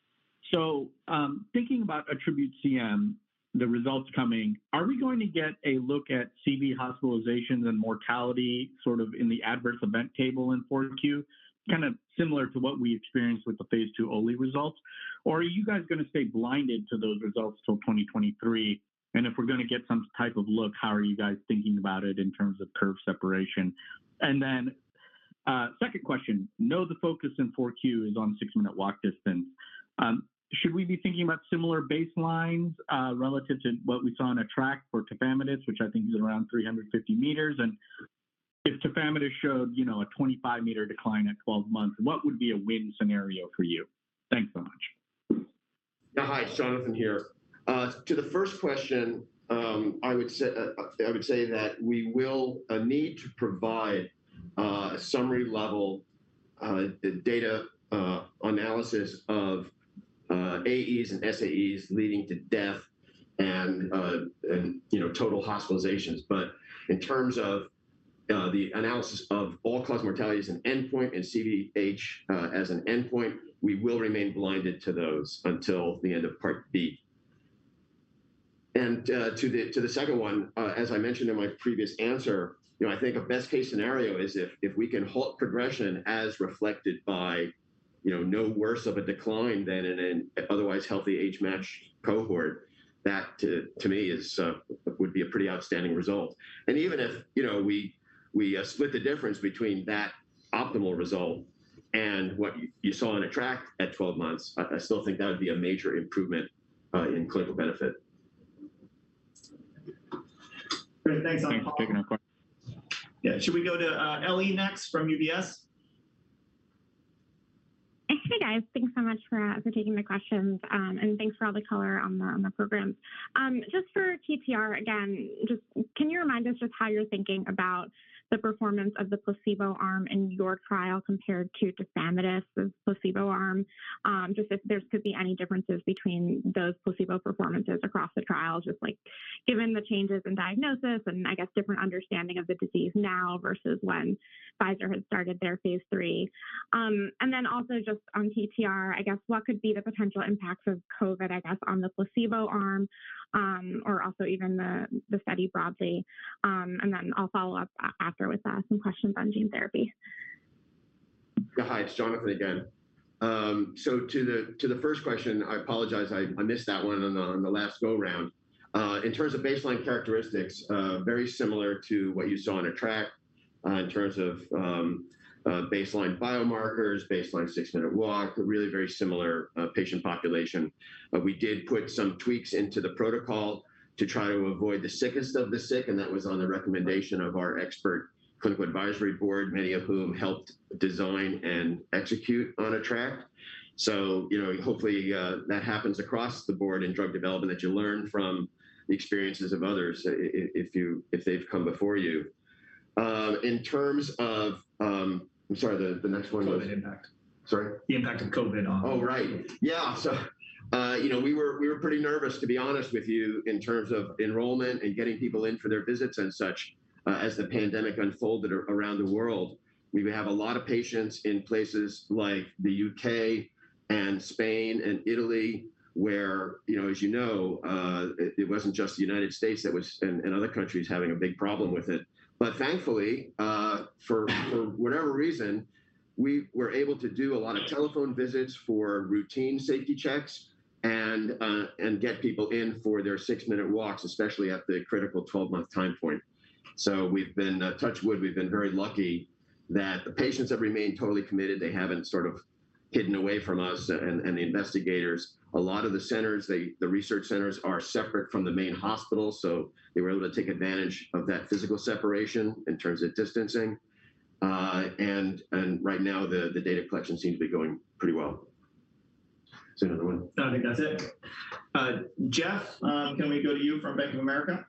Thinking about ATTRibute-CM, the results coming, are we going to get a look at CV hospitalizations and mortality sort of in the adverse event table in 4Q, kind of similar to what we experienced with the phase II OLE results, or are you guys going to stay blinded to those results till 2023? If we're going to get some type of look, how are you guys thinking about it in terms of curve separation? Second question, know the focus in 4Q is on six-minute walk distance, should we be thinking about similar baselines, relative to what we saw in ATTR-ACT for tafamidis, which I think is around 350 m? If tafamidis showed a 25-m decline at 12 months, what would be a win scenario for you? Thanks so much. Hi, Jonathan here. To the first question, I would say that we will need to provide a summary level data analysis of AEs and SAEs leading to death and total hospitalizations. But in terms of the analysis of all-cause mortality as an endpoint and CVH as an endpoint, we will remain blinded to those until the end of Part B. To the second one, as I mentioned in my previous answer, I think a best-case scenario is if we can halt progression as reflected by no worse of a decline than in an otherwise healthy age-matched cohort, that, to me, would be a pretty outstanding result. Even if we split the difference between that optimal result and what you saw in ATTR-ACT at 12 months, I still think that would be a major improvement in clinical benefit. Great. Thanks, Anupam. Thanks for taking our question. Yeah. Should we go to Ellie next from UBS? Hey, guys. Thanks so much for taking the questions, and thanks for all the color on the programs. Just for TTR again, can you remind us just how you're thinking about the performance of the placebo arm in your trial compared to tafamidis' placebo arm? Just if there could be any differences between those placebo performances across the trial, just like given the changes in diagnosis and I guess different understanding of the disease now versus when Pfizer had started their phase III. Also, just on TTR, I guess what could be the potential impacts of COVID, I guess, on the placebo arm, or also even the study broadly? Then, I'll follow up after with some questions on gene therapy. Hi, it's Jonathan again. To the first question, I apologize I missed that one on the last go-round. In terms of baseline characteristics, very similar to what you saw in ATTR-ACT. In terms of baseline biomarkers, baseline six-minute walk, a really very similar patient population. We did put some tweaks into the protocol to try to avoid the sickest of the sick, and that was on the recommendation of our expert clinical advisory board, many of whom helped design and execute on ATTR-ACT. Hopefully, that happens across the board in drug development, that you learn from the experiences of others if they've come before you. In terms of I'm sorry, the next one was? COVID impact. Sorry? The impact of COVID on. <crosstalk> Oh, right. Yeah. We were pretty nervous, to be honest with you, in terms of enrollment and getting people in for their visits and such, as the pandemic unfolded around the world. We have a lot of patients in places like the U.K. and Spain, and Italy, where, as you know, it wasn't just the United States and other countries having a big problem with it. Thankfully, for whatever reason, we were able to do a lot of telephone visits for routine safety checks and get people in for their six-minute walks, especially at the critical 12-month time point. So, we've been, touch wood, we've been very lucky that the patients have remained totally committed. They haven't sort of hidden away from us and the investigators. A lot of the centers, the research centers are separate from the main hospital, so they were able to take advantage of that physical separation in terms of distancing. Right now, the data collection seems to be going pretty well. Is there another one? No, I think that's it. Geoff, can we go to you from Bank of America?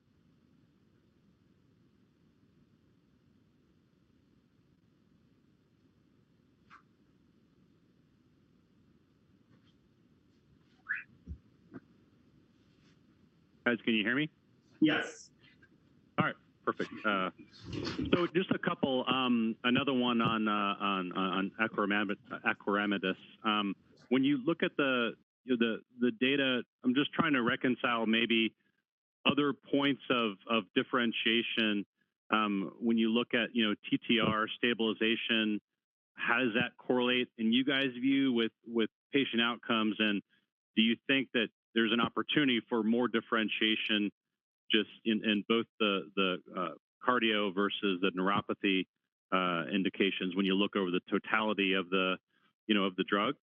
Guys, can you hear me? Yes. Yes. All right. Perfect. Just a couple. Another one on acoramidis. When you look at the data, I'm just trying to reconcile maybe other points of differentiation when you look at TTR stabilization, how does that correlate in you guys' view with patient outcomes, and do you think that there's an opportunity for more differentiation just in both the cardio versus the neuropathy indications when you look over the totality of the drug?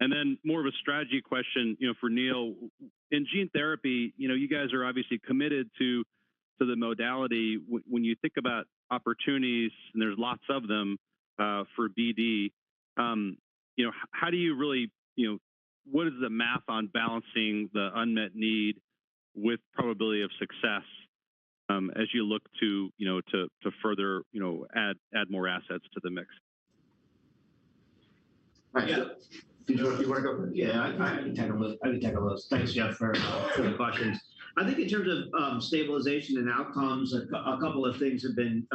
Then more of a strategy question for Neil. In gene therapy, you guys are obviously committed to the modality. When you think about opportunities, and there's lots of them for BD, how do you really, what is the math on balancing the unmet need with probability of success as you look to further add more assets to the mix? All right. Yeah. Do you want to take over? Yeah, I can take over. Thanks, Geoff, for the questions. I think in terms of stabilization and outcomes, a couple of things have been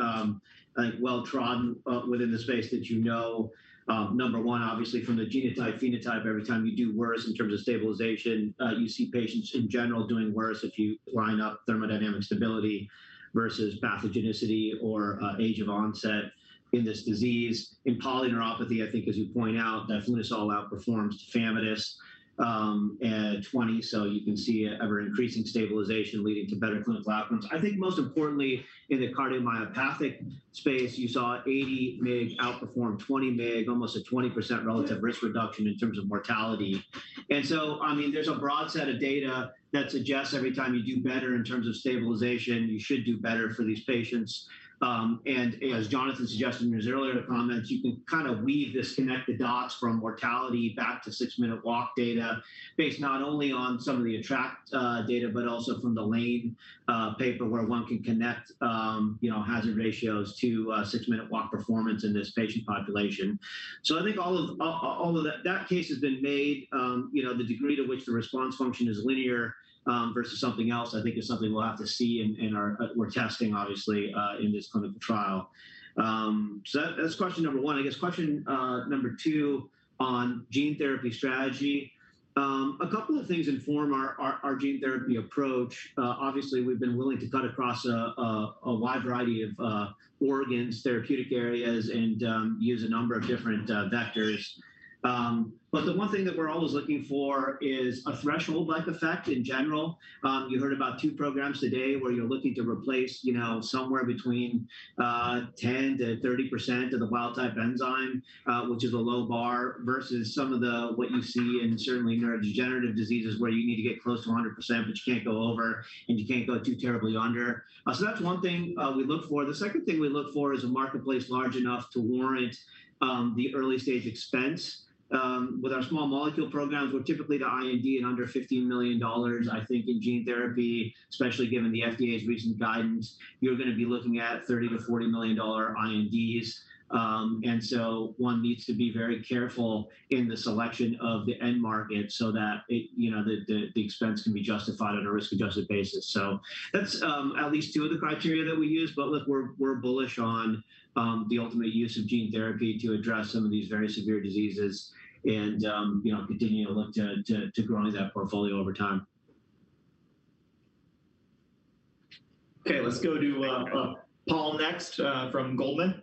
well-trodden within the space that you know. Number one, obviously, from the genotype/phenotype, every time you do worse in terms of stabilization, you see patients in general doing worse if you line up thermodynamic stability versus pathogenicity or age of onset in this disease. In polyneuropathy, I think, as you point out, diflunisal outperforms tafamidis at 20 mg, so you can see ever-increasing stabilization leading to better clinical outcomes. I think most importantly, in the cardiomyopathy space, you saw 80 mg outperform 20 mg, almost a 20% relative risk reduction in terms of mortality. There's a broad set of data that suggests every time you do better in terms of stabilization, you should do better for these patients. As Jonathan suggested in his earlier comments, you can kind of weave this, connect the dots from mortality back to six-minute walk data based not only on some of the ATTR-ACT data, but also from the Lane paper where one can connect hazard ratios to six-minute walk performance in this patient population. I think all of that case has been made. The degree to which the response function is linear versus something else, I think is something we'll have to see and we're testing, obviously, in this clinical trial. That's question number one. I guess, question number two on gene therapy strategy, a couple of things inform our gene therapy approach. Obviously, we've been willing to cut across a wide variety of organs, therapeutic areas, and use a number of different vectors. But the one thing that we're always looking for is a threshold-like effect in general. You heard about two programs today where you're looking to replace somewhere between 10%-30% of the wild-type enzyme, which is a low bar, versus some of what you see in certainly neurodegenerative diseases where you need to get close to 100%, but you can't go over and you can't go too terribly under. That's one thing we look for. The second thing we look for is a marketplace large enough to warrant the early-stage expense. With our small molecule programs, we're typically the IND at under $15 million. I think in gene therapy, especially given the FDA's recent guidance, you're going to be looking at $30 million-$40 million INDs. So, one needs to be very careful in the selection of the end market so that the expense can be justified on a risk-adjusted basis. That's at least two of the criteria that we use. Look, we're bullish on the ultimate use of gene therapy to address some of these very severe diseases and continue to look to growing that portfolio over time. Okay. Let's go to Paul next from Goldman.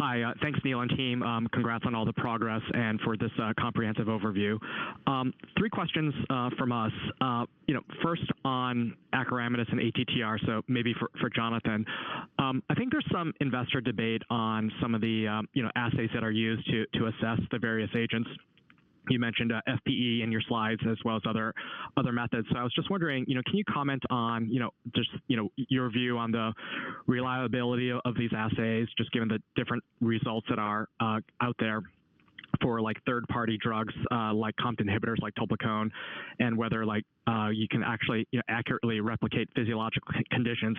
Hi. Thanks, Neil and team. Congrats on all the progress and for this comprehensive overview. Three questions from us. First on acoramidis and ATTR, so maybe for Jonathan. I think there's some investor debate on some of the assays that are used to assess the various agents. You mentioned FPE in your slides as well as other methods. I was just wondering, can you comment on just your view on the reliability of these assays, just given the different results that are out there for third-party drugs, like COMT inhibitors, like tolcapone, and whether like you can actually accurately replicate physiological conditions,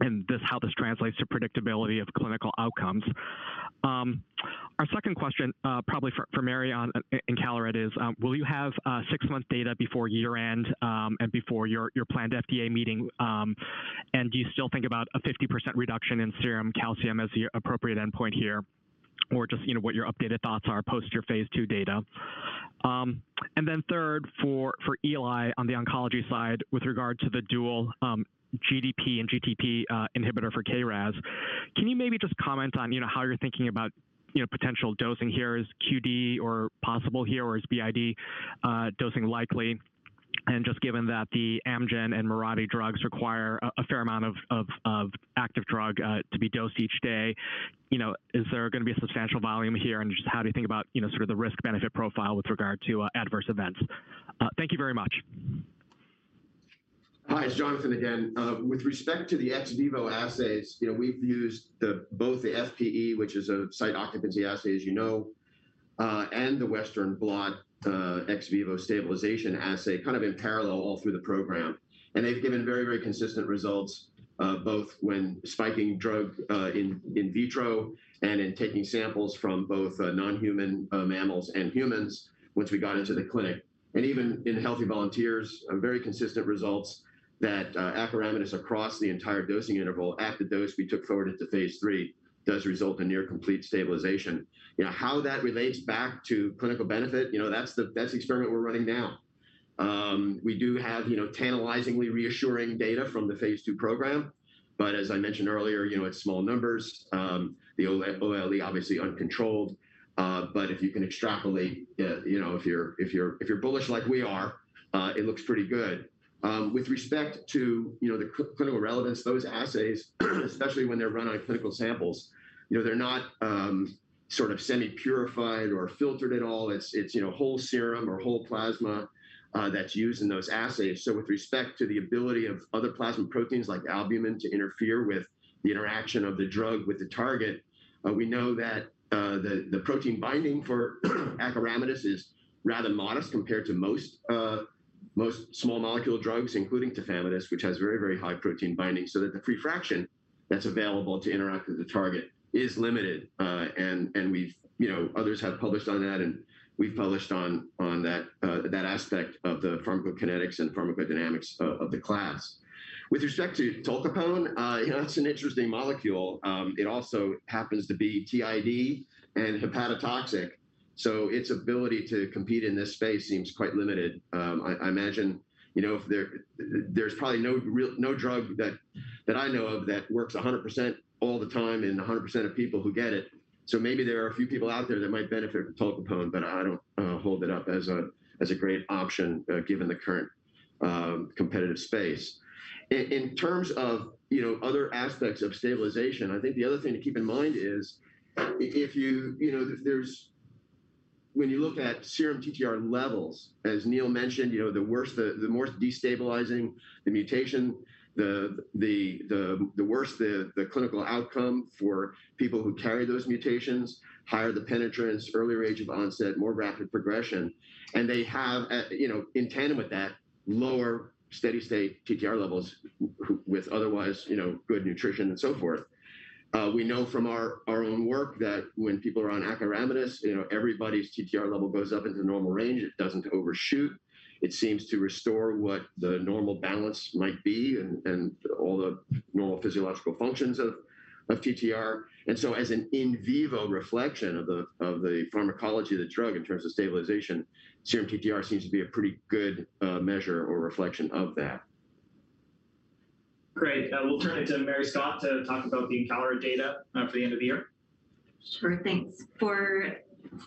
and how this translates to predictability of clinical outcomes? Our second question, probably for Mary on encaleret is, will you have six-month data before year-end, and before your planned FDA meeting? Do you still think about a 50% reduction in serum calcium as the appropriate endpoint here? Just, what your updated thoughts are post your phase II data. Then third, for Eli on the oncology side, with regard to the dual GDP and GTP inhibitor for KRAS, can you maybe just comment on how you're thinking about potential dosing here? Is QD or possible here, or is BID dosing likely? Just given that the Amgen and Mirati drugs require a fair amount of active drug to be dosed each day, is there going to be a substantial volume here? Just how do you think about sort of the risk-benefit profile with regard to adverse events? Thank you very much. Hi, it's Jonathan again. With respect to the ex vivo assays, we've used both the FPE, which is a site occupancy assay, as you know, and the Western blot ex vivo stabilization assay kind of in parallel all through the program. They've given very consistent results, both when spiking drug in vitro and in taking samples from both non-human mammals and humans once we got into the clinic. Even in healthy volunteers, very consistent results that acoramidis across the entire dosing interval after the dose we took forward into phase III does result in near complete stabilization. How that relates back to clinical benefit, that's the experiment we're running now. We do have tantalizingly reassuring data from the phase II program, but as I mentioned earlier, it's small numbers. The OLE obviously uncontrolled, but if you can extrapolate, if you're bullish like we are, it looks pretty good. With respect to the clinical relevance, those assays, especially when they're run on clinical samples, they're not sort of semi-purified or filtered at all. It's whole serum or whole plasma that's used in those assays. With respect to the ability of other plasma proteins like albumin to interfere with the interaction of the drug with the target, we know that the protein binding for acoramidis is rather modest compared to most small molecule drugs, including tafamidis, which has very high protein binding, so that the free fraction that's available to interact with the target is limited. Others have published on that, and we've published on that aspect of the pharmacokinetics and pharmacodynamics of the class. With respect to tolcapone, it's an interesting molecule. It also happens to be TID and hepatotoxic, so its ability to compete in this space seems quite limited. I imagine, there's probably no drug that I know of that works 100% all the time in 100% of people who get it. Maybe, there are a few people out there that might benefit from tolcapone, but I don't hold it up as a great option given the current competitive space. In terms of other aspects of stabilization, I think the other thing to keep in mind is when you look at serum TTR levels, as Neil mentioned, the more destabilizing the mutation, the worse the clinical outcome for people who carry those mutations, higher the penetrance, earlier age of onset, more rapid progression. They have, in tandem with that, lower steady-state TTR levels with otherwise good nutrition and so forth. We know from our own work that when people are on acoramidis, everybody's TTR level goes up into the normal range, it doesn't overshoot. It seems to restore what the normal balance might be and all the normal physiological functions of TTR. So, as an in vivo reflection of the pharmacology of the drug in terms of stabilization, serum TTR seems to be a pretty good measure or reflection of that. Great. We'll turn it to Mary Scott to talk about the encaleret data for the end of the year. Sure. Thanks. For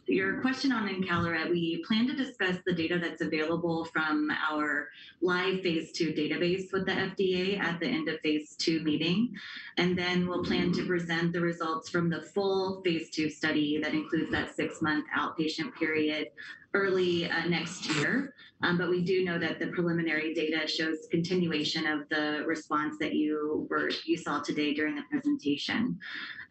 your question on encaleret, we plan to discuss the data that's available from our live phase II database with the FDA at the end of phase II meeting. Then, we'll plan to present the results from the full phase II study that includes that six-month outpatient period early next year, but we do know that the preliminary data shows continuation of the response that you saw today during the presentation.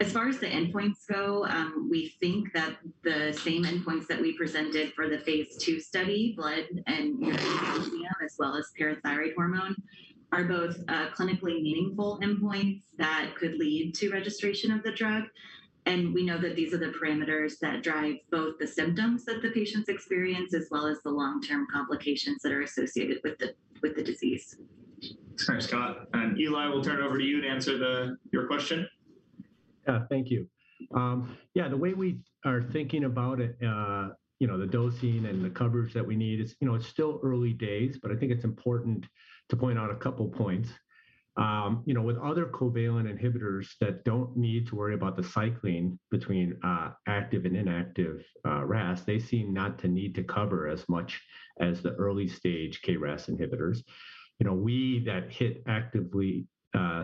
As far as the endpoints go, we think that the same endpoints that we presented for the phase II study, blood and urine calcium, as well as parathyroid hormone, are both clinically meaningful endpoints that could lead to registration of the drug. And we know that these are the parameters that drive both the symptoms that the patients experience, as well as the long-term complications that are associated with the disease. Thanks, Mary Scott. Eli, we'll turn it over to you to answer your question. Yeah. Thank you. Yeah, the way we are thinking about it, the dosing and the coverage that we need is, it's still early days, but I think it's important to point out a couple points. With other covalent inhibitors that don't need to worry about the cycling between active and inactive RAS, they seem not to need to cover as much as the early-stage KRAS inhibitors. We, that hit actively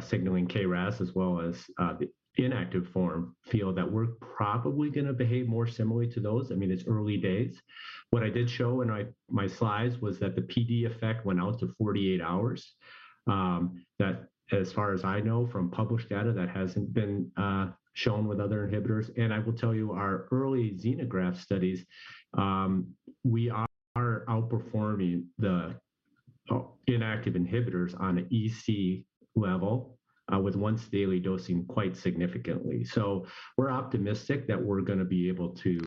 signaling KRAS as well as the inactive form, feel that we're probably going to behave more similarly to those. I mean, it's early days. What I did show in my slides was that the PD effect went out to 48 hours, that, as far as I know, from published data, that hasn't been shown with other inhibitors. I will tell you, our early xenograft studies, we are outperforming the inactive inhibitors on an EC level with once daily dosing quite significantly. We're optimistic that we're going to be able to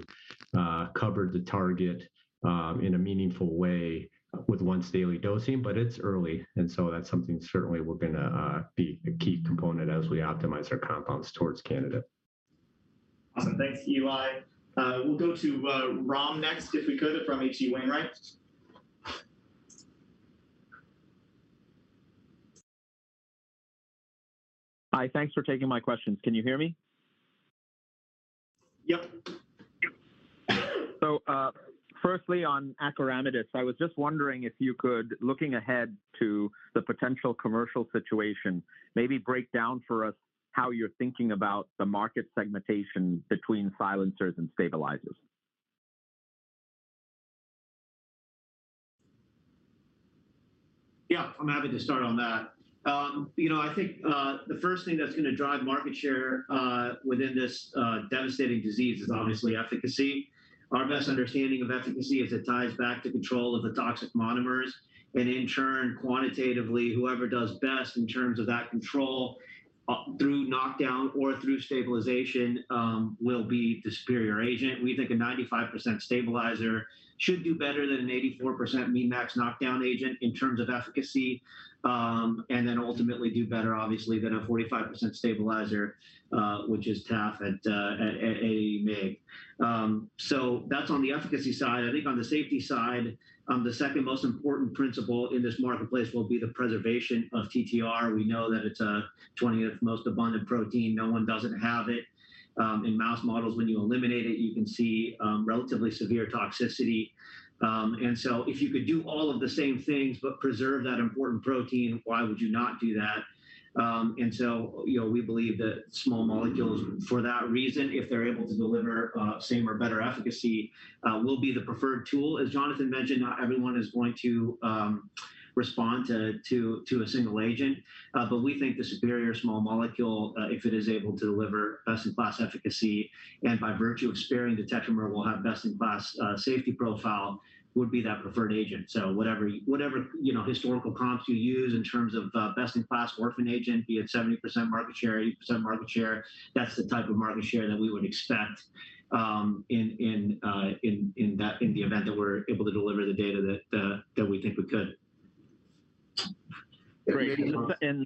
cover the target in a meaningful way with once daily dosing. But it's early, and so that's something certainly we're going to be a key component as we optimize our compounds towards candidate. Awesome. Thanks, Eli. We'll go to Raghuram next, if we could, from H.C. Wainwright. Hi, thanks for taking my questions. Can you hear me? Yep. Firstly on acoramidis, I was just wondering if you could, looking ahead to the potential commercial situation, maybe break down for us how you're thinking about the market segmentation between silencers and stabilizers. Yeah, I'm happy to start on that. I think the first thing that's going to drive market share within this devastating disease is obviously efficacy. Our best understanding of efficacy is it ties back to control of the toxic monomers, and in turn, quantitatively, whoever does best in terms of that control through knockdown or through stabilization will be the superior agent. We think a 95% stabilizer should do better than an 84% mean max knockdown agent in terms of efficacy, and ultimately, do better obviously than a 45% stabilizer, which is tafamidis at 80 mg. That's on the efficacy side. I think on the safety side, the second most important principle in this marketplace will be the preservation of TTR. We know that it's the 20th most abundant protein. No one doesn't have it. In mouse models, when you eliminate it, you can see relatively severe toxicity. If you could do all of the same things but preserve that important protein, why would you not do that? We believe that small molecules, for that reason, if they're able to deliver same or better efficacy, will be the preferred tool. As Jonathan mentioned, not everyone is going to respond to a single agent, but we think the superior small molecule, if it is able to deliver best-in-class efficacy and by virtue of sparing the tetramer will have best-in-class safety profile, would be that preferred agent. Whatever historical comps you use in terms of best-in-class orphan agent, be it 70% market share, 80% market share, that's the type of market share that we would expect in the event that we're able to deliver the data that we think we could. Great. Go ahead.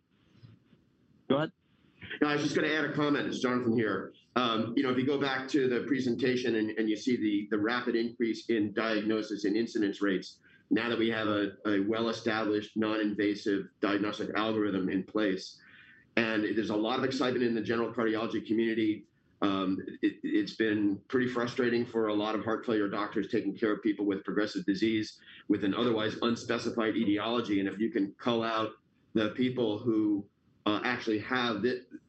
No, I was just going to add a comment. It's Jonathan here. If you go back to the presentation and you see the rapid increase in diagnosis and incidence rates, now that we have a well-established, non-invasive diagnostic algorithm in place, and there's a lot of excitement in the general cardiology community, it's been pretty frustrating for a lot of heart failure doctors taking care of people with progressive disease with an otherwise unspecified etiology. If you can call out the people who actually have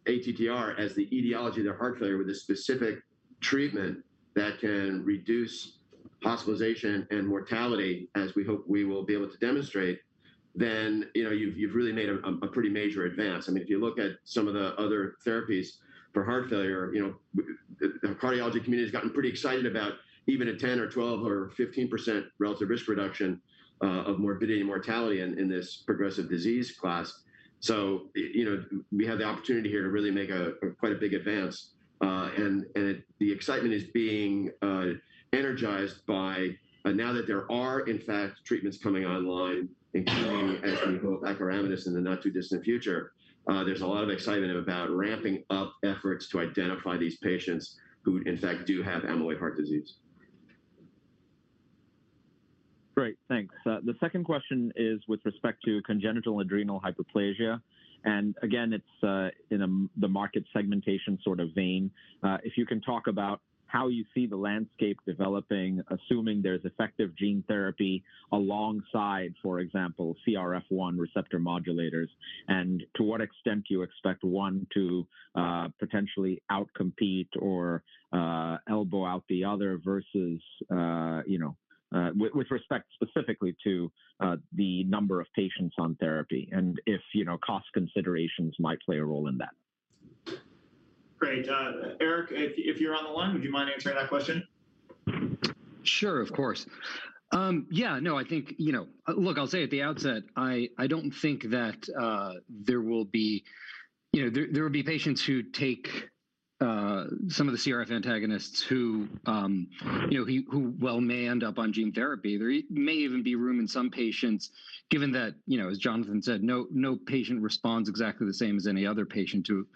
ATTR as the etiology of their heart failure with a specific treatment that can reduce hospitalization and mortality as we hope we will be able to demonstrate, then you've really made a pretty major advance. If you look at some of the other therapies for heart failure, the cardiology community's gotten pretty excited about even a 10% or 12% or 15% relative risk reduction of morbidity and mortality in this progressive disease class. So, we have the opportunity here to really make quite a big advance. And the excitement is being energized by now that there are, in fact, treatments coming online, including as we hope acoramidis in the not too distant future. There's a lot of excitement about ramping up efforts to identify these patients who, in fact, do have amyloid heart disease. Great, thanks. The second question is with respect to congenital adrenal hyperplasia, again, it's in the market segmentation sort of vein. If you can talk about how you see the landscape developing, assuming there's effective gene therapy alongside, for example, CRF1 receptor modulators, and to what extent do you expect one to potentially out-compete or elbow out the other versus, with respect specifically to the number of patients on therapy, and if cost considerations might play a role in that. Great. Eric, if you're on the line, would you mind answering that question? Sure, of course. Yeah, no, look, I'll say at the outset, I don't think that there will be patients who take some of the CRF antagonists who well may end up on gene therapy. There may even be room in some patients, given that, as Jonathan said, no patient responds exactly the same as any other patient to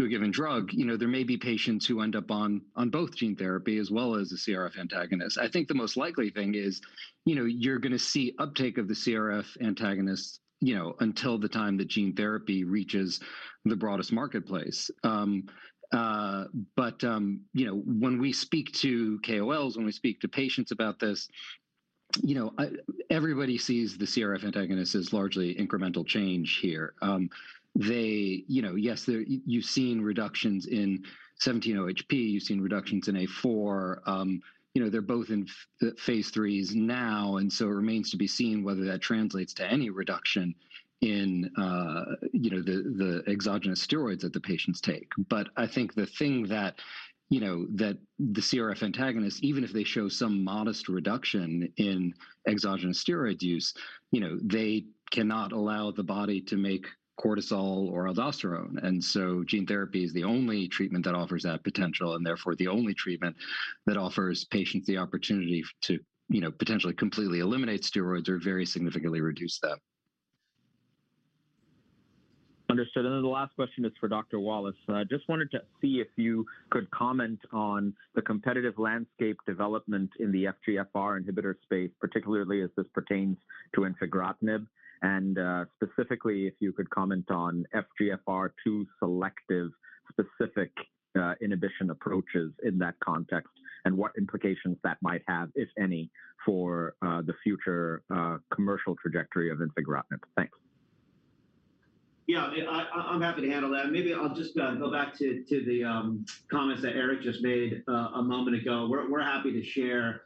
a given drug. There may be patients who end up on both gene therapy as well as a CRF antagonist. I think the most likely thing is you're going to see uptake of the CRF antagonist until the time that gene therapy reaches the broadest marketplace. When we speak to KOLs, when we speak to patients about this, everybody sees the CRF antagonist as largely incremental change here. Yes, you've seen reductions in 17-OHP, you've seen reductions in A4, they're both in phase III now, and so it remains to be seen whether that translates to any reduction in the exogenous steroids that the patients take. But I think the thing that the CRF antagonists, even if they show some modest reduction in exogenous steroid use, they cannot allow the body to make cortisol or aldosterone. So, gene therapy is the only treatment that offers that potential, and therefore the only treatment that offers patients the opportunity to potentially completely eliminate steroids or very significantly reduce them. Understood. The last question is for Dr. Wallace. I just wanted to see if you could comment on the competitive landscape development in the FGFR inhibitor space, particularly as this pertains to infigratinib, and specifically, if you could comment on FGFR2 selective specific inhibition approaches in that context, and what implications that might have, if any, for the future commercial trajectory of infigratinib. Thanks. Yeah. I'm happy to handle that. Maybe I'll just go back to the comments that Eric just made a moment ago. We're happy to share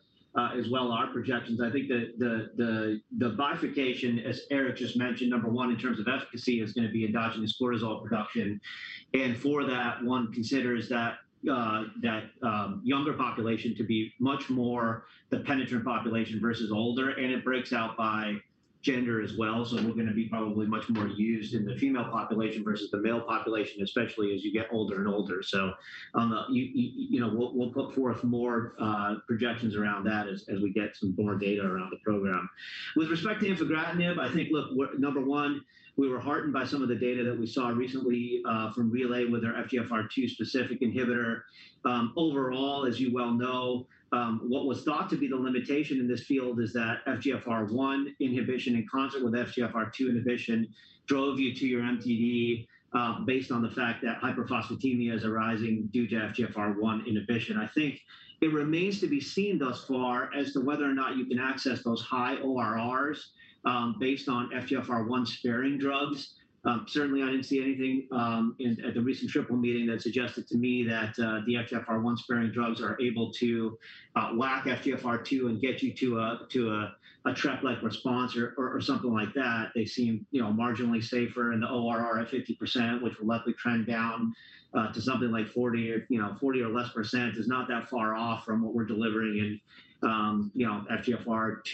as well our projections. I think the bifurcation, as Eric just mentioned, number one, in terms of efficacy, is going to be endogenous cortisol production. For that, one considers that younger population to be much more the penetrant population versus older, and it breaks out by gender as well. We're going to be probably much more used in the female population versus the male population, especially as you get older and older. We'll put forth more projections around that as we get some more data around the program. With respect to infigratinib, I think, look, number one, we were heartened by some of the data that we saw recently from Relay with their FGFR2 specific inhibitor. Overall, as you well know, what was thought to be the limitation in this field is that FGFR1 inhibition in concert with FGFR2 inhibition drove you to your MTD based on the fact that hyperphosphatemia is arising due to FGFR1 inhibition. I think it remains to be seen thus far as to whether or not you can access those high ORRs based on FGFR1-sparing drugs. Certainly, I didn't see anything at the recent Triple Meeting that suggested to me that the FGFR1-sparing drugs are able to whack FGFR2 and get you to a TRK-like response or something like that. They seem marginally safer in the ORR at 50%, which will likely trend down to something like 40% or less, is not that far off from what we're delivering in FGFR2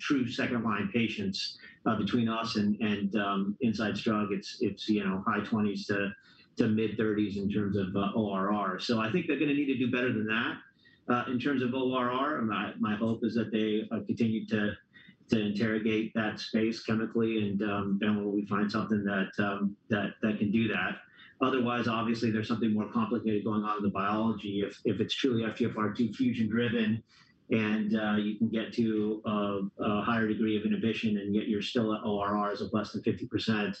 true second-line patients between us and Incyte. It's high 20s to mid-30s in terms of ORR. I think they're going to need to do better than that in terms of ORR. My hope is that they continue to interrogate that space chemically and then we find something that can do that. Otherwise, obviously, there's something more complicated going on in the biology. If it's truly FGFR2 fusion-driven and you can get to a higher degree of inhibition and yet you're still at ORRs of less than 50%,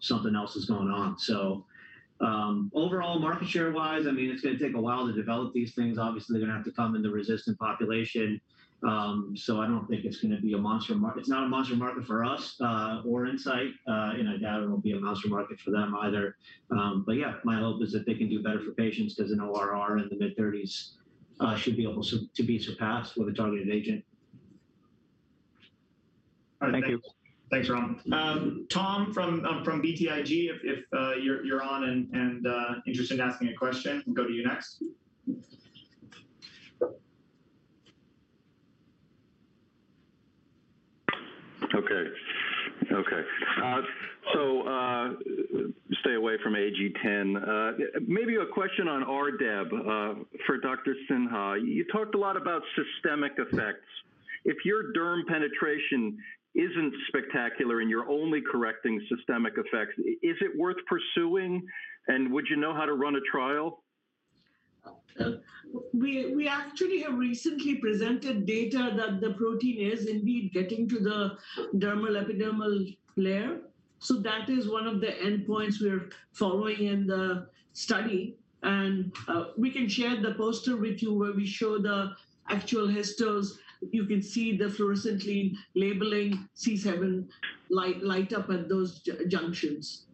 something else is going on. Overall, market share-wise, it's going to take a while to develop these things. Obviously, they're going to have to come in the resistant population. I don't think it's going to be a monster market. It's not a monster market for us or Incyte, and I doubt it'll be a monster market for them either. Yeah, my hope is that they can do better for patients because an ORR in the mid-30s should be able to be surpassed with a targeted agent. All right. Thank you. Thanks, Raghuram. Tom from BTIG, if you're on and interested in asking a question, we'll go to you next. Okay. So, stay away from AG10. Maybe a question on RDEB for Dr. Sinha. You talked a lot about systemic effects. If your derm penetration isn't spectacular and you're only correcting systemic effects, is it worth pursuing, and would you know how to run a trial? We actually have recently presented data that the protein is indeed getting to the dermal epidermal layer. That is one of the endpoints we are following in the study. We can share the poster with you where we show the actual histos. You can see the fluorescently labeling C7 light up at those junctions.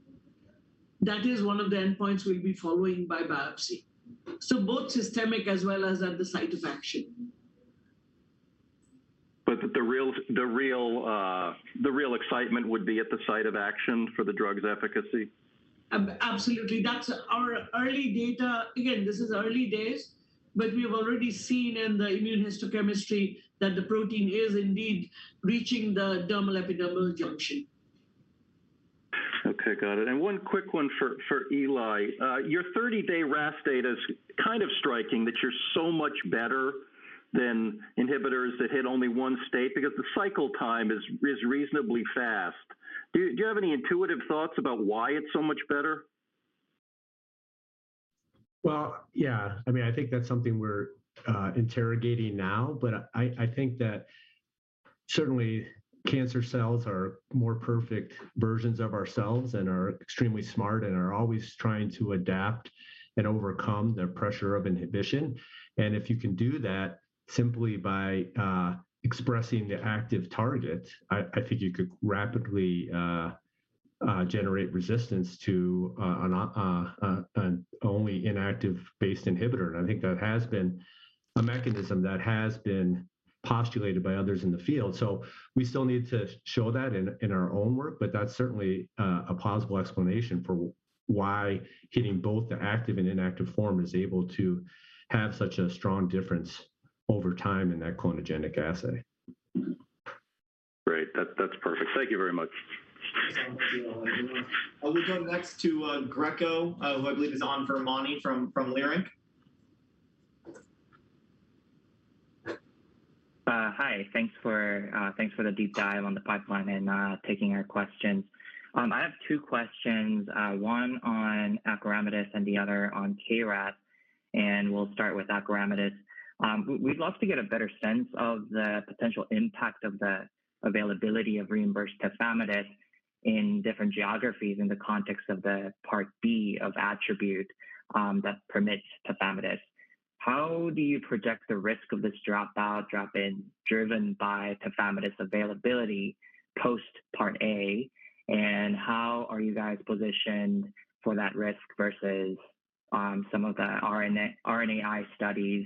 That is one of the endpoints we'll be following by biopsy. So, both systemic as well as at the site of action. The real excitement would be at the site of action for the drug's efficacy? Absolutely. That's our early data. Again, this is early days, but we've already seen in the immunohistochemistry that the protein is indeed reaching the dermal epidermal junction. Okay, got it. One quick one for Eli. Your 30-day RAS data is kind of striking that you're so much better than inhibitors that hit only one state because the cycle time is reasonably fast. Do you have any intuitive thoughts about why it's so much better? Well, yeah. I think that's something we're interrogating now. I think that, certainly, cancer cells are more perfect versions of ourselves and are extremely smart and are always trying to adapt and overcome the pressure of inhibition. If you can do that simply by expressing the active target, I think you could rapidly generate resistance to an only inactive-based inhibitor. I think that has been a mechanism that has been postulated by others in the field. We still need to show that in our own work, but that's certainly a possible explanation for why hitting both the active and inactive form is able to have such a strong difference over time in that clonogenic assay. Great. That's perfect. Thank you very much. You're welcome. We'll go next to Greco, who I believe is on for Mani from Leerink. Hi. Thanks for the deep dive on the pipeline and taking our questions. I have two questions, one on acoramidis and the other on KRAS, and we'll start with acoramidis. We'd love to get a better sense of the potential impact of the availability of reimbursed tafamidis in different geographies in the context of the Part B of ATTRibute that permits tafamidis. How do you project the risk of this drop-out, drop-in driven by tafamidis availability post Part A, and how are you guys positioned for that risk versus some of the RNAi studies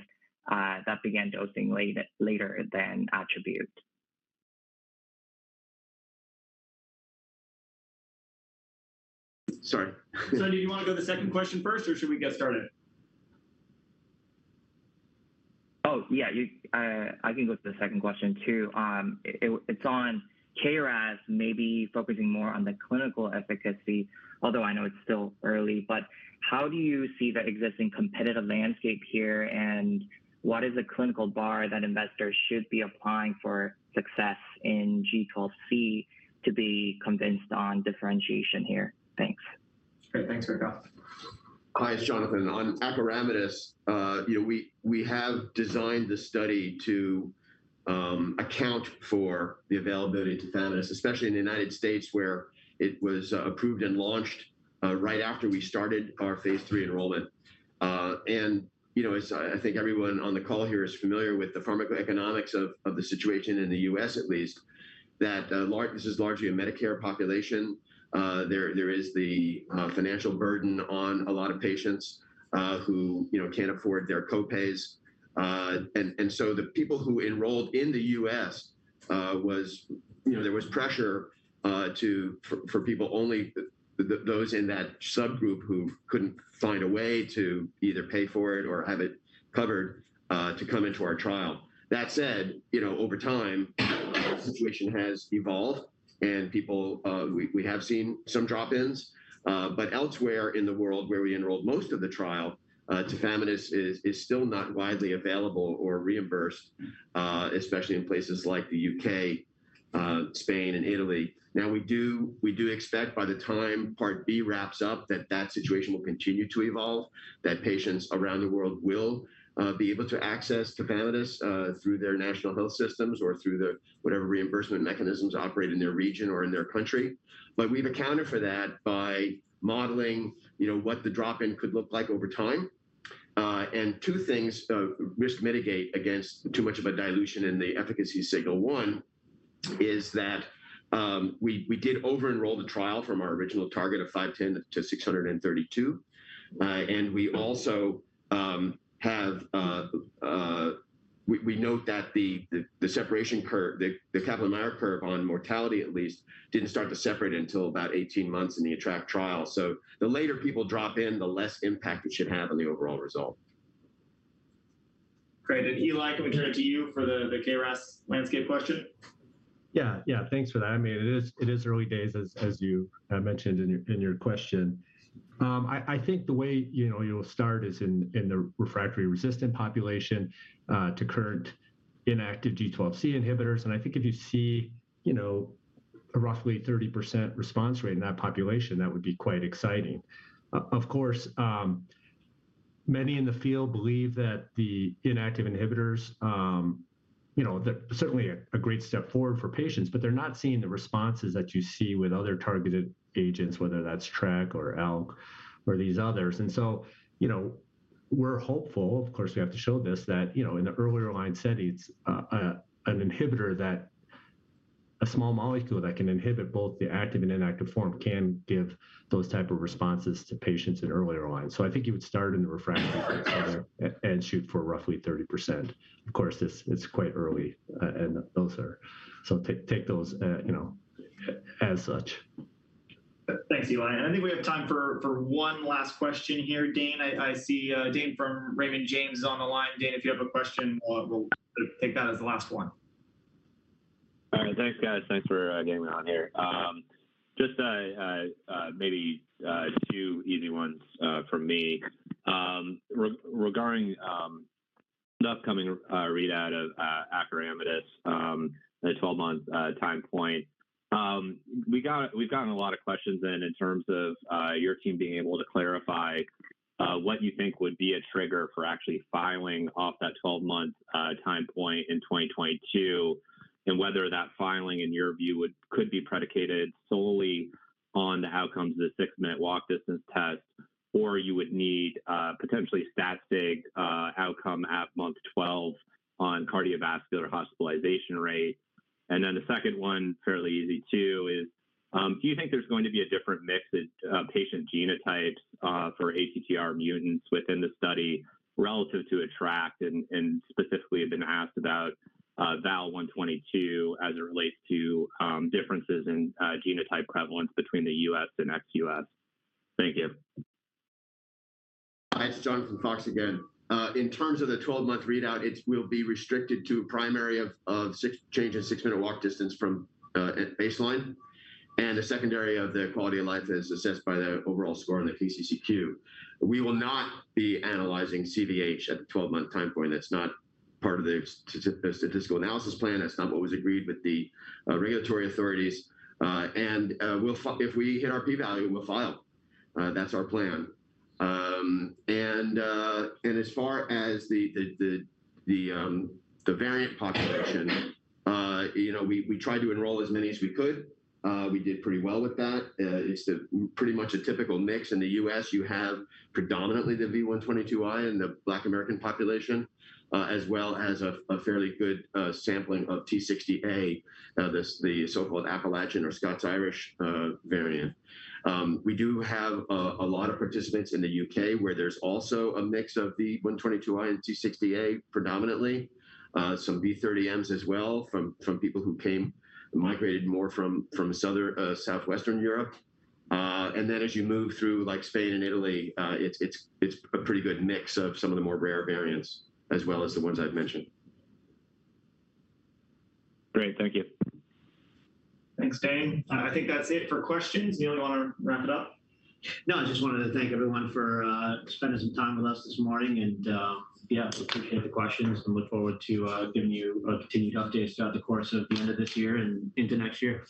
that began dosing later than ATTRibute? Sorry. Do you want to go to the second question first, or should we get started? Oh, yeah. I can go to the second question, too. It's on KRAS, maybe focusing more on the clinical efficacy, although I know it's still early, but how do you see the existing competitive landscape here, and what is the clinical bar that investors should be applying for success in G12C to be convinced on differentiation here? Thanks. Great. Thanks, Greco. Hi, it's Jonathan. On acoramidis, we have designed the study to account for the availability of tafamidis, especially in the United States, where it was approved and launched right after we started our phase III enrollment. I think everyone on the call here is familiar with the pharmacoeconomics of the situation in the U.S., at least, that this is largely a Medicare population. There is the financial burden on a lot of patients who can't afford their co-pays. So, the people who enrolled in the U.S., there was pressure for people, only those in that subgroup who couldn't find a way to either pay for it or have it covered, to come into our trial. That said, over time, the situation has evolved and we have seen some drop-ins, but elsewhere in the world where we enrolled most of the trial, tafamidis is still not widely available or reimbursed, especially in places like the U.K., Spain, and Italy. We do expect by the time Part B wraps up that that situation will continue to evolve, that patients around the world will be able to access tafamidis through their national health systems or through whatever reimbursement mechanisms operate in their region or in their country. We've accounted for that by modeling what the drop-in could look like over time. Two things risk mitigate against too much of a dilution in the efficacy signal. One is that we did over-enroll the trial from our original target of 510 to 632. We also have, we note that the separation curve, the Kaplan-Meier curve on mortality at least, didn't start to separate until about 18 months in the ATTR-ACT trial, so the later people drop in, the less impact it should have on the overall result. Great. Eli, can we turn it to you for the KRAS landscape question? Yeah. Thanks for that. It is early days, as you mentioned in your question. I think the way you'll start is in the refractory resistant population to current inactive G12C inhibitors. I think if you see a roughly 30% response rate in that population, that would be quite exciting. Of course, many in the field believe that the inactive inhibitors, they're certainly a great step forward for patients, but they're not seeing the responses that you see with other targeted agents, whether that's TRK or ALK or these others. We're hopeful, of course, we have to show this, that in the earlier line studies, an inhibitor that, a small molecule that can inhibit both the active and inactive form can give those types of responses to patients in earlier lines. I think you would start in the refractory setting and shoot for roughly 30%. Of course, it's quite early, <audio distortion> so take those as such. Thanks, Eli. I think we have time for one last question here. Dane, I see Dane from Raymond James is on the line. Dane, if you have a question, we'll take that as the last one. All right. Thanks, guys. Thanks for getting me on here. Just maybe two easy ones from me. Regarding the upcoming readout of acoramidis at a 12-month time point, we've gotten a lot of questions in terms of your team being able to clarify what you think would be a trigger for actually filing off that 12-month time point in 2022, and whether that filing, in your view, could be predicated solely on the outcomes of the six-minute walk distance test, or you would need potentially statistic outcome at month 12 on cardiovascular hospitalization rates. Then, the second one, fairly easy too, is do you think there's going to be a different mix of patient genotypes for ATTR mutants within the study relative to ATTR-ACT? Specifically, have been asked about Val122 as it relates to differences in genotype prevalence between the U.S. and ex-U.S. Thank you. Hi, it's Jonathan Fox again. In terms of the 12-month readout, it will be restricted to a primary of change in six-minute walk distance from baseline, and a secondary of the quality of life as assessed by the overall score on the KCCQ. We will not be analyzing CVH at the 12-month time point, that's not part of the statistical analysis plan. That's not what was agreed with the regulatory authorities. If we hit our p-value, we'll file, that's our plan. As far as the variant population, we tried to enroll as many as we could. We did pretty well with that. It's pretty much a typical mix. In the U.S., you have predominantly the V122I in the Black American population, as well as a fairly good sampling of T60A, the so-called Appalachian or Scots-Irish variant. We do have a lot of participants in the U.K., where there's also a mix of V122I and T60A predominantly, some V30Ms as well from people who came, migrated more from Southwestern Europe. Then, as you move through Spain and Italy, it's a pretty good mix of some of the more rare variants as well as the ones I've mentioned. Great. Thank you. Thanks, Dane. I think that's it for questions. Neil, you want to wrap it up? No, I just wanted to thank everyone for spending some time with us this morning. Yeah, appreciate the questions and look forward to giving you continued updates throughout the course of the end of this year and into next year.